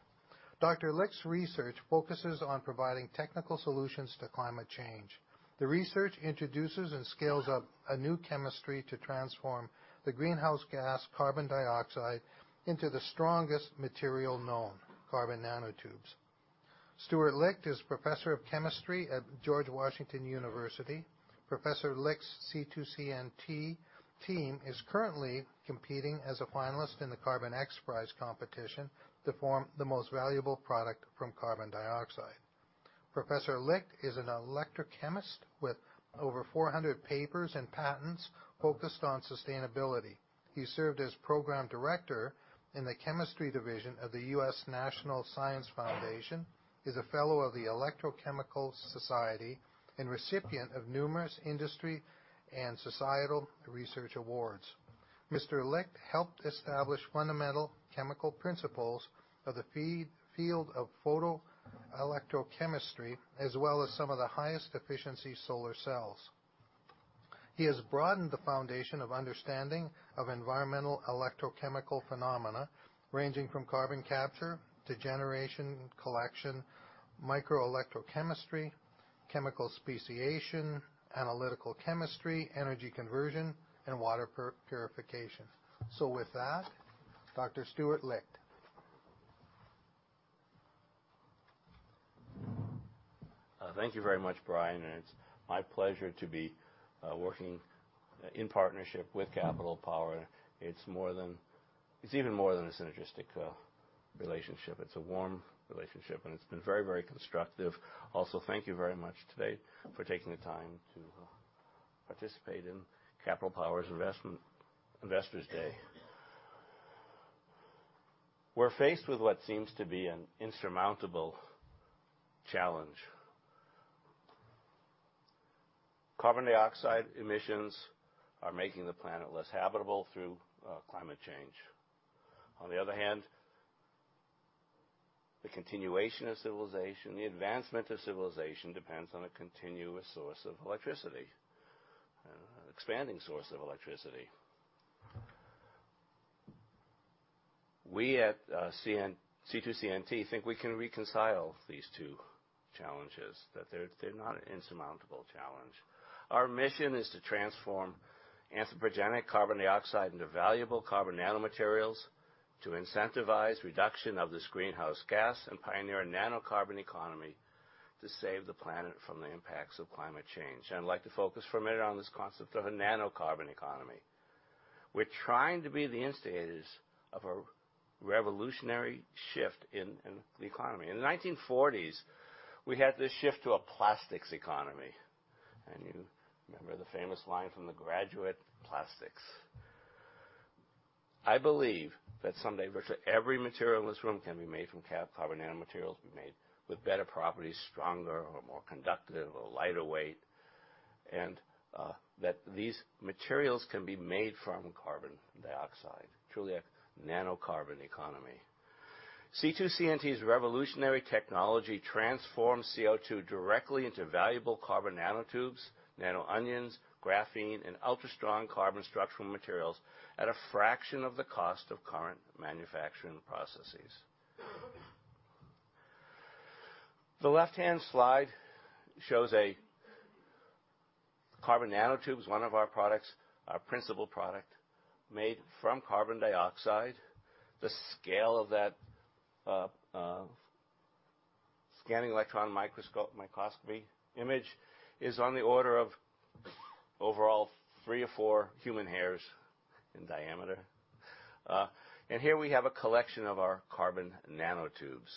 Dr. Licht's research focuses on providing technical solutions to climate change. The research introduces and scales up a new chemistry to transform the greenhouse gas carbon dioxide into the strongest material known, carbon nanotubes. Stuart Licht is Professor of Chemistry at George Washington University. Professor Licht's C2CNT team is currently competing as a finalist in the Carbon XPRIZE competition to form the most valuable product from carbon dioxide. Professor Licht is an electrochemist with over 400 papers and patents focused on sustainability. He served as Program Director in the Chemistry Division of the National Science Foundation, is a Fellow of The Electrochemical Society, and recipient of numerous industry and societal research awards. Mr Licht helped establish fundamental chemical principles of the field of photoelectrochemistry, as well as some of the highest efficiency solar cells. He has broadened the foundation of understanding of environmental electrochemical phenomena, ranging from carbon capture to generation, collection, micro electrochemistry, chemical speciation, analytical chemistry, energy conversion, and water purification. With that, Dr. Stuart Licht. Thank you very much, Brian, and it's my pleasure to be working in partnership with Capital Power. It's even more than a synergistic relationship. It's a warm relationship, and it's been very constructive. Also, thank you very much today for taking the time to participate in Capital Power's Investors Day. We're faced with what seems to be an insurmountable challenge. Carbon dioxide emissions are making the planet less habitable through climate change. On the other hand, the continuation of civilization, the advancement of civilization, depends on a continuous source of electricity, an expanding source of electricity. We at C2CNT think we can reconcile these two challenges, that they're not an insurmountable challenge. Our mission is to transform anthropogenic carbon dioxide into valuable carbon nanomaterials to incentivize reduction of this greenhouse gas and pioneer a nanocarbon economy to save the planet from the impacts of climate change. I'd like to focus for a minute on this concept of a nanocarbon economy. We're trying to be the instigators of a revolutionary shift in the economy. In the 1940s, we had this shift to a plastics economy. You remember the famous line from The Graduate, plastics. I believe that someday virtually every material in this room can be made from carbon nanomaterials, be made with better properties, stronger or more conductive or lighter weight, and that these materials can be made from carbon dioxide. Truly a nanocarbon economy. C2CNT's revolutionary technology transforms CO2 directly into valuable carbon nanotubes, carbon nano-onions, graphene, and ultra strong carbon structural materials at a fraction of the cost of current manufacturing processes. The left-hand slide shows a carbon nanotube. It's one of our products, our principal product, made from carbon dioxide. The scale of that scanning electron microscopy image is on the order of overall three or four human hairs in diameter. Here we have a collection of our carbon nanotubes.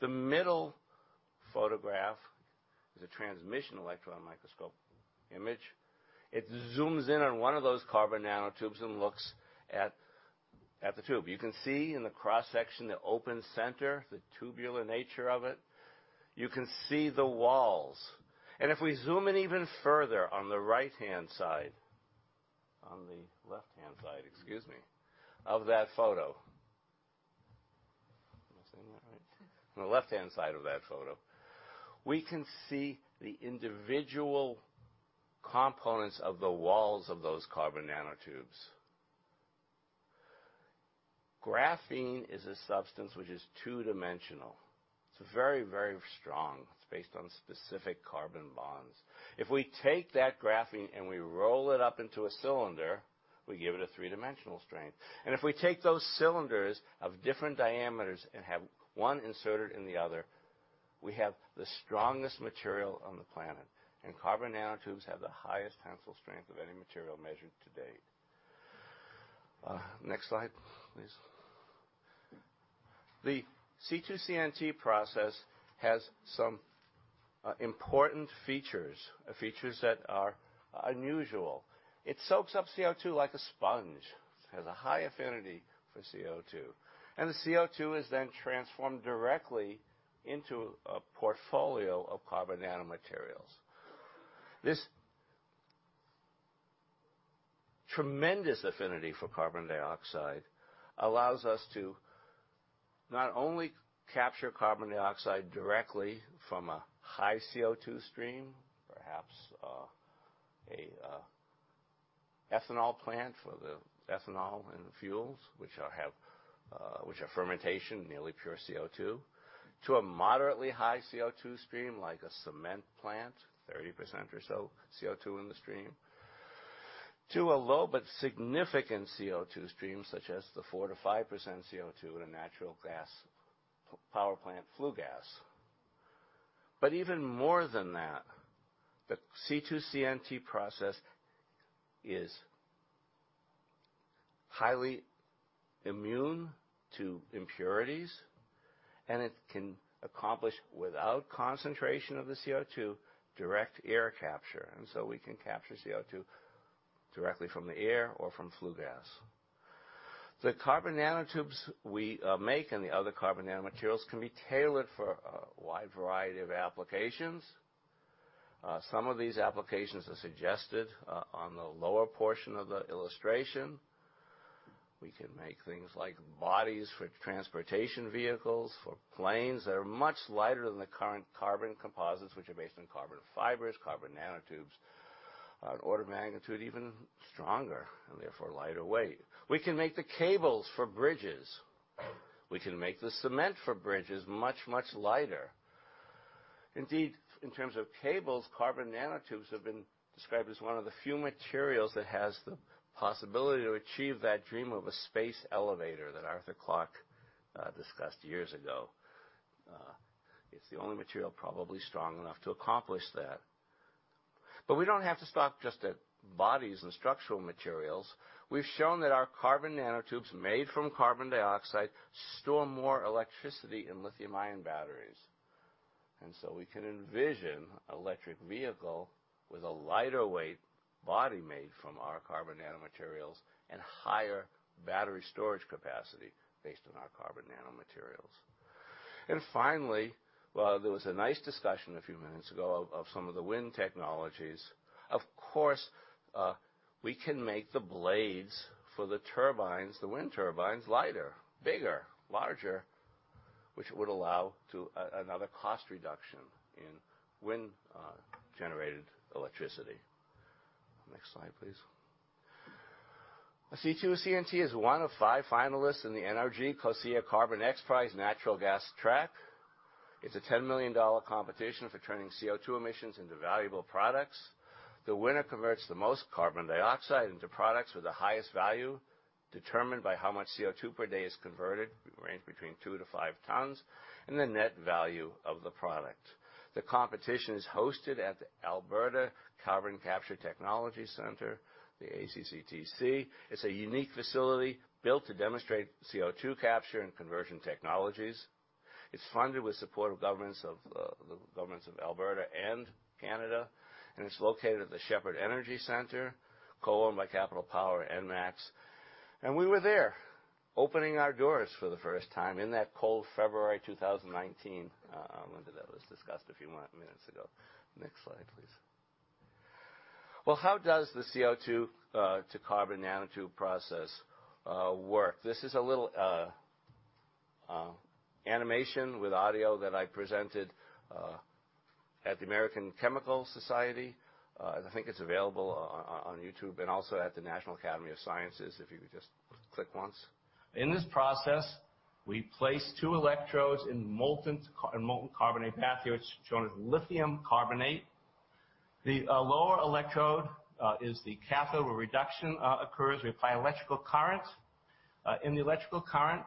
The middle photograph is a transmission electron microscope image. It zooms in on one of those carbon nanotubes and looks at the tube. You can see in the cross-section the open center, the tubular nature of it. You can see the walls. If we zoom in even further on the right-hand side, on the left-hand side, excuse me, of that photo. Am I saying that right? On the left-hand side of that photo, we can see the individual components of the walls of those carbon nanotubes. Graphene is a substance which is two-dimensional. It's very, very strong. It's based on specific carbon bonds. If we take that graphene and we roll it up into a cylinder, we give it a three-dimensional strength. If we take those cylinders of different diameters and have one inserted in the other, we have the strongest material on the planet. Carbon nanotubes have the highest tensile strength of any material measured to date. Next slide, please. The C2CNT process has some important features that are unusual. It soaks up CO2 like a sponge. It has a high affinity for CO2. The CO2 is then transformed directly into a portfolio of carbon nanomaterials. This tremendous affinity for carbon dioxide allows us to not only capture carbon dioxide directly from a high CO2 stream, perhaps an ethanol plant for the ethanol and fuels, which are fermentation, nearly pure CO2, to a moderately high CO2 stream like a cement plant, 30% or so CO2 in the stream, to a low but significant CO2 stream, such as the 4%-5% CO2 in a natural gas power plant flue gas. Even more than that, the C2CNT process is highly immune to impurities, and it can accomplish without concentration of the CO2, direct air capture. We can capture CO2 directly from the air or from flue gas. The carbon nanotubes we make and the other carbon nanomaterials can be tailored for a wide variety of applications. Some of these applications are suggested on the lower portion of the illustration. We can make things like bodies for transportation vehicles, for planes, that are much lighter than the current carbon composites, which are based on carbon fibers, carbon nanotubes, an order of magnitude even stronger, and therefore lighter weight. We can make the cables for bridges. We can make the cement for bridges much, much lighter. In terms of cables, carbon nanotubes have been described as one of the few materials that has the possibility to achieve that dream of a space elevator that Arthur Clarke discussed years ago. It's the only material probably strong enough to accomplish that. We don't have to stop just at bodies and structural materials. We've shown that our carbon nanotubes made from carbon dioxide store more electricity in lithium-ion batteries. T We can envision an electric vehicle with a lighter weight body made from our carbon nanomaterials and higher battery storage capacity based on our carbon nanomaterials. While there was a nice discussion a few minutes ago of some of the wind technologies, of course, we can make the blades for the turbines, the wind turbines, lighter, bigger, larger, which would allow to another cost reduction in wind-generated electricity. Next slide, please. C2CNT is one of five finalists in the NRG COSIA Carbon XPRIZE Natural Gas Track. It's a 10 million dollar competition for turning CO2 emissions into valuable products. The winner converts the most carbon dioxide into products with the highest value. Determined by how much CO2 per day is converted, it range between 2 tonnes-5 tonnes, and the net value of the product. The competition is hosted at the Alberta Carbon Conversion Technology Centre, the ACCTC. It's a unique facility built to demonstrate CO2 capture and conversion technologies. It's funded with support of the governments of Alberta and Canada. It's located at the Shepard Energy Centre, co-owned by Capital Power and ENMAX. We were there opening our doors for the first time in that cold February 2019. I wonder, that was discussed a few minutes ago. Next slide, please. Well, how does the CO2 to carbon nanotube process work? This is a little animation with audio that I presented at the American Chemical Society. I think it's available on YouTube.com and also at the National Academy of Sciences, if you could just click once. In this process, we place two electrodes in a molten carbonate bath here. It's shown as lithium carbonate. The lower electrode is the cathode where reduction occurs. We apply electrical current. In the electrical current,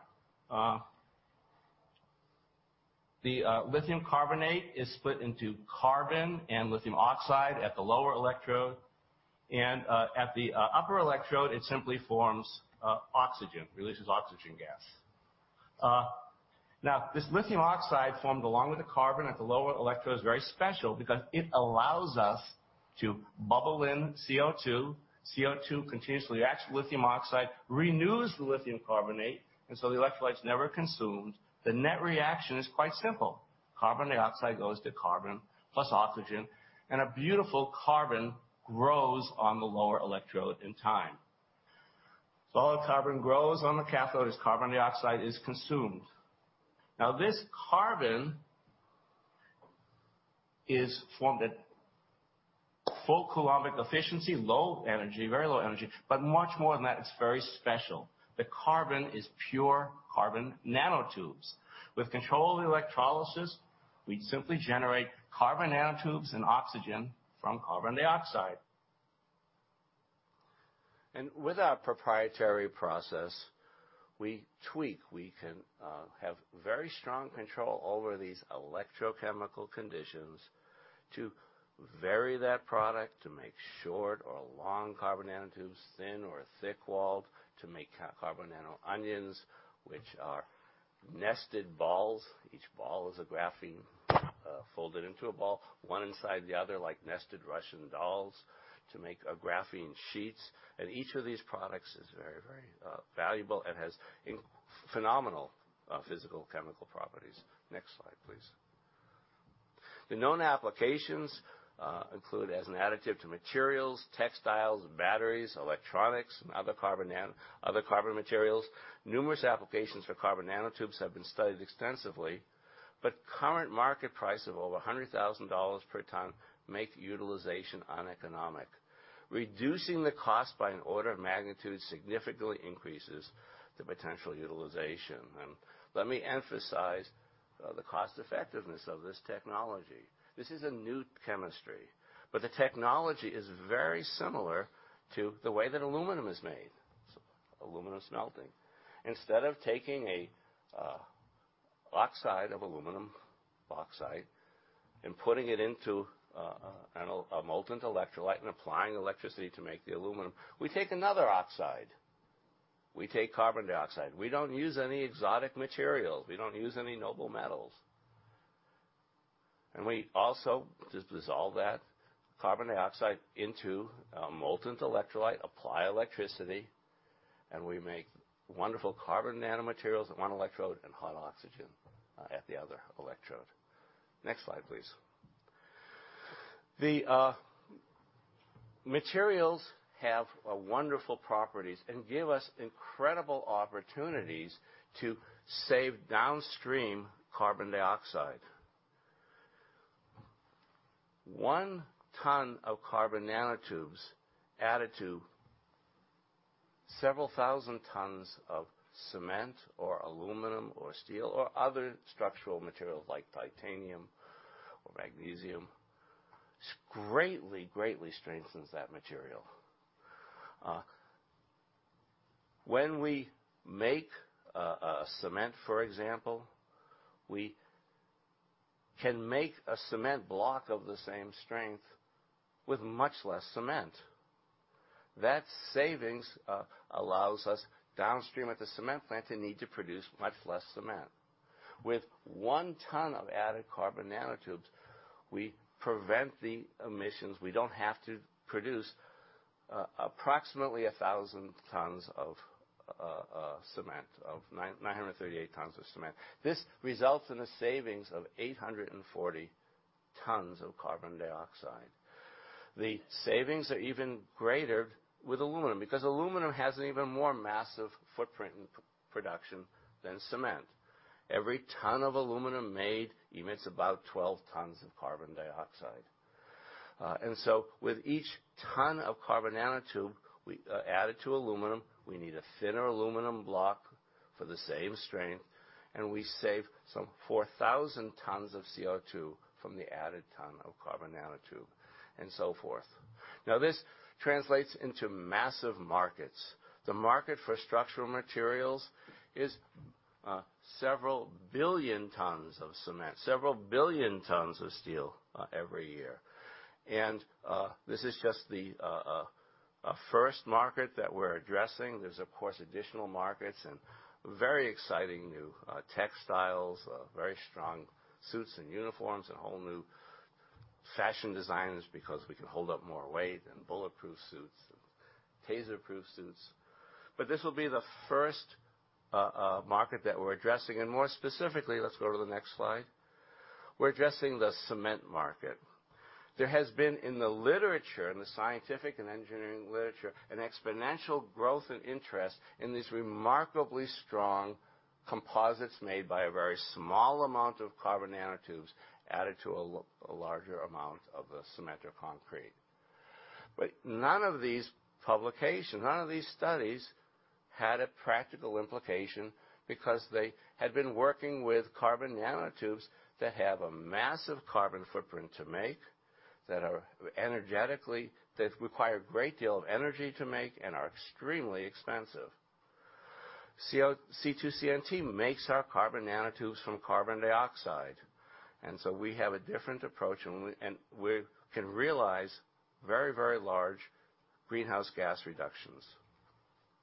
the lithium carbonate is split into carbon and lithium oxide at the lower electrode. At the upper electrode, it simply forms oxygen, releases oxygen gas. This lithium oxide formed along with the carbon at the lower electrode is very special because it allows us to bubble in CO2. CO2 continuously reacts with lithium oxide, renews the lithium carbonate, and so the electrolyte is never consumed. The net reaction is quite simple. Carbon dioxide goes to carbon plus oxygen, and a beautiful carbon grows on the lower electrode in time. Solid carbon grows on the cathode as carbon dioxide is consumed. This carbon is formed at full Coulombic efficiency, low energy, very low energy. Much more than that, it's very special. The carbon is pure carbon nanotubes. With controlled electrolysis, we simply generate carbon nanotubes and oxygen from carbon dioxide. With our proprietary process, we tweak. We can have very strong control over these electrochemical conditions to vary that product, to make short or long carbon nanotubes, thin or thick-walled, to make carbon nano-onions, which are nested balls. Each ball is a graphene folded into a ball, one inside the other, like nested Russian dolls, to make graphene sheets. Each of these products is very, very valuable and has phenomenal physical, chemical properties. Next slide, please. The known applications include as an additive to materials, textiles, batteries, electronics, and other carbon materials. Numerous applications for carbon nanotubes have been studied extensively, but the current market price of over 100,000 dollars per tonne make utilization uneconomic. Reducing the cost by an order of magnitude significantly increases the potential utilization. Let me emphasize the cost-effectiveness of this technology. This is a new chemistry. The technology is very similar to the way that aluminum is made, aluminum smelting. Instead of taking an oxide of aluminum, bauxite, and putting it into a molten electrolyte and applying electricity to make the aluminum, we take another oxide. We take carbon dioxide. We don't use any exotic materials. We don't use any noble metals. We also just dissolve that carbon dioxide into a molten electrolyte, apply electricity, and we make wonderful carbon nanomaterials at one electrode and hot oxygen at the other electrode. Next slide, please. The materials have wonderful properties and give us incredible opportunities to save downstream carbon dioxide. One tonne of carbon nanotubes added to several thousand tonnes of cement or aluminum or steel or other structural materials like titanium or magnesium, greatly strengthens that material. When we make cement, for example, we can make a cement block of the same strength with much less cement. That savings allows us downstream at the cement plant to need to produce much less cement. With one ton of added carbon nanotubes, we prevent the emissions. We don't have to produce approximately 1,000 tonnes of cement, of 938 tonnes of cement. This results in a savings of 840 tonnes of carbon dioxide. The savings are even greater with aluminum because aluminum has an even more massive footprint in production than cement. Every ton of aluminum made emits about 12 tonnes of carbon dioxide. With each ton of carbon nanotube added to aluminum, we need a thinner aluminum block for the same strength, and we save some 4,000 tonnes of CO2 from the added ton of carbon nanotube and so forth. This translates into massive markets. The market for structural materials is several billion tonnes of cement, several billion tonnes of steel every year. This is just the first market that we're addressing. There's, of course, additional markets and very exciting new textiles, very strong suits and uniforms, and whole new fashion designs because we can hold up more weight in bulletproof suits and taser-proof suits. This will be the first market that we're addressing. More specifically, let's go to the next slide. We're addressing the cement market. There has been in the literature, in the scientific and engineering literature, an exponential growth in interest in these remarkably strong composites made by a very small amount of carbon nanotubes added to a larger amount of the cement or concrete. None of these publications, none of these studies had a practical implication because they had been working with carbon nanotubes that have a massive carbon footprint to make, that require a great deal of energy to make, and are extremely expensive. C2CNT makes our carbon nanotubes from carbon dioxide, so we have a different approach, and we can realize very large greenhouse gas reductions.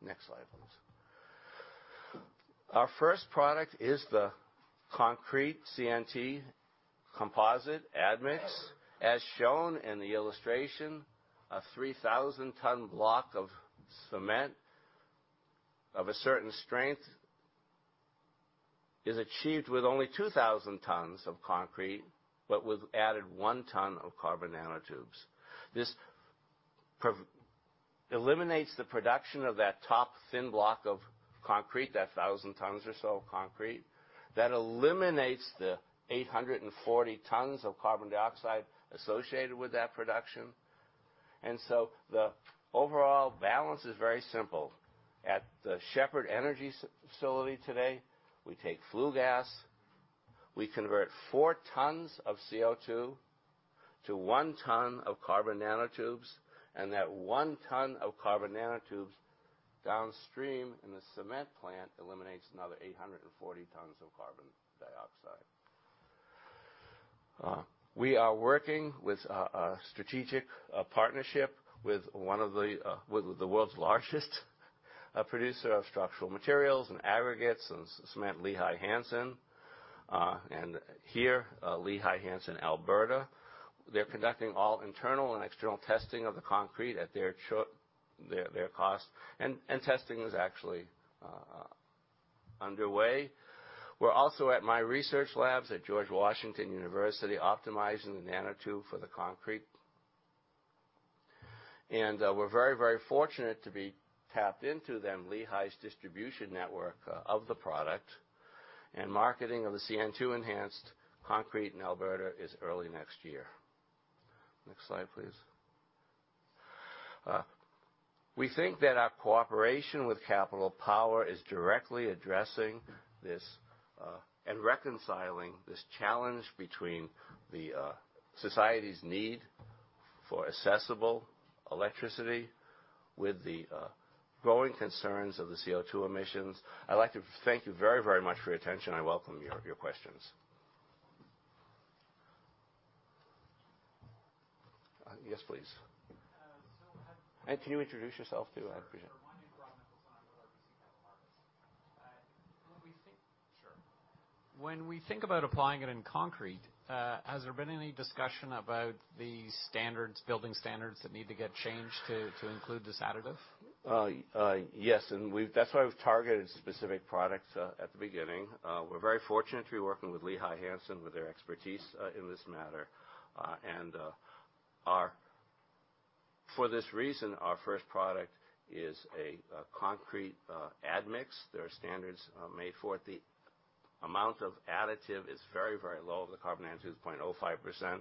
Next slide, please. Our first product is the concrete CNT composite admix, as shown in the illustration. A 3,000-tonne block of cement of a certain strength is achieved with only 2,000 tonnes of concrete but with added one ton of carbon nanotubes. This eliminates the production of that top thin block of concrete, that 1,000 tonnes or so of concrete. That eliminates the 840 tonnes of carbon dioxide associated with that production. The overall balance is very simple. At the Shepard energy facility today, we take flue gas, we convert 4 tonnes of CO2 to 1 tonne of carbon nanotubes, and that 1 tonne of carbon nanotubes downstream in the cement plant eliminates another 840 tonnes of carbon dioxide. We are working with a strategic partnership with the world's largest producer of structural materials and aggregates and cement, Lehigh Hanson. Here, Lehigh Hanson, Alberta, they're conducting all internal and external testing of the concrete at their cost. Testing is actually underway. We're also at my research labs at George Washington University, optimizing the nanotube for the concrete. We're very fortunate to be tapped into them, Lehigh's distribution network of the product, and marketing of the CNT enhanced concrete in Alberta is early next year. Next slide, please. We think that our cooperation with Capital Power is directly addressing this, and reconciling this challenge between the society's need for accessible electricity with the growing concerns of the CO2 emissions. I would like to thank you very much for your attention. I welcome your questions. Yes, please. Can you introduce yourself too? I'd appreciate it. When we think about applying it in concrete, has there been any discussion about the building standards that need to get changed to include this additive? Yes. That's why we've targeted specific products at the beginning. We're very fortunate to be working with Lehigh Hanson, with their expertise in this matter. For this reason, our first product is a concrete admix. There are standards made for it. The amount of additive is very low, the carbon nanotube is 0.05%.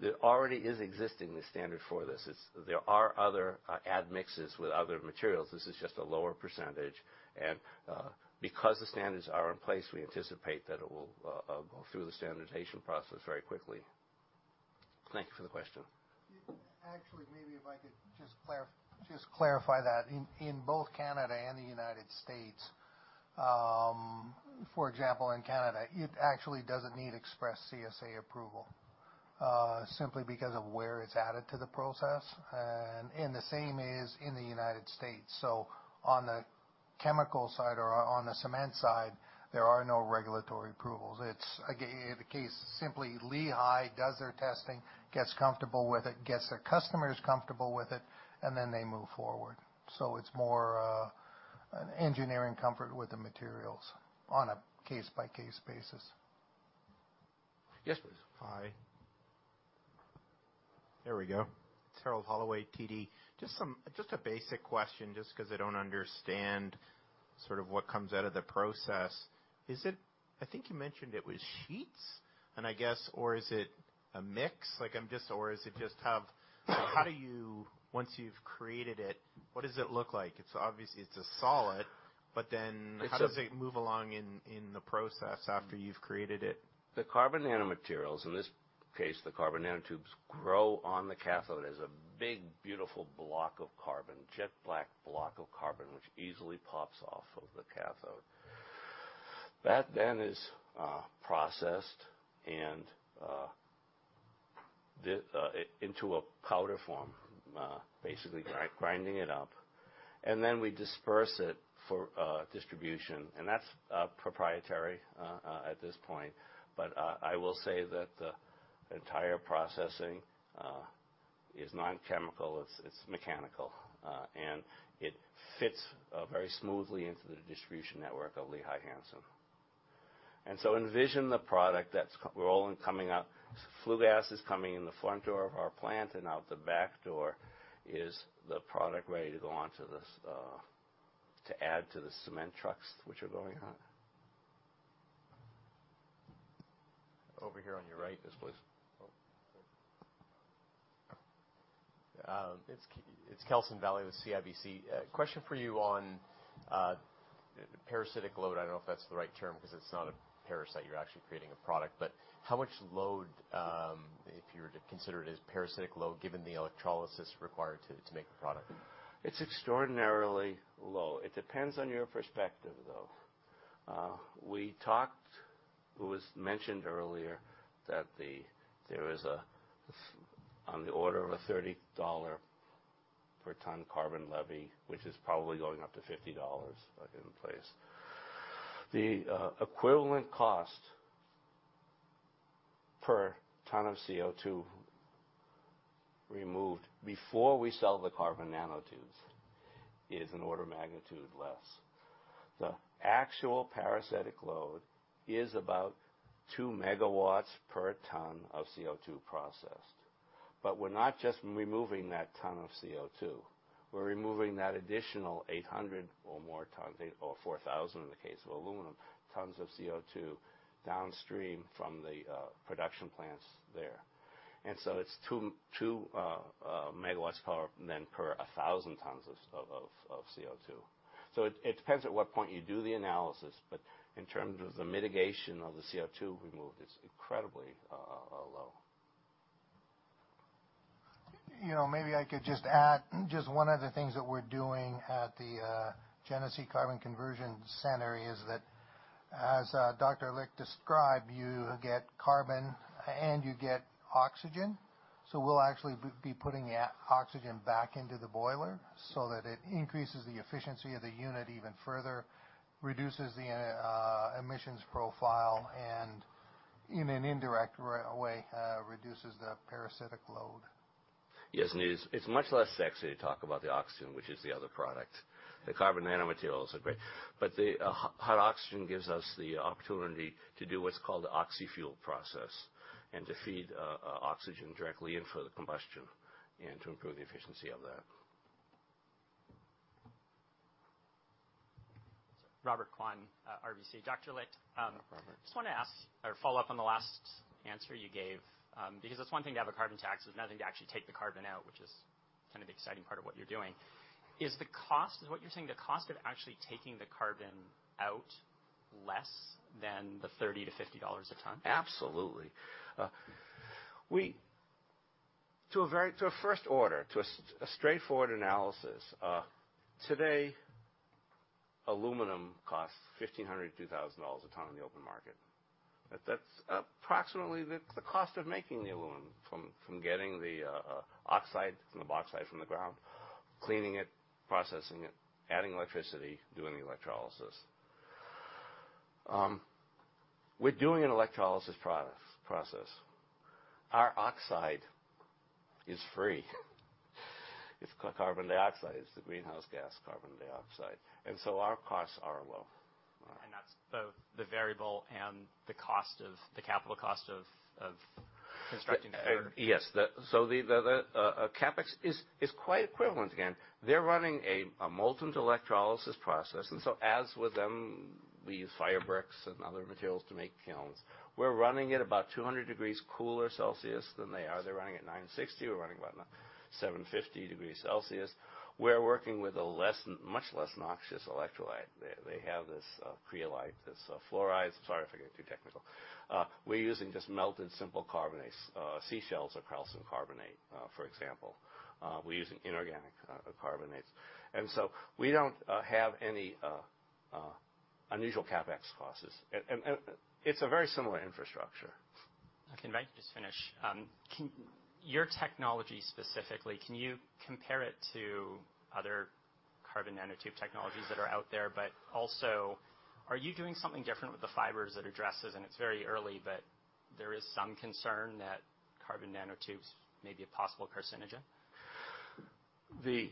There already is existing the standard for this. There are other admixes with other materials. This is just a lower percentage. Because the standards are in place, we anticipate that it will go through the standardization process very quickly. Thank you for the question. Actually, maybe if I could just clarify that. In both Canada and the U.S., for example, in Canada, it actually doesn't need express CSA approval, simply because of where it's added to the process. The same as in the U.S. On the chemical side or on the cement side, there are no regulatory approvals. The case is simply Lehigh does their testing, gets comfortable with it, gets their customers comfortable with it, and then they move forward. It's more an engineering comfort with the materials on a case-by-case basis. Yes, please. Hi. There we go. Harold Holloway, TD. Just a basic question just because I don't understand sort of what comes out of the process. I think you mentioned it was sheets, and I guess, or is it a mix? How do you, once you've created it, what does it look like? Obviously, it's a solid. How does it move along in the process after you've created it? The carbon nanomaterials, in this case, the carbon nanotubes, grow on the cathode as a big, beautiful block of carbon, jet black block of carbon, which easily pops off of the cathode. That then is processed into a powder form, basically grinding it up. Then we disperse it for distribution. That's proprietary at this point. I will say that the entire processing is non-chemical, it's mechanical, and it fits very smoothly into the distribution network of Heidelberg Materials. Envision the product that's coming up. Flue gas is coming in the front door of our plant. Out the back door is the product ready to add to the cement trucks, which are going out. Over here on your right. Yes, please. It is Kelsen Vallee with CIBC. Question for you on the parasitic load. I don't know if that's the right term because it's not a parasite, you're actually creating a product. How much load, if you were to consider it as parasitic load, given the electrolysis required to make the product? It's extraordinarily low. It depends on your perspective, though. It was mentioned earlier that there is on the order of a 30 dollar per tonne carbon levy, which is probably going up to 50 dollars in place. The equivalent cost per ton of CO2 removed before we sell the carbon nanotubes is an order of magnitude less. The actual parasitic load is about 2 MW per tonne of CO2 processed. We're not just removing that tonne of CO2. We're removing that additional 800 or more tonnes, or 4,000 in the case of aluminum, tonnes of CO2 downstream from the production plants there. It's 2 MW power then per 1,000 tonnes of CO2. It depends at what point you do the analysis. In terms of the mitigation of the CO2 removed, it's incredibly low. Maybe I could just add, just one of the things that we're doing at the Genesee Carbon Conversion Center is that as Dr. Licht described, you get carbon and you get oxygen. We'll actually be putting oxygen back into the boiler so that it increases the efficiency of the unit even further, reduces the emissions profile, and in an indirect way, reduces the parasitic load. Yes, it's much less sexy to talk about the oxygen, which is the other product. The carbon nanomaterials are great. The hot oxygen gives us the opportunity to do what's called the oxy-fuel process and to feed oxygen directly in for the combustion and to improve the efficiency of that. Robert Kwan, RBC. Dr. Licht. Just wanted to ask or follow up on the last answer you gave. It's one thing to have a carbon tax, it's another thing to actually take the carbon out, which is kind of the exciting part of what you're doing. Is what you're saying the cost of actually taking the carbon out less than the 30-50 dollars a tonne? Absolutely. To a first order, to a straightforward analysis, today aluminum costs 1,500-2,000 dollars a tonne in the open market. That's approximately the cost of making the aluminum from getting the oxide from the bauxite from the ground, cleaning it, processing it, adding electricity, doing the electrolysis. We're doing an electrolysis process. Our oxide is free. It's carbon dioxide. It's the greenhouse gas, carbon dioxide. Our costs are low. That's both the variable and the capital cost of constructing further? Yes. The CapEx is quite equivalent. Again, they're running a molten electrolysis process. As with them, we use firebricks and other materials to make kilns. We're running at about 200 degrees cooler Celsius than they are. They're running at 960 degree Celsius we're running about 750 degrees Celsius. We're working with a much less noxious electrolyte. They have this cryolite, this fluoride. Sorry if I get too technical. We're using just melted simple carbonates. Seashells are calcium carbonate, for example. We're using inorganic carbonates. We don't have any unusual CapEx costs. It's a very similar infrastructure. Okay. If I can just finish. Your technology specifically, can you compare it to other carbon nanotube technologies that are out there? Also, are you doing something different with the fibers that addresses, and it's very early, but there is some concern that carbon nanotubes may be a possible carcinogen? The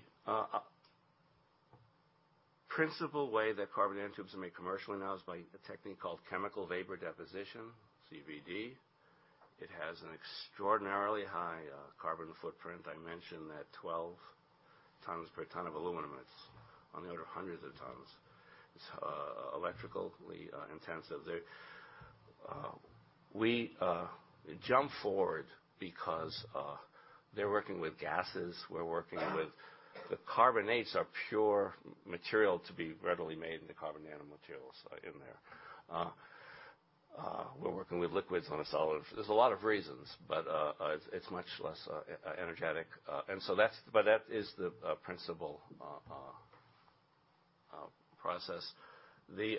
principal way that carbon nanotubes are made commercially now is by a technique called chemical vapor deposition, CVD. It has an extraordinarily high carbon footprint. I mentioned that 12 tonnes per tonne of aluminum. It's on the order of hundreds of tonnes. It's electrically intensive. We jump forward because they're working with gases, we're working with the carbonates are pure material to be readily made into carbon nanomaterials in there. We're working with liquids on a solid. There's a lot of reasons, but it's much less energetic. That is the principle process. The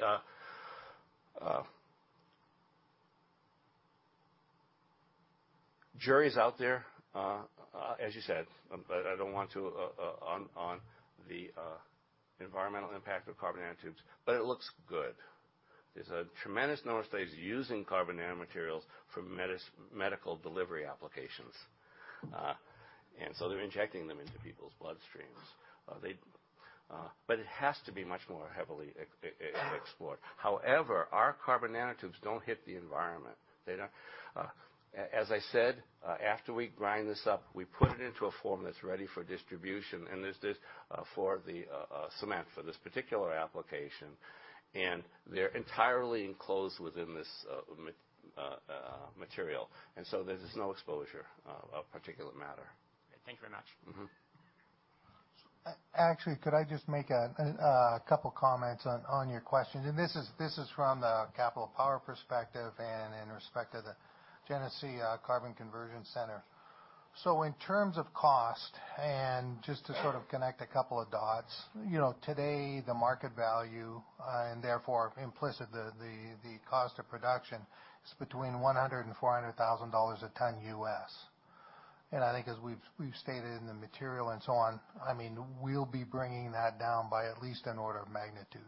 jury's out there, as you said, on the environmental impact of carbon nanotubes, but it looks good. There's a tremendous number of studies using carbon nanomaterials for medical delivery applications. They're injecting them into people's bloodstreams. It has to be much more heavily explored. However, our carbon nanotubes don't hit the environment. They don't. As I said, after we grind this up, we put it into a form that's ready for distribution, and there's this for the cement for this particular application. They're entirely enclosed within this material. There's just no exposure of particulate matter. Thank you very much. Actually, could I just make a couple comments on your question? This is from the Capital Power perspective and in respect to the Genesee Carbon Conversion Center. In terms of cost, and just to sort of connect a couple of dots, today, the market value, and therefore implicit the cost of production, is between $100,000 and $400,000 a tonne U.S. I think as we've stated in the material and so on, we'll be bringing that down by at least an order of magnitude.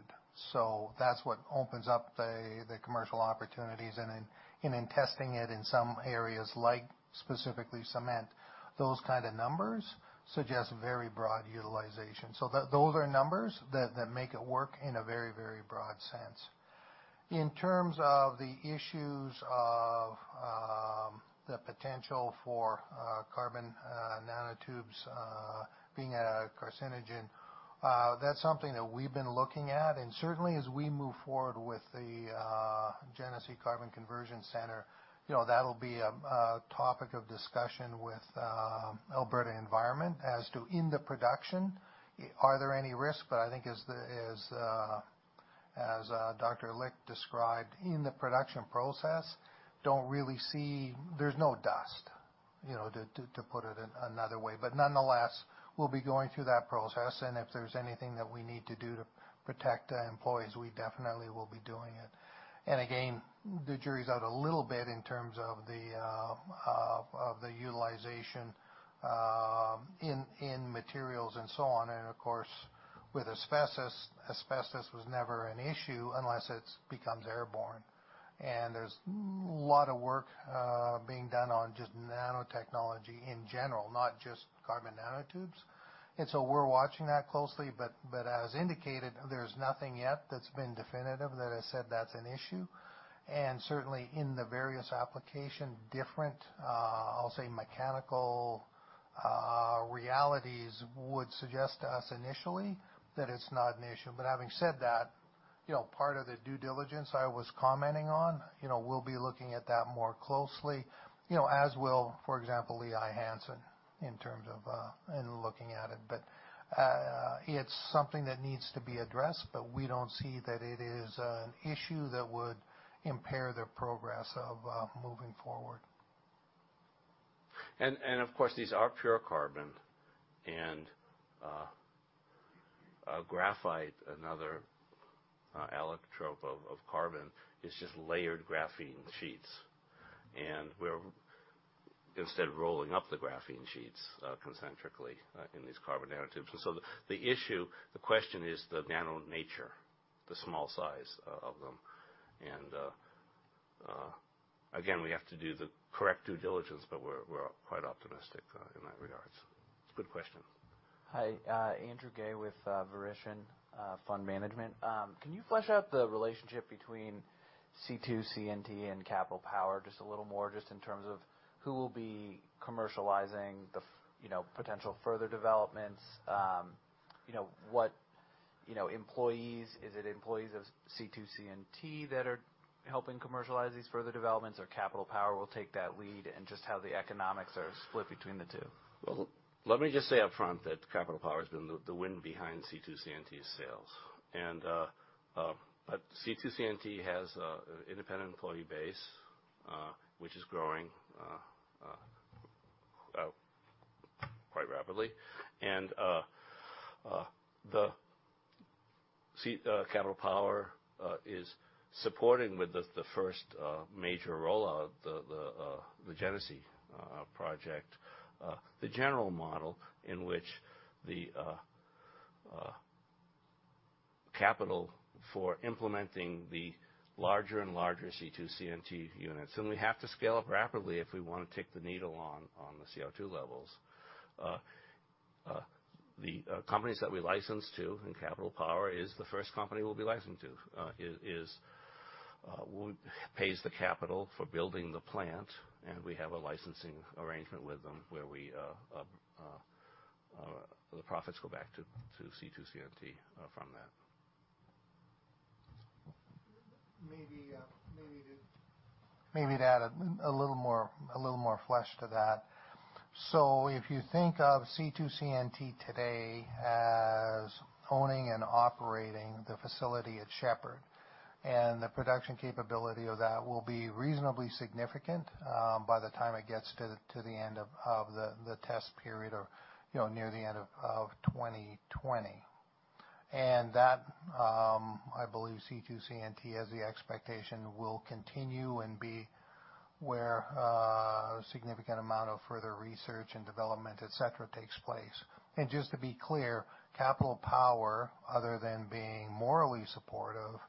That's what opens up the commercial opportunities and in testing it in some areas like specifically cement. Those kind of numbers suggest very broad utilization. Those are numbers that make it work in a very broad sense. In terms of the issues of the potential for carbon nanotubes being a carcinogen, that's something that we've been looking at. Certainly, as we move forward with the Genesee Carbon Conversion Center, that'll be a topic of discussion with Alberta Environment as to in the production, are there any risks? I think as Dr. Licht described, in the production process, there's no dust, to put it another way. Nonetheless, we'll be going through that process, and if there's anything that we need to do to protect employees, we definitely will be doing it. Again, the jury's out a little bit in terms of the utilization in materials and so on. Of course, with asbestos was never an issue unless it becomes airborne. There's a lot of work being done on just nanotechnology in general, not just carbon nanotubes. We're watching that closely. As indicated, there's nothing yet that's been definitive that has said that's an issue. Certainly, in the various application, different, I'll say, mechanical realities would suggest to us initially that it's not an issue. Having said that, part of the due diligence I was commenting on, we'll be looking at that more closely, as will, for example, Lehigh Hanson in terms of in looking at it. It's something that needs to be addressed, but we don't see that it is an issue that would impair the progress of moving forward. Of course, these are pure carbon, and graphite, another allotrope of carbon, is just layered graphene sheets. We're instead rolling up the graphene sheets concentrically in these carbon nanotubes. The issue, the question is the nano nature, the small size of them. Again, we have to do the correct due diligence, but we're quite optimistic in that regards. It's a good question. Hi, Andrew Gay with Verition Fund Management. Can you flesh out the relationship between C2CNT and Capital Power just a little more, just in terms of who will be commercializing the potential further developments? What employees? Is it employees of C2CNT that are helping commercialize these further developments, or Capital Power will take that lead, and just how the economics are split between the two? Well, let me just say up front that Capital Power has been the wind behind C2CNT's sails. C2CNT has an independent employee base, which is growing quite rapidly. Capital Power is supporting with the first major rollout, the Genesee project, the general model in which the capital for implementing the larger and larger C2CNT units. We have to scale up rapidly if we want to tick the needle on the CO2 levels. The companies that we license to, and Capital Power is the first company we'll be licensing to, pays the capital for building the plant, and we have a licensing arrangement with them where the profits go back to C2CNT from that. Maybe to add a little more flesh to that. If you think of C2CNT today as owning and operating the facility at Shepard, and the production capability of that will be reasonably significant by the time it gets to the end of the test period or near the end of 2020. That, I believe C2CNT has the expectation will continue and be where a significant amount of further research and development, et cetera, takes place. Just to be clear, Capital Power, other than being morally supportive,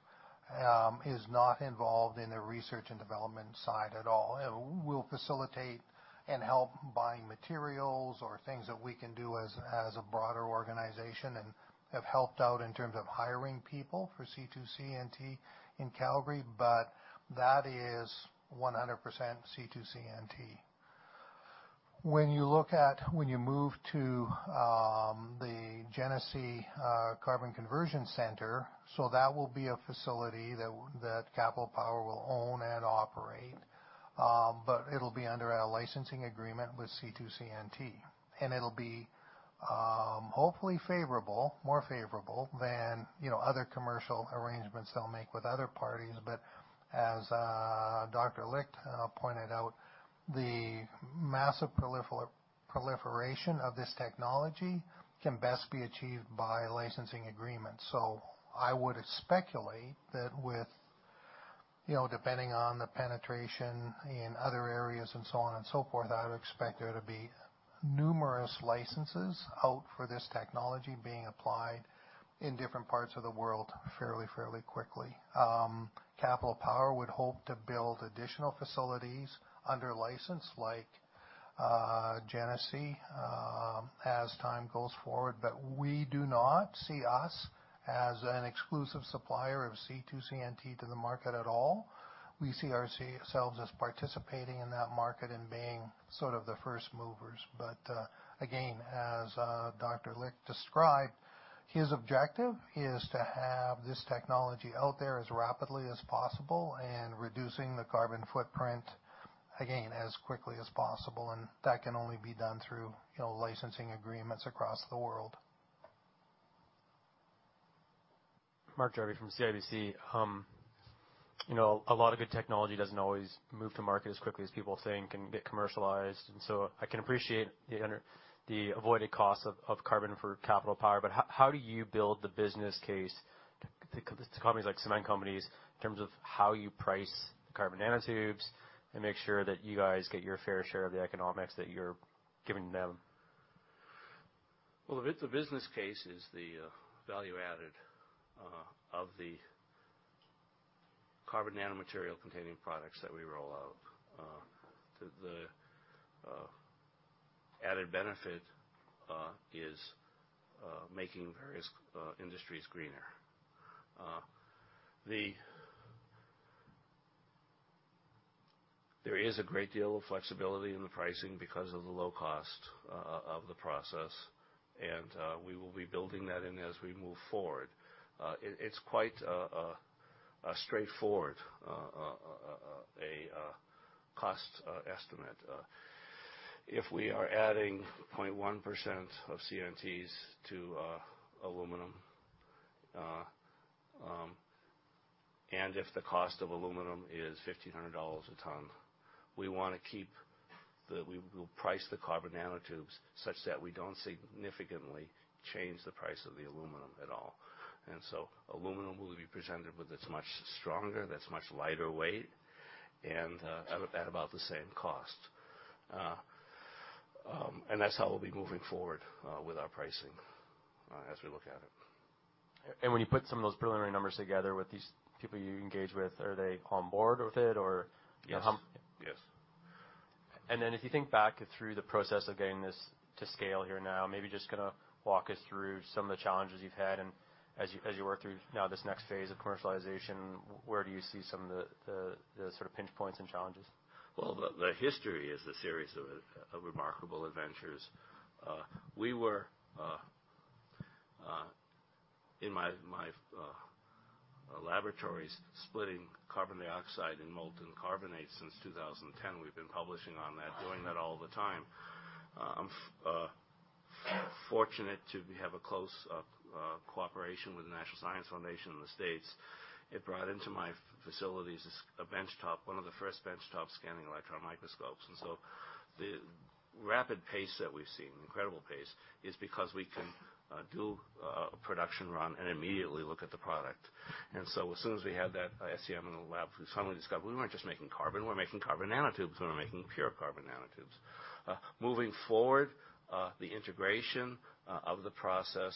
is not involved in the research and development side at all. We'll facilitate and help buying materials or things that we can do as a broader organization and have helped out in terms of hiring people for C2CNT in Calgary. That is 100% C2CNT. When you move to the Genesee Carbon Conversion Center, that will be a facility that Capital Power will own and operate. It'll be under a licensing agreement with C2CNT. It'll be hopefully more favorable than other commercial arrangements they'll make with other parties. As Dr. Licht pointed out, the massive proliferation of this technology can best be achieved by licensing agreements. I would speculate that with, depending on the penetration in other areas and so on and so forth, I would expect there to be numerous licenses out for this technology being applied in different parts of the world fairly quickly. Capital Power would hope to build additional facilities under license, like Genesee, as time goes forward. We do not see us as an exclusive supplier of C2CNT to the market at all. We see ourselves as participating in that market and being sort of the first movers. Again, as Dr. Licht described, his objective is to have this technology out there as rapidly as possible and reducing the carbon footprint, again, as quickly as possible, and that can only be done through licensing agreements across the world. Mark Jarvi from CIBC. A lot of good technology doesn't always move to market as quickly as people think and get commercialized, and so I can appreciate the avoided cost of carbon for Capital Power, but how do you build the business case to companies like cement companies in terms of how you price carbon nanotubes and make sure that you guys get your fair share of the economics that you're giving them? Well, the business case is the value added of the carbon nanomaterial-containing products that we roll out. The added benefit is making various industries greener. There is a great deal of flexibility in the pricing because of the low cost of the process, and we will be building that in as we move forward. It's quite a straightforward cost estimate. If we are adding 0.1% of CNTs to aluminum, and if the cost of aluminum is 1,500 dollars a tonne, we will price the carbon nanotubes such that we don't significantly change the price of the aluminum at all. So aluminum will be presented, but it's much stronger, that's much lighter weight, and at about the same cost. That's how we'll be moving forward with our pricing as we look at it. When you put some of those preliminary numbers together with these people you engage with, are they on board with it or? Yes. If you think back through the process of getting this to scale here now, maybe just going to walk us through some of the challenges you've had and as you work through now this next phase of commercialization, where do you see some of the sort of pinch points and challenges? Well, the history is a series of remarkable adventures. We were, in my laboratories, splitting carbon dioxide and molten carbonate since 2010. We've been publishing on that, doing that all the time. I'm fortunate to have a close cooperation with the National Science Foundation in the U.S. It brought into my facilities a bench top, one of the first bench top scanning electron microscopes. The rapid pace that we've seen, incredible pace, is because we can do a production run and immediately look at the product. As soon as we had that SEM in the lab, we suddenly discovered we weren't just making carbon, we're making carbon nanotubes, and we're making pure carbon nanotubes. Moving forward, the integration of the process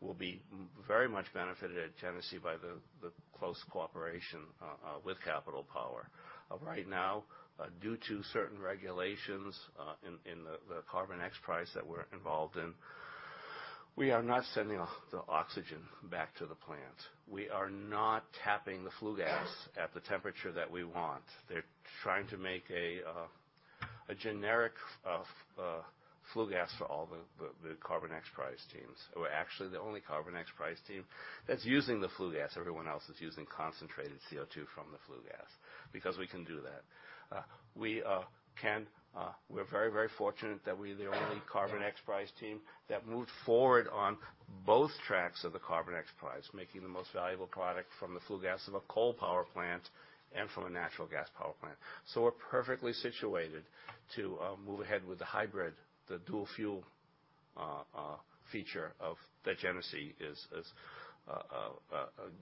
will be very much benefited at Genesee by the close cooperation with Capital Power. Right now, due to certain regulations in the Carbon XPRIZE that we're involved in. We are not sending the oxygen back to the plant. We are not tapping the flue gas at the temperature that we want. They're trying to make a generic flue gas for all the Carbon XPRIZE teams. We're actually the only Carbon XPRIZE team that's using the flue gas. Everyone else is using concentrated CO2 from the flue gas, because we can do that. We're very fortunate that we're the only Carbon XPRIZE team that moved forward on both tracks of the Carbon XPRIZE, making the most valuable product from the flue gas of a coal power plant and from a natural gas power plant. We're perfectly situated to move ahead with the hybrid, the dual-fuel feature that Genesee is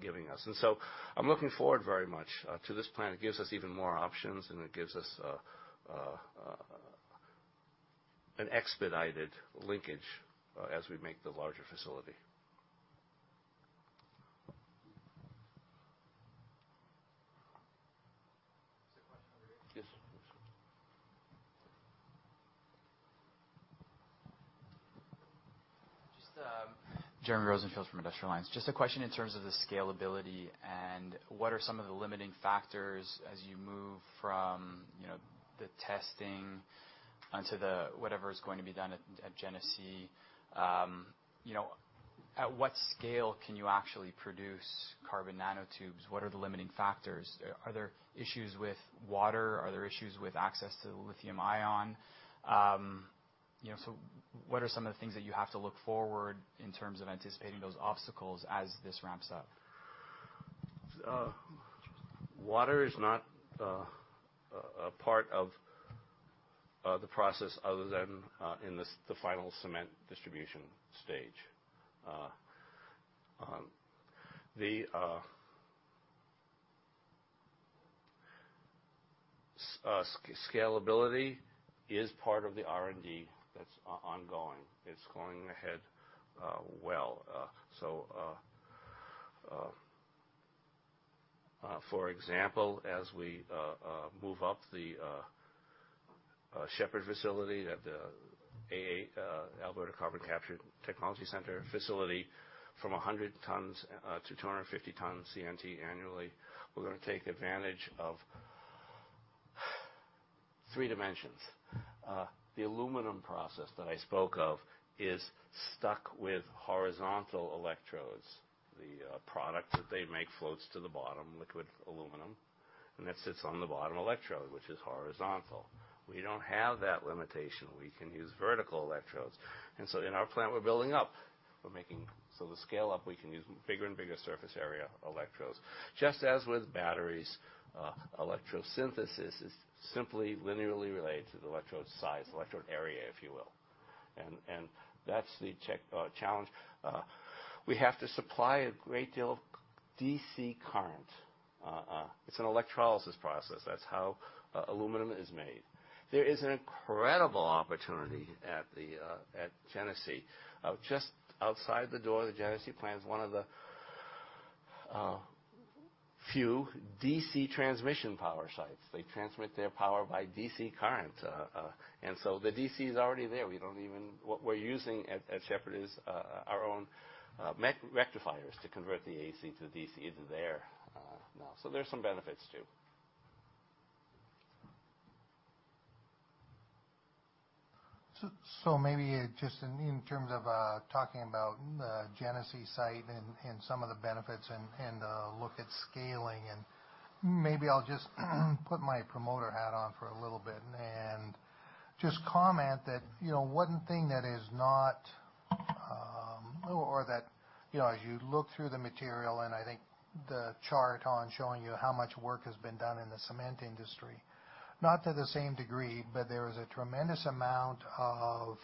giving us. I'm looking forward very much to this plant. It gives us even more options, and it gives us an expedited linkage as we make the larger facility. There's a question over here. Yes. Jeremy Rosenfield from Industrial Alliance. Just a question in terms of the scalability and what are some of the limiting factors as you move from the testing onto the whatever's going to be done at Genesee. At what scale can you actually produce carbon nanotubes? What are the limiting factors? Are there issues with water? Are there issues with access to lithium-ion? What are some of the things that you have to look forward in terms of anticipating those obstacles as this ramps up? Water is not a part of the process other than in the final cement distribution stage. The scalability is part of the R&D that's ongoing. It's going ahead well. For example, as we move up the Shepard facility at the Alberta Carbon Conversion Technology Centre facility from 100 tonnes to 250 tonnes CNT annually, we're going to take advantage of three dimensions. The aluminum process that I spoke of is stuck with horizontal electrodes. The product that they make floats to the bottom, liquid aluminum, and that sits on the bottom electrode, which is horizontal. We don't have that limitation. We can use vertical electrodes. In our plant, we're building up. The scale up, we can use bigger and bigger surface area electrodes. Just as with batteries, electrosynthesis is simply linearly related to the electrode size, electrode area, if you will. That's the challenge. We have to supply a great deal of DC current. It's an electrolysis process. That's how aluminum is made. There is an incredible opportunity at Genesee. Just outside the door of the Genesee plant is one of the few DC transmission power sites. They transmit their power by DC current. The DC is already there. What we're using at Shepard is our own rectifiers to convert the AC to DC is there now. There's some benefits, too. Maybe just in terms of talking about the Genesee site and some of the benefits and a look at scaling and maybe I'll just put my promoter hat on for a little bit and just comment that one thing that is not, or that as you look through the material and I think the chart on showing you how much work has been done in the cement industry, not to the same degree, but there is a tremendous amount of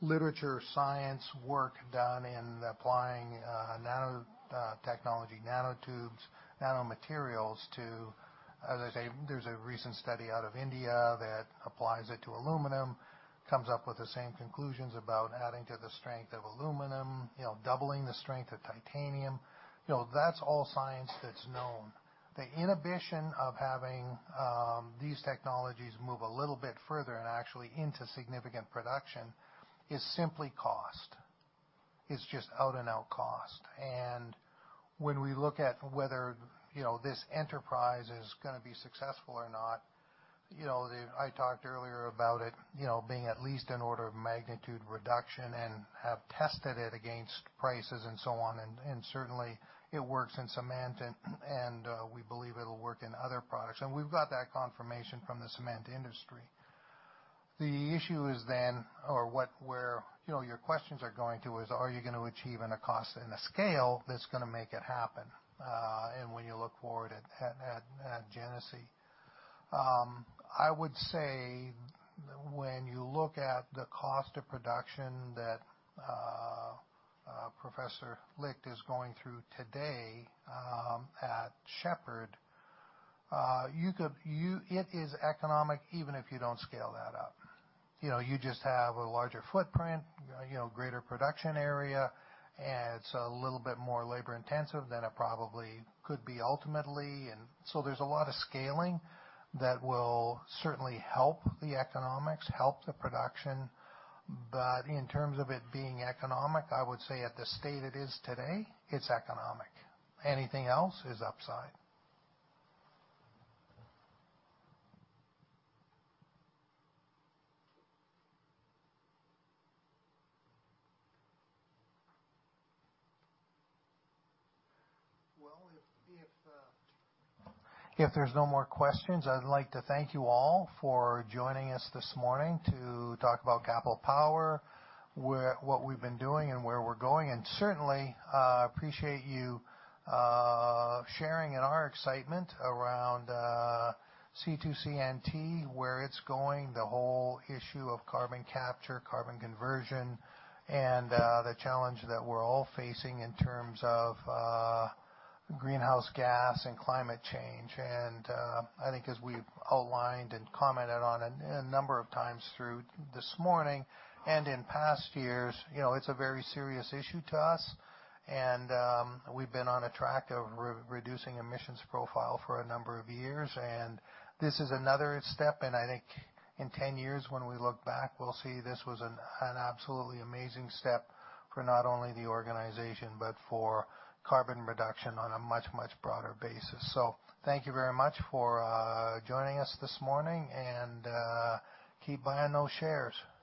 literature, science, work done in applying nanotechnology, nanotubes, nanomaterials to, as I say, there's a recent study out of India that applies it to aluminum, comes up with the same conclusions about adding to the strength of aluminum, doubling the strength of titanium. That's all science that's known. The inhibition of having these technologies move a little bit further and actually into significant production is simply cost. It's just out and out cost. When we look at whether this enterprise is going to be successful or not, I talked earlier about it being at least an order of magnitude reduction and have tested it against prices and so on. Certainly, it works in cement and we believe it'll work in other products. We've got that confirmation from the cement industry. The issue is then, or where your questions are going to is, are you going to achieve in a cost and a scale that's going to make it happen in when you look forward at Genesee? I would say when you look at the cost of production that Professor Licht is going through today at Shepard, it is economic, even if you don't scale that up. You just have a larger footprint, greater production area, and it's a little bit more labor-intensive than it probably could be ultimately. There's a lot of scaling that will certainly help the economics, help the production. In terms of it being economic, I would say at the state it is today, it's economic. Anything else is upside. Well, if there's no more questions, I'd like to thank you all for joining us this morning to talk about Capital Power, what we've been doing and where we're going, and certainly appreciate you sharing in our excitement around C2CNT, where it's going, the whole issue of carbon capture, carbon conversion, and the challenge that we're all facing in terms of greenhouse gas and climate change. I think as we've outlined and commented on a number of times through this morning and in past years, it is a very serious issue to us. We've been on a track of reducing emissions profile for a number of years, and this is another step. I think in 10 years, when we look back, we will see this was an absolutely amazing step for not only the organization, but for carbon reduction on a much, much broader basis. Thank you very much for joining us this morning, and keep buying those shares.